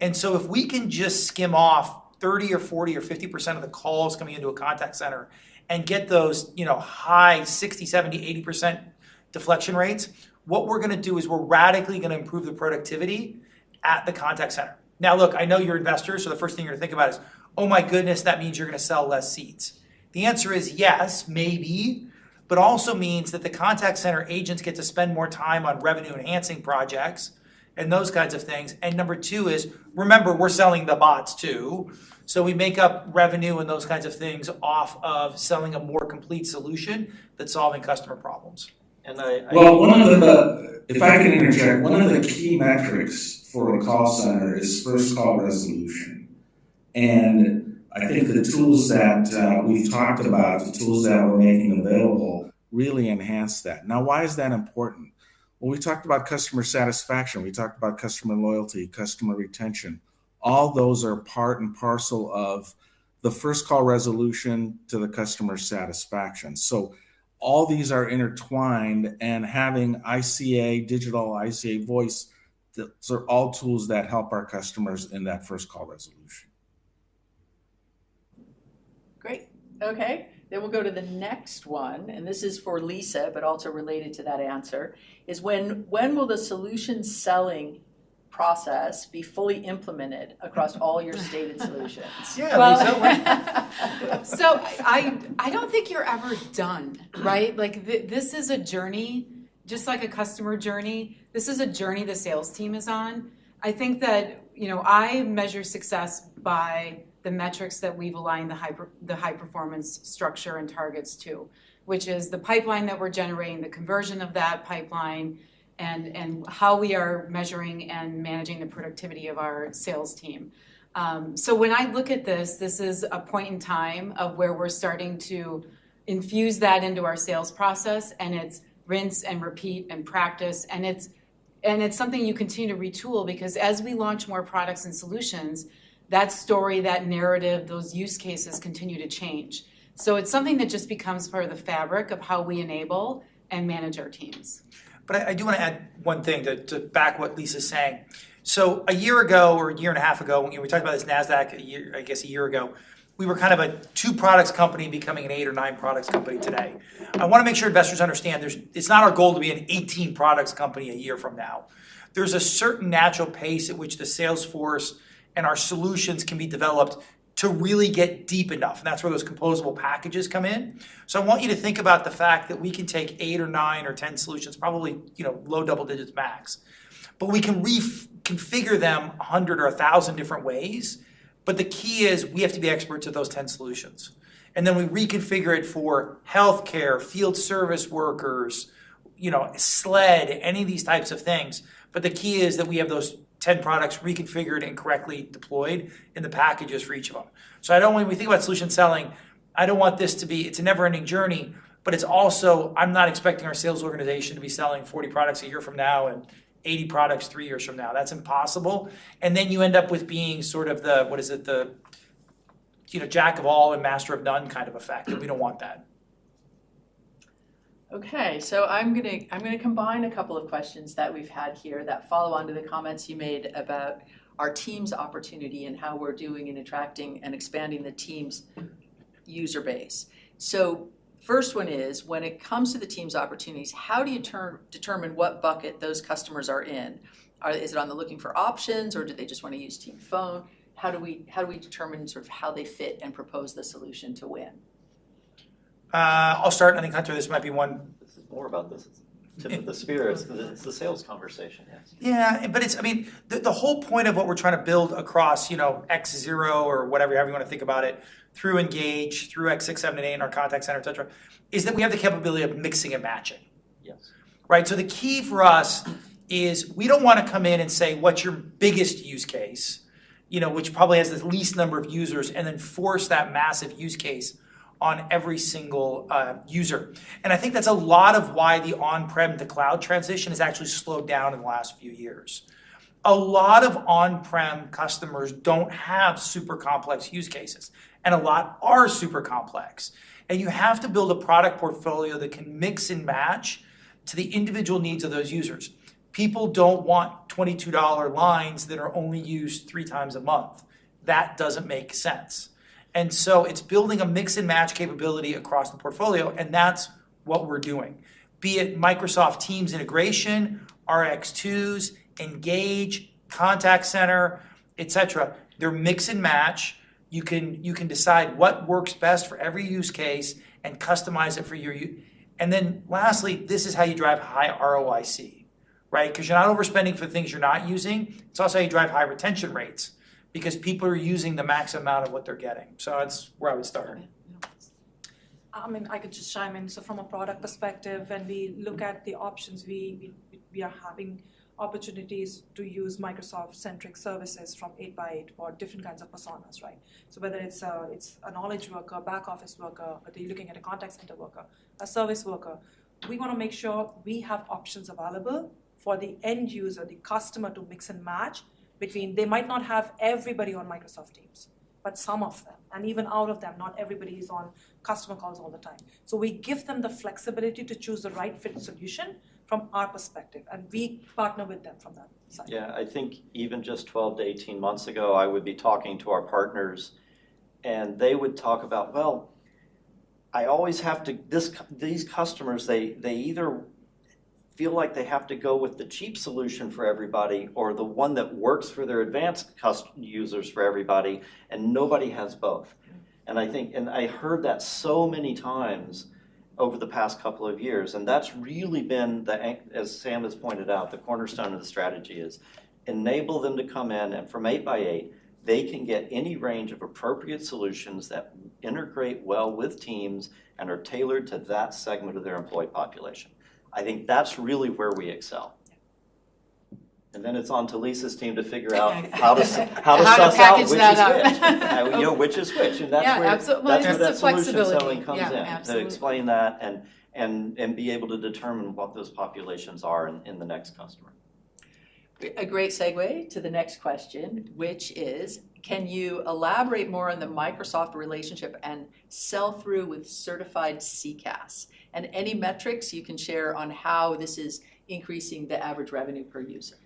And so if we can just skim off 30% or 40% or 50% of the calls coming into a contact center and get those, you know, high 60%, 70%, 80% deflection rates, what we're gonna do is we're radically gonna improve the productivity at the contact center. Now, look, I know you're investors, so the first thing you're thinking about is, "Oh my goodness, that means you're gonna sell less seats!" The answer is yes, maybe, but also means that the contact center agents get to spend more time on revenue-enhancing projects and those kinds of things. And number two is, remember, we're selling the bots too, so we make up revenue and those kinds of things off of selling a more complete solution than solving customer problems. And I, I- Well, if I can interject, one of the key metrics for a call center is first-call resolution. And I think the tools that we've talked about, the tools that we're making available, really enhance that. Now, why is that important? When we talked about customer satisfaction, we talked about customer loyalty, customer retention, all those are part and parcel of the first-call resolution to the customer satisfaction. So all these are intertwined, and having ICA Digital, ICA Voice, so are all tools that help our customers in that first-call resolution. Okay, then we'll go to the next one, and this is for Lisa, but also related to that answer, is when, when will the solution selling process be fully implemented across all your stated solutions? Yeah, Lisa, when? So I don't think you're ever done, right? Like, this is a journey, just like a customer journey. This is a journey the sales team is on. I think that, you know, I measure success by the metrics that we've aligned, the high performance structure and targets to which is the pipeline that we're generating, the conversion of that pipeline, and how we are measuring and managing the productivity of our sales team. So when I look at this, this is a point in time of where we're starting to infuse that into our sales process, and it's rinse and repeat and practice, and it's something you continue to retool because as we launch more products and solutions, that story, that narrative, those use cases continue to change. So it's something that just becomes part of the fabric of how we enable and manage our teams. But I do wanna add one thing to back what Lisa's saying. So a year ago or a year and a half ago, we talked about this Nasdaq a year, I guess a year ago, we were kind of a 2 products company becoming an 8 or 9 products company today. I wanna make sure investors understand there's, it's not our goal to be an 18 products company a year from now. There's a certain natural pace at which the sales force and our solutions can be developed to really get deep enough, and that's where those composable packages come in. So I want you to think about the fact that we can take 8 or 9 or 10 solutions, probably, you know, low double digits max, but we can reconfigure them 100 or 1,000 different ways. The key is we have to be experts at those 10 solutions. Then we reconfigure it for healthcare, field service workers, you know, SLED, any of these types of things, but the key is that we have those 10 products reconfigured and correctly deployed in the packages for each of them. So I don't want. When we think about solution selling, I don't want this to be it's a never-ending journey, but it's also I'm not expecting our sales organization to be selling 40 products a year from now and 80 products 3 years from now. That's impossible. Then you end up with being sort of the, what is it? The, you know, jack of all and master of none kind of effect, and we don't want that. Okay, so I'm gonna, I'm gonna combine a couple of questions that we've had here that follow on to the comments you made about our Teams' opportunity and how we're doing in attracting and expanding the Teams' user base. So first one is: when it comes to the Teams' opportunities, how do you determine what bucket those customers are in? Is it on the looking for options, or do they just wanna use Teams Phone? How do we determine sort of how they fit and propose the solution to win? I'll start, and I think, Hunter, this might be one- This is more about this. It's tip of the spear. It's, it's the sales conversation, yes. Yeah, but it's, I mean, the whole point of what we're trying to build across, you know, 8x8 or whatever, however you wanna think about it, through Engage, through X6, 7, and 8 in our contact center, et cetera, is that we have the capability of mixing and matching. Yes. Right? So the key for us is we don't wanna come in and say, "What's your biggest use case?" You know, which probably has the least number of users, and then force that massive use case on every single user. And I think that's a lot of why the on-prem to cloud transition has actually slowed down in the last few years. A lot of on-prem customers don't have super complex use cases, and a lot are super complex. And you have to build a product portfolio that can mix and match to the individual needs of those users. People don't want $22 lines that are only used three times a month. That doesn't make sense. And so it's building a mix-and-match capability across the portfolio, and that's what we're doing, be it Microsoft Teams integration, 8x8s, Engage, Contact Center, et cetera. They're mix and match. You can, you can decide what works best for every use case and customize it for your. And then lastly, this is how you drive high ROIC, right? 'Cause you're not overspending for things you're not using. It's also how you drive high retention rates because people are using the max amount of what they're getting. So that's where I would start. I mean, I could just chime in. So from a product perspective, when we look at the options, we are having opportunities to use Microsoft-centric services from 8x8 or different kinds of personas, right? So whether it's a knowledge worker, back office worker, whether you're looking at a contact center worker, a service worker, we wanna make sure we have options available for the end user, the customer, to mix and match between they might not have everybody on Microsoft Teams, but some of them, and even out of them, not everybody is on customer calls all the time. So we give them the flexibility to choose the right fit solution from our perspective, and we partner with them from that side. Yeah, I think even just 12-18 months ago, I would be talking to our partners, and they would talk about, "Well, I always have to. These customers, they either feel like they have to go with the cheap solution for everybody or the one that works for their advanced customers for everybody, and nobody has both. Yeah. I think, and I heard that so many times over the past couple of years, and that's really been the answer, as Sam has pointed out, the cornerstone of the strategy is enable them to come in, and from 8x8, they can get any range of appropriate solutions that integrate well with Teams and are tailored to that segment of their employee population. I think that's really where we excel. Yeah. And then it's on to Lisa's team to figure out how to- How to package that up. -how to suss out which is which, you know, which is which. And that's where- Yeah, absolutely. That's the flexibility. -that's where that solution selling comes in. Yeah, absolutely - to explain that and be able to determine what those populations are in the next customer. A great segue to the next question, which is: can you elaborate more on the Microsoft relationship and sell-through with certified CCaaS, and any metrics you can share on how this is increasing the average revenue per user?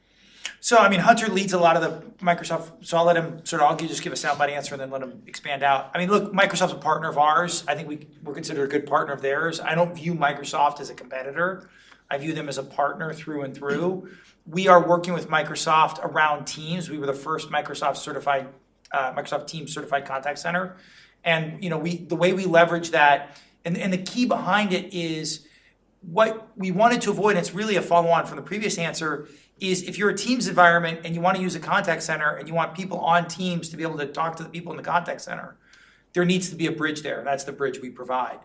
So, I mean, Hunter leads a lot of the Microsoft, so I'll let him sort of. I'll just give a soundbite answer and then let him expand out. I mean, look, Microsoft's a partner of ours. I think we- we're considered a good partner of theirs. I don't view Microsoft as a competitor. I view them as a partner through and through. We are working with Microsoft around Teams. We were the first Microsoft certified Microsoft Teams certified contact center, and, you know, the way we leverage that, and the key behind it is what we wanted to avoid, and it's really a follow-on from the previous answer, is if you're a Teams environment and you want to use a contact center, and you want people on Teams to be able to talk to the people in the contact center, there needs to be a bridge there, and that's the bridge we provide.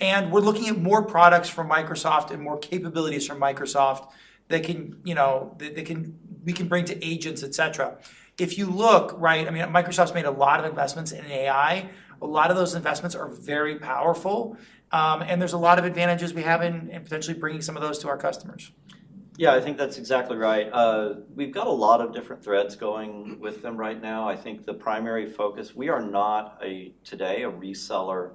And we're looking at more products from Microsoft and more capabilities from Microsoft that can, you know, that we can bring to agents, et cetera. If you look, right, I mean, Microsoft's made a lot of investments in AI. A lot of those investments are very powerful, and there's a lot of advantages we have in potentially bringing some of those to our customers. Yeah, I think that's exactly right. We've got a lot of different threads going with them right now. I think the primary focus. We are not a, today, a reseller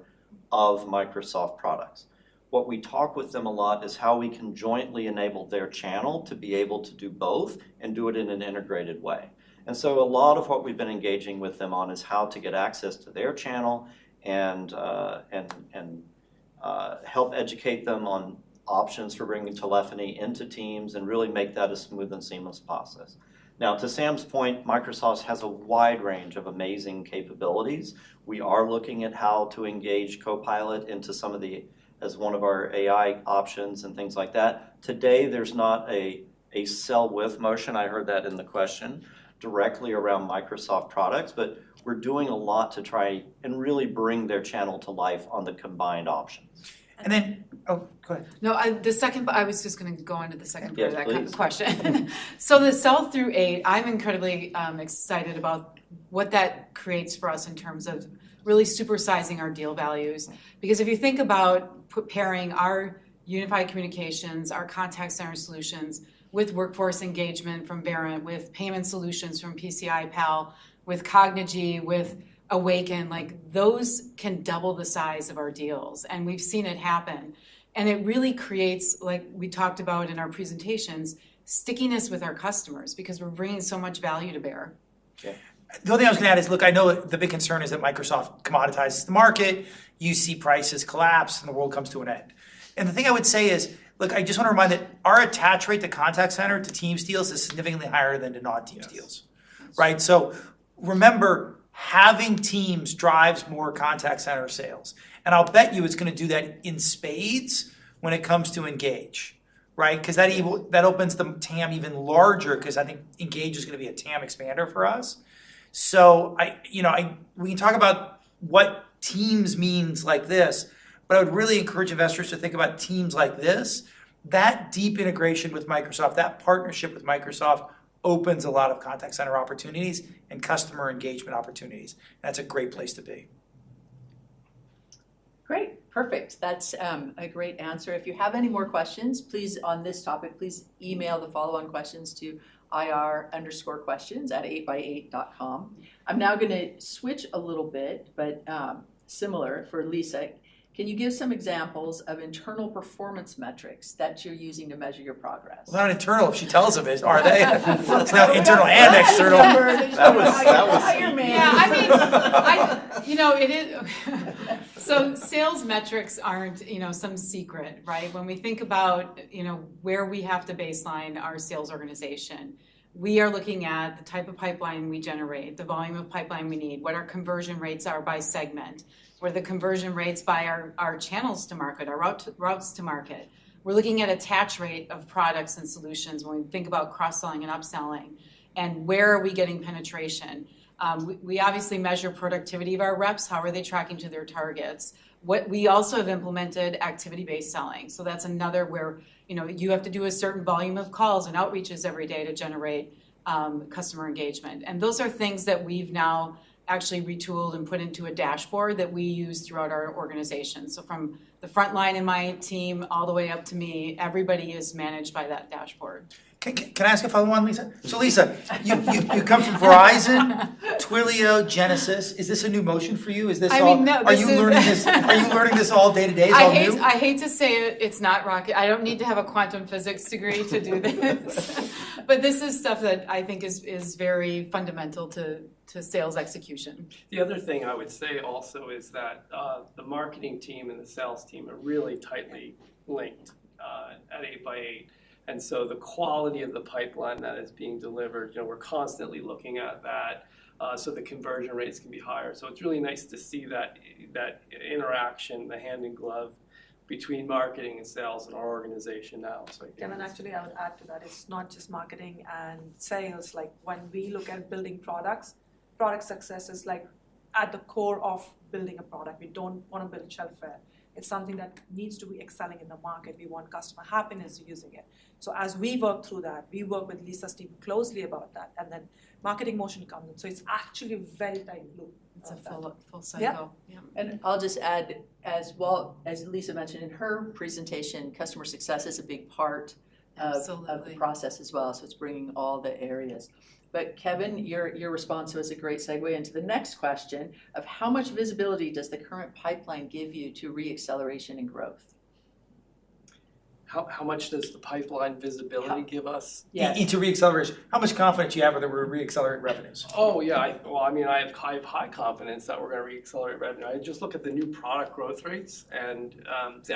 of Microsoft products. What we talk with them a lot is how we can jointly enable their channel to be able to do both and do it in an integrated way. And so a lot of what we've been engaging with them on is how to get access to their channel and help educate them on options for bringing telephony into Teams and really make that a smooth and seamless process. Now, to Sam's point, Microsoft has a wide range of amazing capabilities. We are looking at how to engage Copilot into some of the- as one of our AI options and things like that. Today, there's not a sell-with motion, I heard that in the question, directly around Microsoft products, but we're doing a lot to try and really bring their channel to life on the combined options. And then. Oh, go ahead. No, the second, but I was just gonna go on to the second part- Yeah, please -of that question. So the sell-through rate, I'm incredibly excited about what that creates for us in terms of really supersizing our deal values. Because if you think about preparing our unified communications, our contact center solutions, with workforce engagement from Verint, with payment solutions from PCI Pal, with Cognigy, with Awaken, like, those can double the size of our deals, and we've seen it happen. And it really creates, like we talked about in our presentations, stickiness with our customers because we're bringing so much value to bear. Yeah. The only thing I'll add is, look, I know the big concern is that Microsoft commoditizes the market, you see prices collapse, and the world comes to an end. The thing I would say is, look, I just wanna remind that our attach rate to contact center, to Teams deals, is significantly higher than to not Teams deals. Yes. Right? So remember, having Teams drives more contact center sales, and I'll bet you it's gonna do that in spades when it comes to Engage, right? 'Cause that - that opens the TAM even larger 'cause I think Engage is gonna be a TAM expander for us. So I, you know, I, we can talk about what Teams means like this, but I would really encourage investors to think about Teams like this. That deep integration with Microsoft, that partnership with Microsoft, opens a lot of contact center opportunities and customer engagement opportunities. That's a great place to be. Great. Perfect. That's a great answer. If you have any more questions, please, on this topic, please email the follow-on questions to ir_questions@8x8.com. I'm now gonna switch a little bit, but similar for Lisa. Can you give some examples of internal performance metrics that you're using to measure your progress? Well, they're not internal if she tells them, are they? It's not internal and external. That was- Yeah, I mean, you know, it is, so sales metrics aren't, you know, some secret, right? When we think about, you know, where we have to baseline our sales organization, we are looking at the type of pipeline we generate, the volume of pipeline we need, what our conversion rates are by segment, where the conversion rates by our channels to market, our routes to market. We're looking at attach rate of products and solutions when we think about cross-selling and upselling, and where are we getting penetration? We obviously measure productivity of our reps. How are they tracking to their targets? We also have implemented activity-based selling, so that's another where, you know, you have to do a certain volume of calls and outreaches every day to generate customer engagement. Those are things that we've now actually retooled and put into a dashboard that we use throughout our organization. From the front line in my team, all the way up to me, everybody is managed by that dashboard. Can I ask a follow-on, Lisa? So, Lisa, you come from Verizon, Twilio, Genesys. Is this a new motion for you? Is this all- I mean, no, this is- Are you learning this, are you learning this all day today, all new? I hate, I hate to say it, it's not rocket- I don't need to have a quantum physics degree to do this. But this is stuff that I think is, is very fundamental to, to sales execution. The other thing I would say also is that, the marketing team and the sales team are really tightly linked, at 8x8, and so the quality of the pipeline that is being delivered, you know, we're constantly looking at that, so the conversion rates can be higher. So it's really nice to see that, that interaction, the hand in glove between marketing and sales in our organization now. So yeah. And actually, I would add to that, it's not just marketing and sales. Like, when we look at building products, product success is, like, at the core of building a product. We don't wanna build shelfware. It's something that needs to be excelling in the market. We want customer happiness using it. So as we work through that, we work with Lisa's team closely about that, and then marketing motion comes in. So it's actually a very tight loop. It's a full, full cycle. Yeah. Yeah. And I'll just add as well, as Lisa mentioned in her presentation, customer success is a big part of- Absolutely - of the process as well, so it's bringing all the areas. But Kevin, your response was a great segue into the next question of: how much visibility does the current pipeline give you to re-acceleration and growth? How much does the pipeline visibility give us? Yeah. To re-accelerate, how much confidence do you have whether we're re-accelerating revenues? Oh, yeah. Well, I mean, I have high, high confidence that we're gonna re-accelerate revenue. I just look at the new product growth rates, and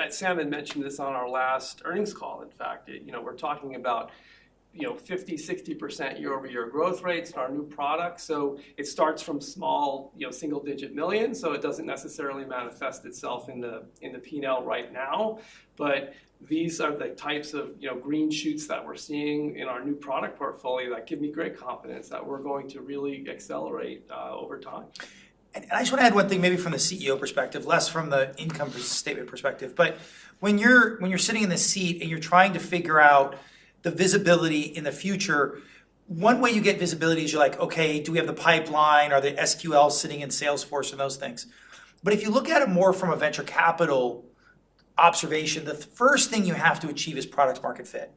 Sam had mentioned this on our last earnings call, in fact. You know, we're talking about, you know, 50-60% year-over-year growth rates, our new products. So it starts from small, you know, single digit millions, so it doesn't necessarily manifest itself in the, in the P&L right now. But these are the types of, you know, green shoots that we're seeing in our new product portfolio that give me great confidence that we're going to really accelerate over time. And I just wanna add one thing, maybe from the CEO perspective, less from the income statement perspective. But when you're sitting in the seat, and you're trying to figure out the visibility in the future, one way you get visibility is you're like: Okay, do we have the pipeline? Are the SQL sitting in Salesforce and those things? But if you look at it more from a venture capital observation, the first thing you have to achieve is product market fit.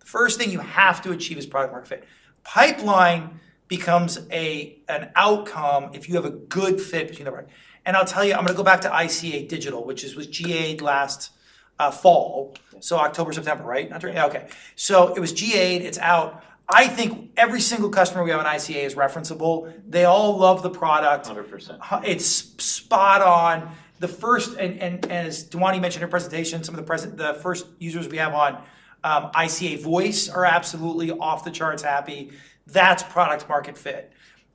The first thing you have to achieve is product market fit. Pipeline becomes an outcome if you have a good fit between them. And I'll tell you, I'm gonna go back to ICA Digital, which was GA'd last fall. So October, September, right? Not. Yeah. Okay. So it was GA'd, it's out. I think every single customer we have on ICA is referenceable. They all love the product. Hundred percent. It's spot on. As Dhwani mentioned in her presentation, the first users we have on ICA Voice are absolutely off the charts happy. That's product market fit.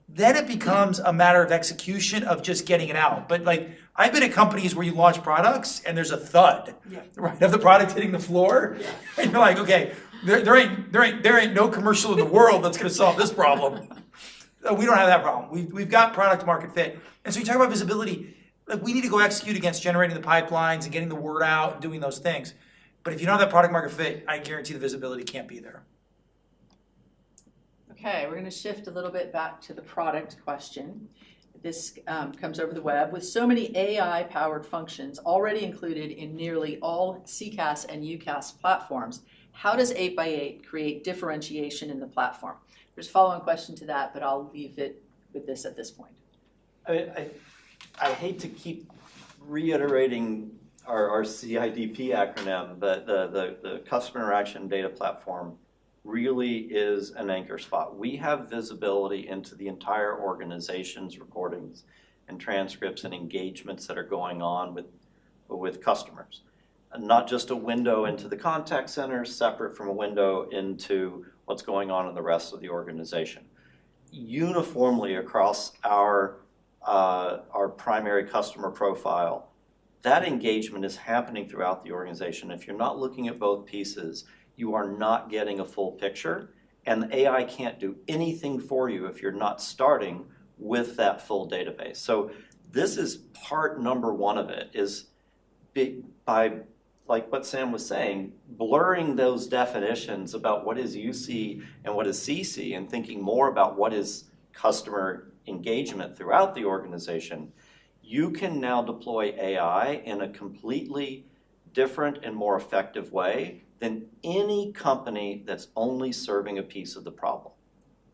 Then it becomes a matter of execution of just getting it out. But, like, I've been at companies where you launch products, and there's a thud- Yeah. right, of the product hitting the floor. Yeah. And you're like: Okay, there ain't no commercial in the world that's gonna solve this problem. We don't have that problem. We've got product market fit. And so you talk about visibility, like, we need to go execute against generating the pipelines and getting the word out, doing those things. But if you don't have that product market fit, I guarantee the visibility can't be there. Okay, we're gonna shift a little bit back to the product question. This comes over the web. With so many AI-powered functions already included in nearly all CCaaS and UCaaS platforms, how does 8x8 create differentiation in the platform? There's a follow-on question to that, but I'll leave it with this at this point. I hate to keep reiterating our CIDP acronym, but the customer interaction data platform really is an anchor spot. We have visibility into the entire organization's recordings and transcripts, and engagements that are going on with customers. And not just a window into the contact center, separate from a window into what's going on in the rest of the organization. Uniformly across our primary customer profile, that engagement is happening throughout the organization. If you're not looking at both pieces, you are not getting a full picture, and AI can't do anything for you if you're not starting with that full database. So this is part number 1 of it, is big by, like what Sam was saying, blurring those definitions about what is UC and what is CC, and thinking more about what is customer engagement throughout the organization, you can now deploy AI in a completely different and more effective way than any company that's only serving a piece of the problem.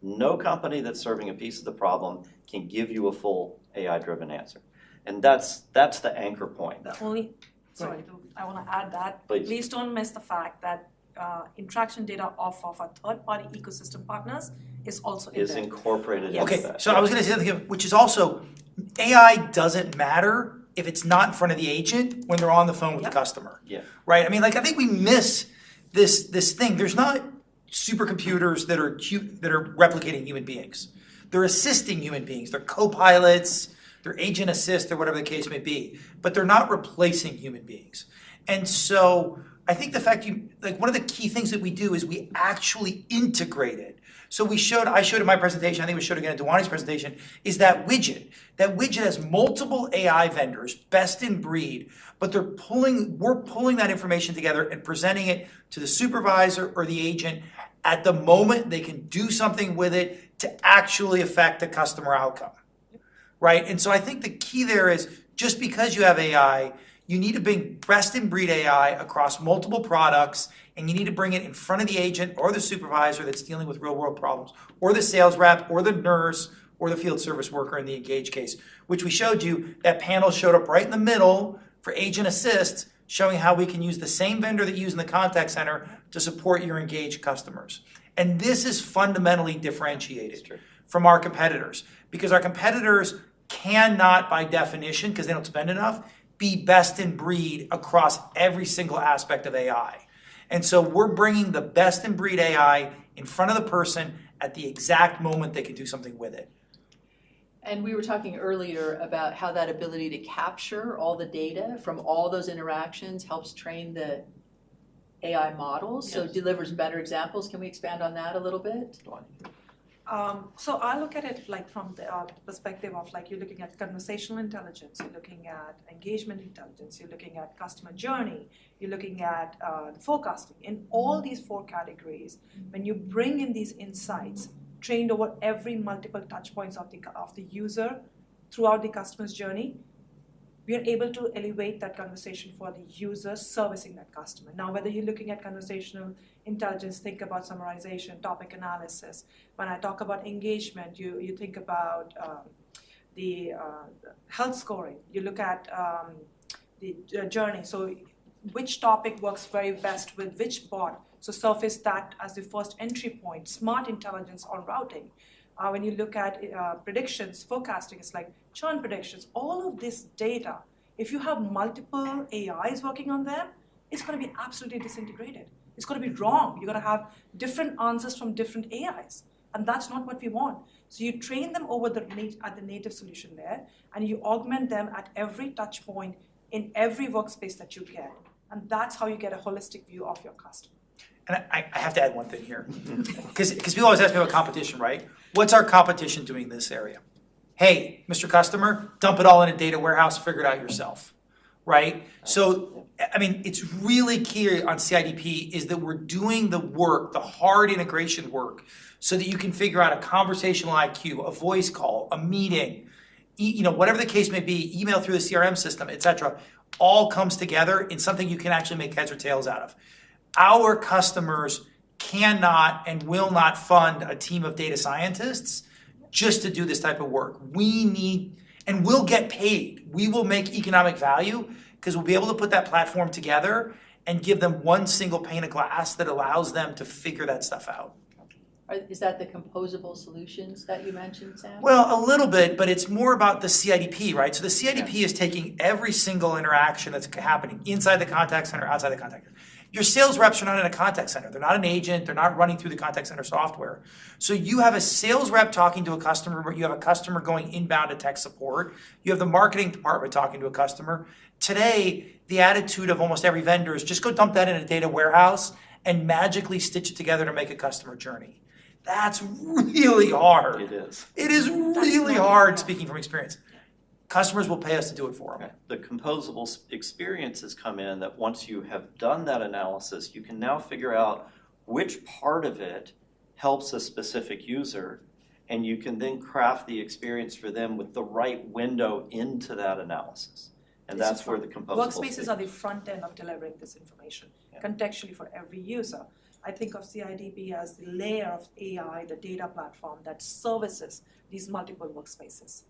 No company that's serving a piece of the problem can give you a full AI-driven answer, and that's, that's the anchor point. Only- Sorry. Go ahead. I wanna add that. Please. Please don't miss the fact that, interaction data off of our third-party ecosystem partners is also in there. Is incorporated into that. Yes. Okay. So I was gonna say, which is also, AI doesn't matter if it's not in front of the agent when they're on the phone with the customer. Yeah. Right? I mean, like, I think we miss this, this thing. There's not supercomputers that are replicating human beings. They're assisting human beings. They're co-pilots, they're Agent Assist, or whatever the case may be, but they're not replacing human beings. And so I think the fact you, like, one of the key things that we do is we actually integrate it. So we showed, I showed in my presentation, I think we showed it again in Dhwani's presentation, is that widget. That widget has multiple AI vendors, best in breed, but they're pulling, we're pulling that information together and presenting it to the supervisor or the agent at the moment they can do something with it to actually affect the customer outcome. Yeah. Right? And so I think the key there is, just because you have AI, you need a big best-in-breed AI across multiple products, and you need to bring it in front of the agent or the supervisor that's dealing with real-world problems, or the sales rep, or the nurse, or the field service worker in the Engage case. Which we showed you, that panel showed up right in the middle for Agent Assist, showing how we can use the same vendor that you use in the contact center to support your Engage customers. And this is fundamentally differentiating- It's true -from our competitors, because our competitors cannot, by definition, 'cause they don't spend enough, be best in breed across every single aspect of AI. And so we're bringing the best in breed AI in front of the person at the exact moment they can do something with it. We were talking earlier about how that ability to capture all the data from all those interactions helps train the AI models. Yes So it delivers better examples. Can we expand on that a little bit? Dhwani. So I look at it, like, from the perspective of, like, you're looking at conversational intelligence, you're looking at engagement intelligence, you're looking at customer journey, you're looking at forecasting. In all these four categories, when you bring in these insights, trained over every multiple touch points of the user throughout the customer's journey, we are able to elevate that conversation for the user servicing that customer. Now, whether you're looking at conversational intelligence, think about summarization, topic analysis. When I talk about engagement, you, you think about the health scoring. You look at. -the journey. So which topic works very best with which bot? So surface that as the first entry point, smart intelligence, or routing. When you look at predictions, forecasting, it's like churn predictions. All of this data, if you have multiple AIs working on them, it's gonna be absolutely disintegrated. It's gonna be wrong. You're gonna have different answers from different AIs, and that's not what we want. So you train them over at the native solution there, and you augment them at every touch point in every workspace that you can. And that's how you get a holistic view of your customer. And I have to add one thing here. 'Cause we always ask about competition, right? What's our competition doing in this area? "Hey, Mr. Customer, dump it all in a data warehouse, figure it out yourself." Right? Right. So, I mean, it's really key on CIDP is that we're doing the work, the hard integration work, so that you can figure out a conversational IQ, a voice call, a meeting, you know, whatever the case may be, email through the CRM system, et cetera, all comes together in something you can actually make heads or tails out of. Our customers cannot and will not fund a team of data scientists just to do this type of work. We need. And we'll get paid. We will make economic value 'cause we'll be able to put that platform together and give them one single pane of glass that allows them to figure that stuff out. Okay. Is that the composable solutions that you mentioned, Sam? Well, a little bit, but it's more about the CIDP, right? Yeah. So the CIDP is taking every single interaction that's happening inside the contact center or outside the contact center. Your sales reps are not in a contact center. They're not an agent. They're not running through the contact center software. So you have a sales rep talking to a customer, where you have a customer going inbound to tech support. You have the marketing department talking to a customer. Today, the attitude of almost every vendor is, "Just go dump that in a data warehouse and magically stitch it together to make a customer journey." That's really hard. It is. It is really hard- That's right -speaking from experience. Customers will pay us to do it for them. Okay. The composable experiences come in, that once you have done that analysis, you can now figure out which part of it helps a specific user, and you can then craft the experience for them with the right window into that analysis, and that's where the composable- Workspaces are the front end of delivering this information- Yeah -contextually for every user. I think of CIDP as the layer of AI, the data platform, that services these multiple workspaces.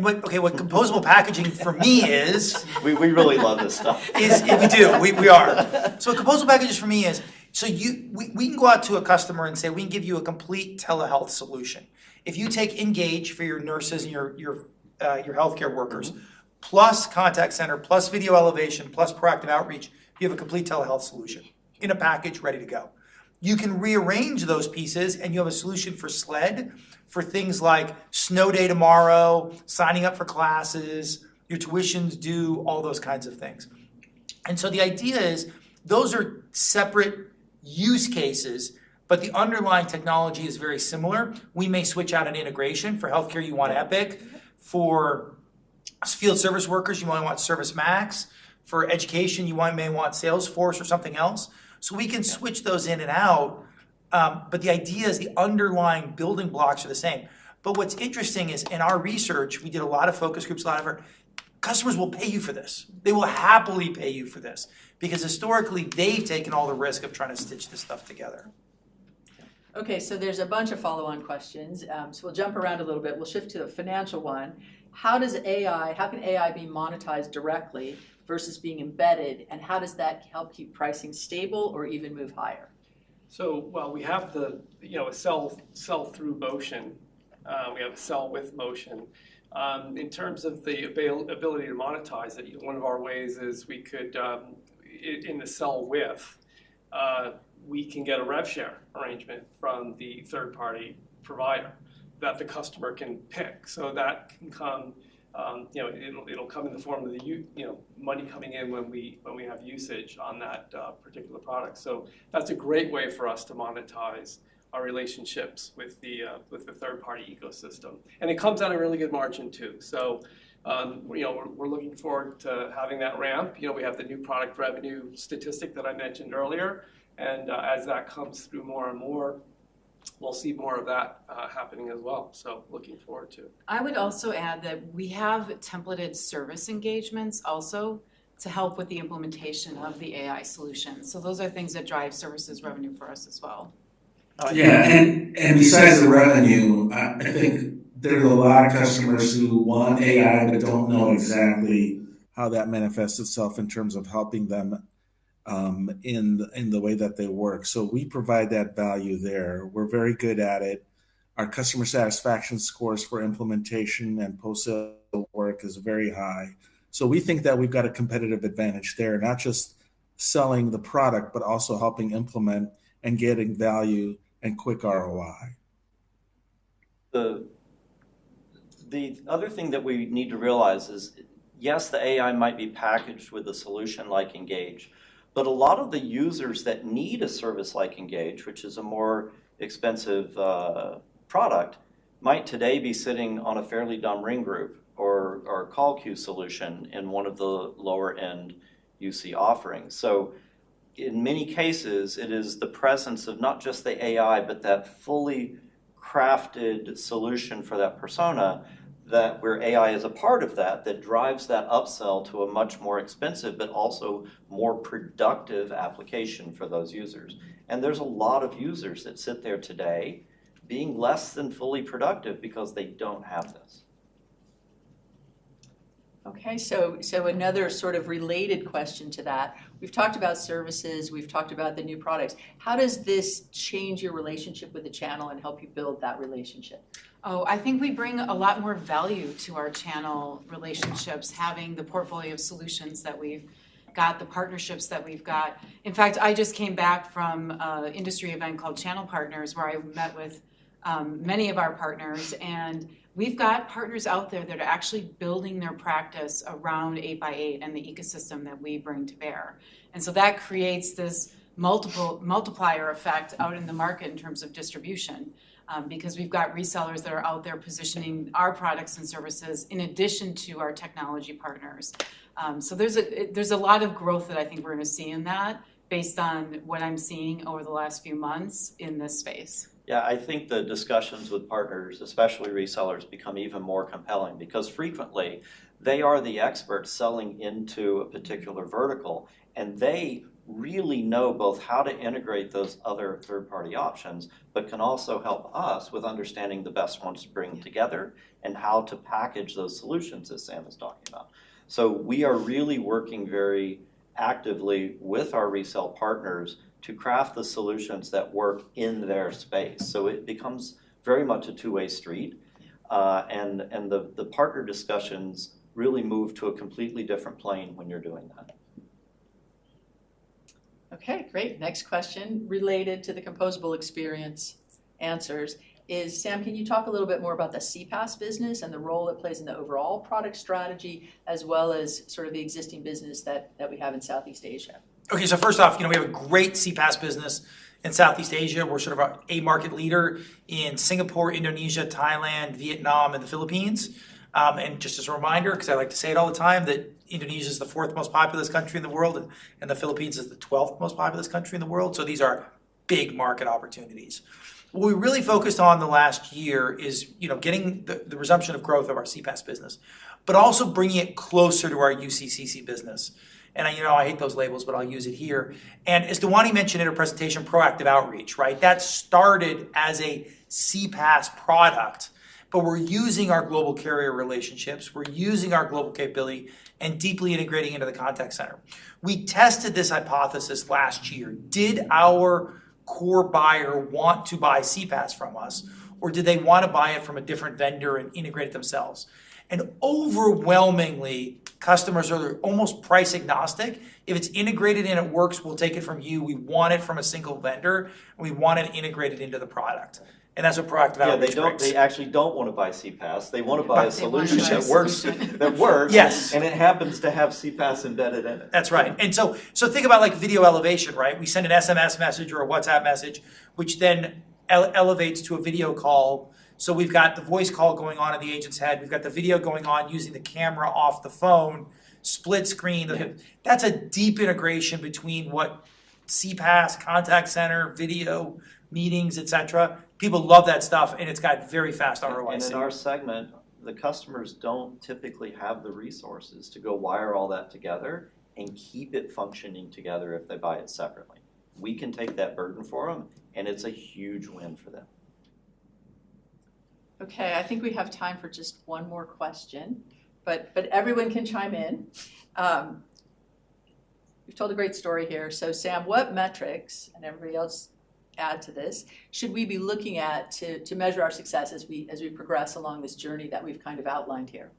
What composable packaging for me is- We really love this stuff. We do. We are. So composable packages for me is, we can go out to a customer and say, "We can give you a complete telehealth solution." If you take Engage for your nurses and your healthcare workers- Mm-hmm - plus contact center, plus Video Elevation, plus Proactive Outreach, you have a complete telehealth solution in a package ready to go. You can rearrange those pieces, and you have a solution for SLED, for things like snow day tomorrow, signing up for classes, your tuition's due, all those kinds of things. And so the idea is, those are separate use cases, but the underlying technology is very similar. We may switch out an integration. For healthcare, you want Epic. Mm-hmm. For field service workers, you want ServiceMax. For education, you may want Salesforce or something else. Yeah. So we can switch those in and out, but the idea is the underlying building blocks are the same. But what's interesting is, in our research, we did a lot of focus groups, a lot of our customers will pay you for this. They will happily pay you for this because historically, they've taken all the risk of trying to stitch this stuff together. Yeah. Okay, so there's a bunch of follow-on questions. So we'll jump around a little bit. We'll shift to a financial one. How does AI, how can AI be monetized directly versus being embedded, and how does that help keep pricing stable or even move higher? So, well, we have the, you know, a sell-through motion. We have a sell-with motion. In terms of the availability to monetize it, one of our ways is we could, in the sell-with, we can get a rev share arrangement from the third-party provider that the customer can pick. So that can come, you know, it'll, it'll come in the form of the, you know, money coming in when we, when we have usage on that particular product. So that's a great way for us to monetize our relationships with the, with the third-party ecosystem, and it comes at a really good margin, too. So, you know, we're, we're looking forward to having that ramp. You know, we have the new product revenue statistic that I mentioned earlier, and as that comes through more and more, we'll see more of that happening as well, so looking forward to it. I would also add that we have templated service engagements also to help with the implementation of the AI solution. So those are things that drive services revenue for us as well. Yeah. And besides the revenue, I think there's a lot of customers who want AI but don't know exactly how that manifests itself in terms of helping them in the way that they work. So we provide that value there. We're very good at it. Our customer satisfaction scores for implementation and post-sale work is very high. So we think that we've got a competitive advantage there, not just selling the product, but also helping implement and getting value and quick ROI. The other thing that we need to realize is, yes, the AI might be packaged with a solution like Engage, but a lot of the users that need a service like Engage, which is a more expensive product, might today be sitting on a fairly dumb ring group or a call queue solution in one of the lower-end UC offerings. So in many cases, it is the presence of not just the AI, but that fully crafted solution for that persona, where AI is a part of that, that drives that upsell to a much more expensive but also more productive application for those users. And there's a lot of users that sit there today being less than fully productive because they don't have this. Okay, so, so another sort of related question to that. We've talked about services, we've talked about the new products. How does this change your relationship with the channel and help you build that relationship? Oh, I think we bring a lot more value to our channel relationships, having the portfolio of solutions that we've got, the partnerships that we've got. In fact, I just came back from an industry event called Channel Partners, where I met with many of our partners, and we've got partners out there that are actually building their practice around 8x8 and the ecosystem that we bring to bear. And so that creates this multiple, multiplier effect out in the market in terms of distribution, because we've got resellers that are out there positioning our products and services in addition to our technology partners. So there's a lot of growth that I think we're gonna see in that based on what I'm seeing over the last few months in this space. Yeah, I think the discussions with partners, especially resellers, become even more compelling, because frequently, they are the experts selling into a particular vertical, and they really know both how to integrate those other third-party options, but can also help us with understanding the best ones to bring together and how to package those solutions, as Sam was talking about. So we are really working very actively with our resell partners to craft the solutions that work in their space. So it becomes very much a two-way street. And the partner discussions really move to a completely different plane when you're doing that. Okay, great. Next question, related to the composable experience answers is, Sam, can you talk a little bit more about the CPaaS business and the role it plays in the overall product strategy, as well as sort of the existing business that we have in Southeast Asia? Okay, so first off, you know, we have a great CPaaS business in Southeast Asia. We're sort of a market leader in Singapore, Indonesia, Thailand, Vietnam, and the Philippines. And just as a reminder, 'cause I like to say it all the time, that Indonesia is the fourth most populous country in the world, and the Philippines is the twelfth most populous country in the world, so these are big market opportunities. What we really focused on the last year is, you know, getting the resumption of growth of our CPaaS business, but also bringing it closer to our UCaaS business. And, you know, I hate those labels, but I'll use it here. And as Dhwani mentioned in her presentation, Proactive Outreach, right? That started as a CPaaS product, but we're using our global carrier relationships, we're using our global capability, and deeply integrating into the contact center. We tested this hypothesis last year: Did our core buyer want to buy CPaaS from us, or did they wanna buy it from a different vendor and integrate it themselves? And overwhelmingly, customers are almost price-agnostic. If it's integrated and it works, we'll take it from you. We want it from a single vendor, and we want it integrated into the product, and that's a Proactive Outreach. Yeah, they don't, they actually don't wanna buy CPaaS. They wanna buy a solution- They wanna buy- -that works, that works- Yes - and it happens to have CPaaS embedded in it. That's right. So think about, like, Video Elevation, right? We send an SMS message or a WhatsApp message, which then elevates to a video call. So we've got the voice call going on in the agent's head, we've got the video going on using the camera off the phone, split screen. That's a deep integration between what CPaaS, contact center, video, meetings, et cetera. People love that stuff, and it's got very fast ROI. In our segment, the customers don't typically have the resources to go wire all that together and keep it functioning together if they buy it separately. We can take that burden for them, and it's a huge win for them. Okay, I think we have time for just one more question, but everyone can chime in. You've told a great story here. So Sam, what metrics, and everybody else add to this, should we be looking at to measure our success as we progress along this journey that we've kind of outlined here?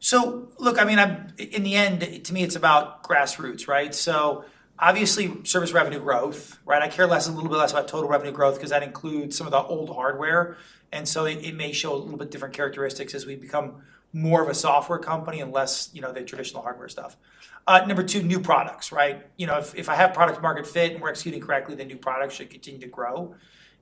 So look, I mean, I'm in the end, to me, it's about grassroots, right? So obviously, service revenue growth, right? I care less, a little bit less about total revenue growth, 'cause that includes some of the old hardware, and so it, it may show a little bit different characteristics as we become more of a software company and less, you know, the traditional hardware stuff. Number two, new products, right? You know, if I have product market fit and we're executing correctly, the new products should continue to grow,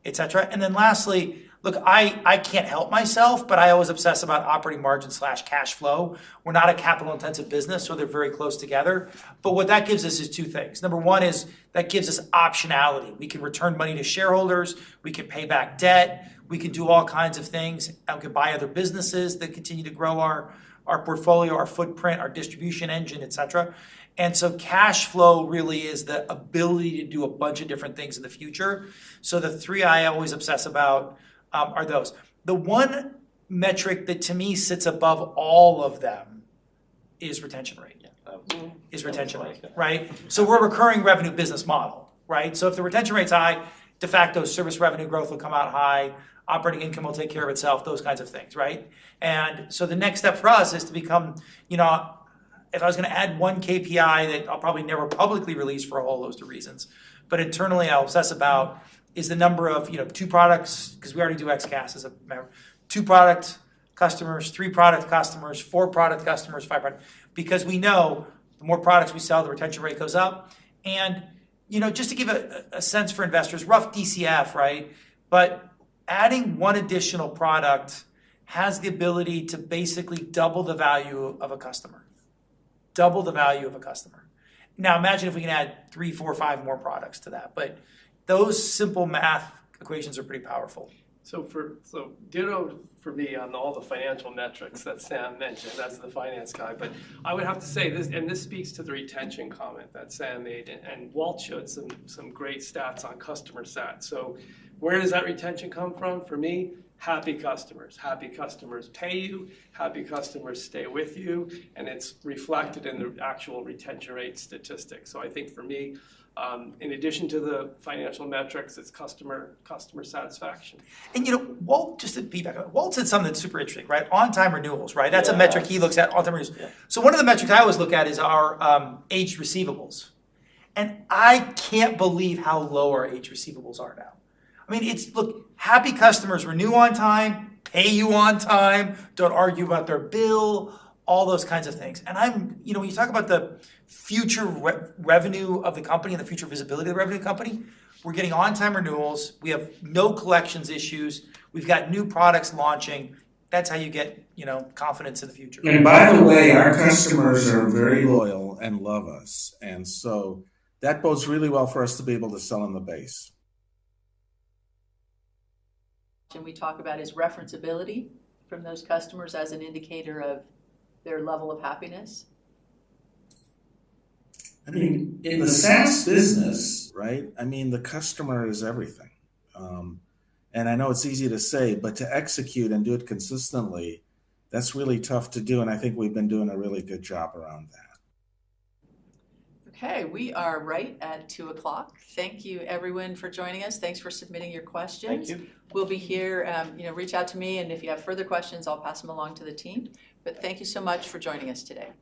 et cetera. And then lastly, look, I can't help myself, but I always obsess about operating margin/cash flow. We're not a capital-intensive business, so they're very close together. But what that gives us is two things. Number one is, that gives us optionality. We can return money to shareholders, we can pay back debt, we can do all kinds of things, and we can buy other businesses that continue to grow our, our portfolio, our footprint, our distribution engine, et cetera. And so cash flow really is the ability to do a bunch of different things in the future. So the three I always obsess about are those. The one metric that, to me, sits above all of them is retention rate. Yeah. Is retention rate. Right. Right? So we're a recurring revenue business model, right? So if the retention rate's high, de facto, service revenue growth will come out high, operating income will take care of itself, those kinds of things, right? And so the next step for us is to become, you know. If I was gonna add one KPI that I'll probably never publicly release for a whole host of reasons, but internally I'll obsess about, is the number of, you know, two products, 'cause we already do XCaaS remember. Two product customers, three product customers, four product customers, five product. Because we know the more products we sell, the retention rate goes up. And, you know, just to give a sense for investors, rough DCF, right? But adding one additional product has the ability to basically double the value of a customer. Double the value of a customer. Now, imagine if we can add 3, 4, or 5 more products to that, but those simple math equations are pretty powerful. So ditto for me on all the financial metrics that Sam mentioned. That's the finance guy. But I would have to say, this, and this speaks to the retention comment that Sam made, and Walt showed some great stats on customer sat. So where does that retention come from? For me, happy customers. Happy customers pay you, happy customers stay with you, and it's reflected in the actual retention rate statistics. So I think for me, in addition to the financial metrics, it's customer, customer satisfaction. You know, Walt, just to piggyback on that, Walt said something that's super interesting, right? On-time renewals, right? Yeah. That's a metric he looks at, on-time renewals. Yeah. So one of the metrics I always look at is our A/R, and I can't believe how low our A/R is now. I mean, it's, look, happy customers renew on time, pay you on time, don't argue about their bill, all those kinds of things. And I'm- you know, when you talk about the future re- revenue of the company and the future visibility of the revenue company, we're getting on-time renewals, we have no collections issues, we've got new products launching. That's how you get, you know, confidence in the future. And by the way- Yeah -our customers are very loyal and love us, and so that bodes really well for us to be able to sell on the base. Can we talk about his referenceability from those customers as an indicator of their level of happiness? I mean, in the SaaS business, right, I mean, the customer is everything. And I know it's easy to say, but to execute and do it consistently, that's really tough to do, and I think we've been doing a really good job around that. Okay, we are right at 2:00 P.M. Thank you, everyone, for joining us. Thanks for submitting your questions. Thank you. We'll be here. You know, reach out to me, and if you have further questions, I'll pass them along to the team. But thank you so much for joining us today.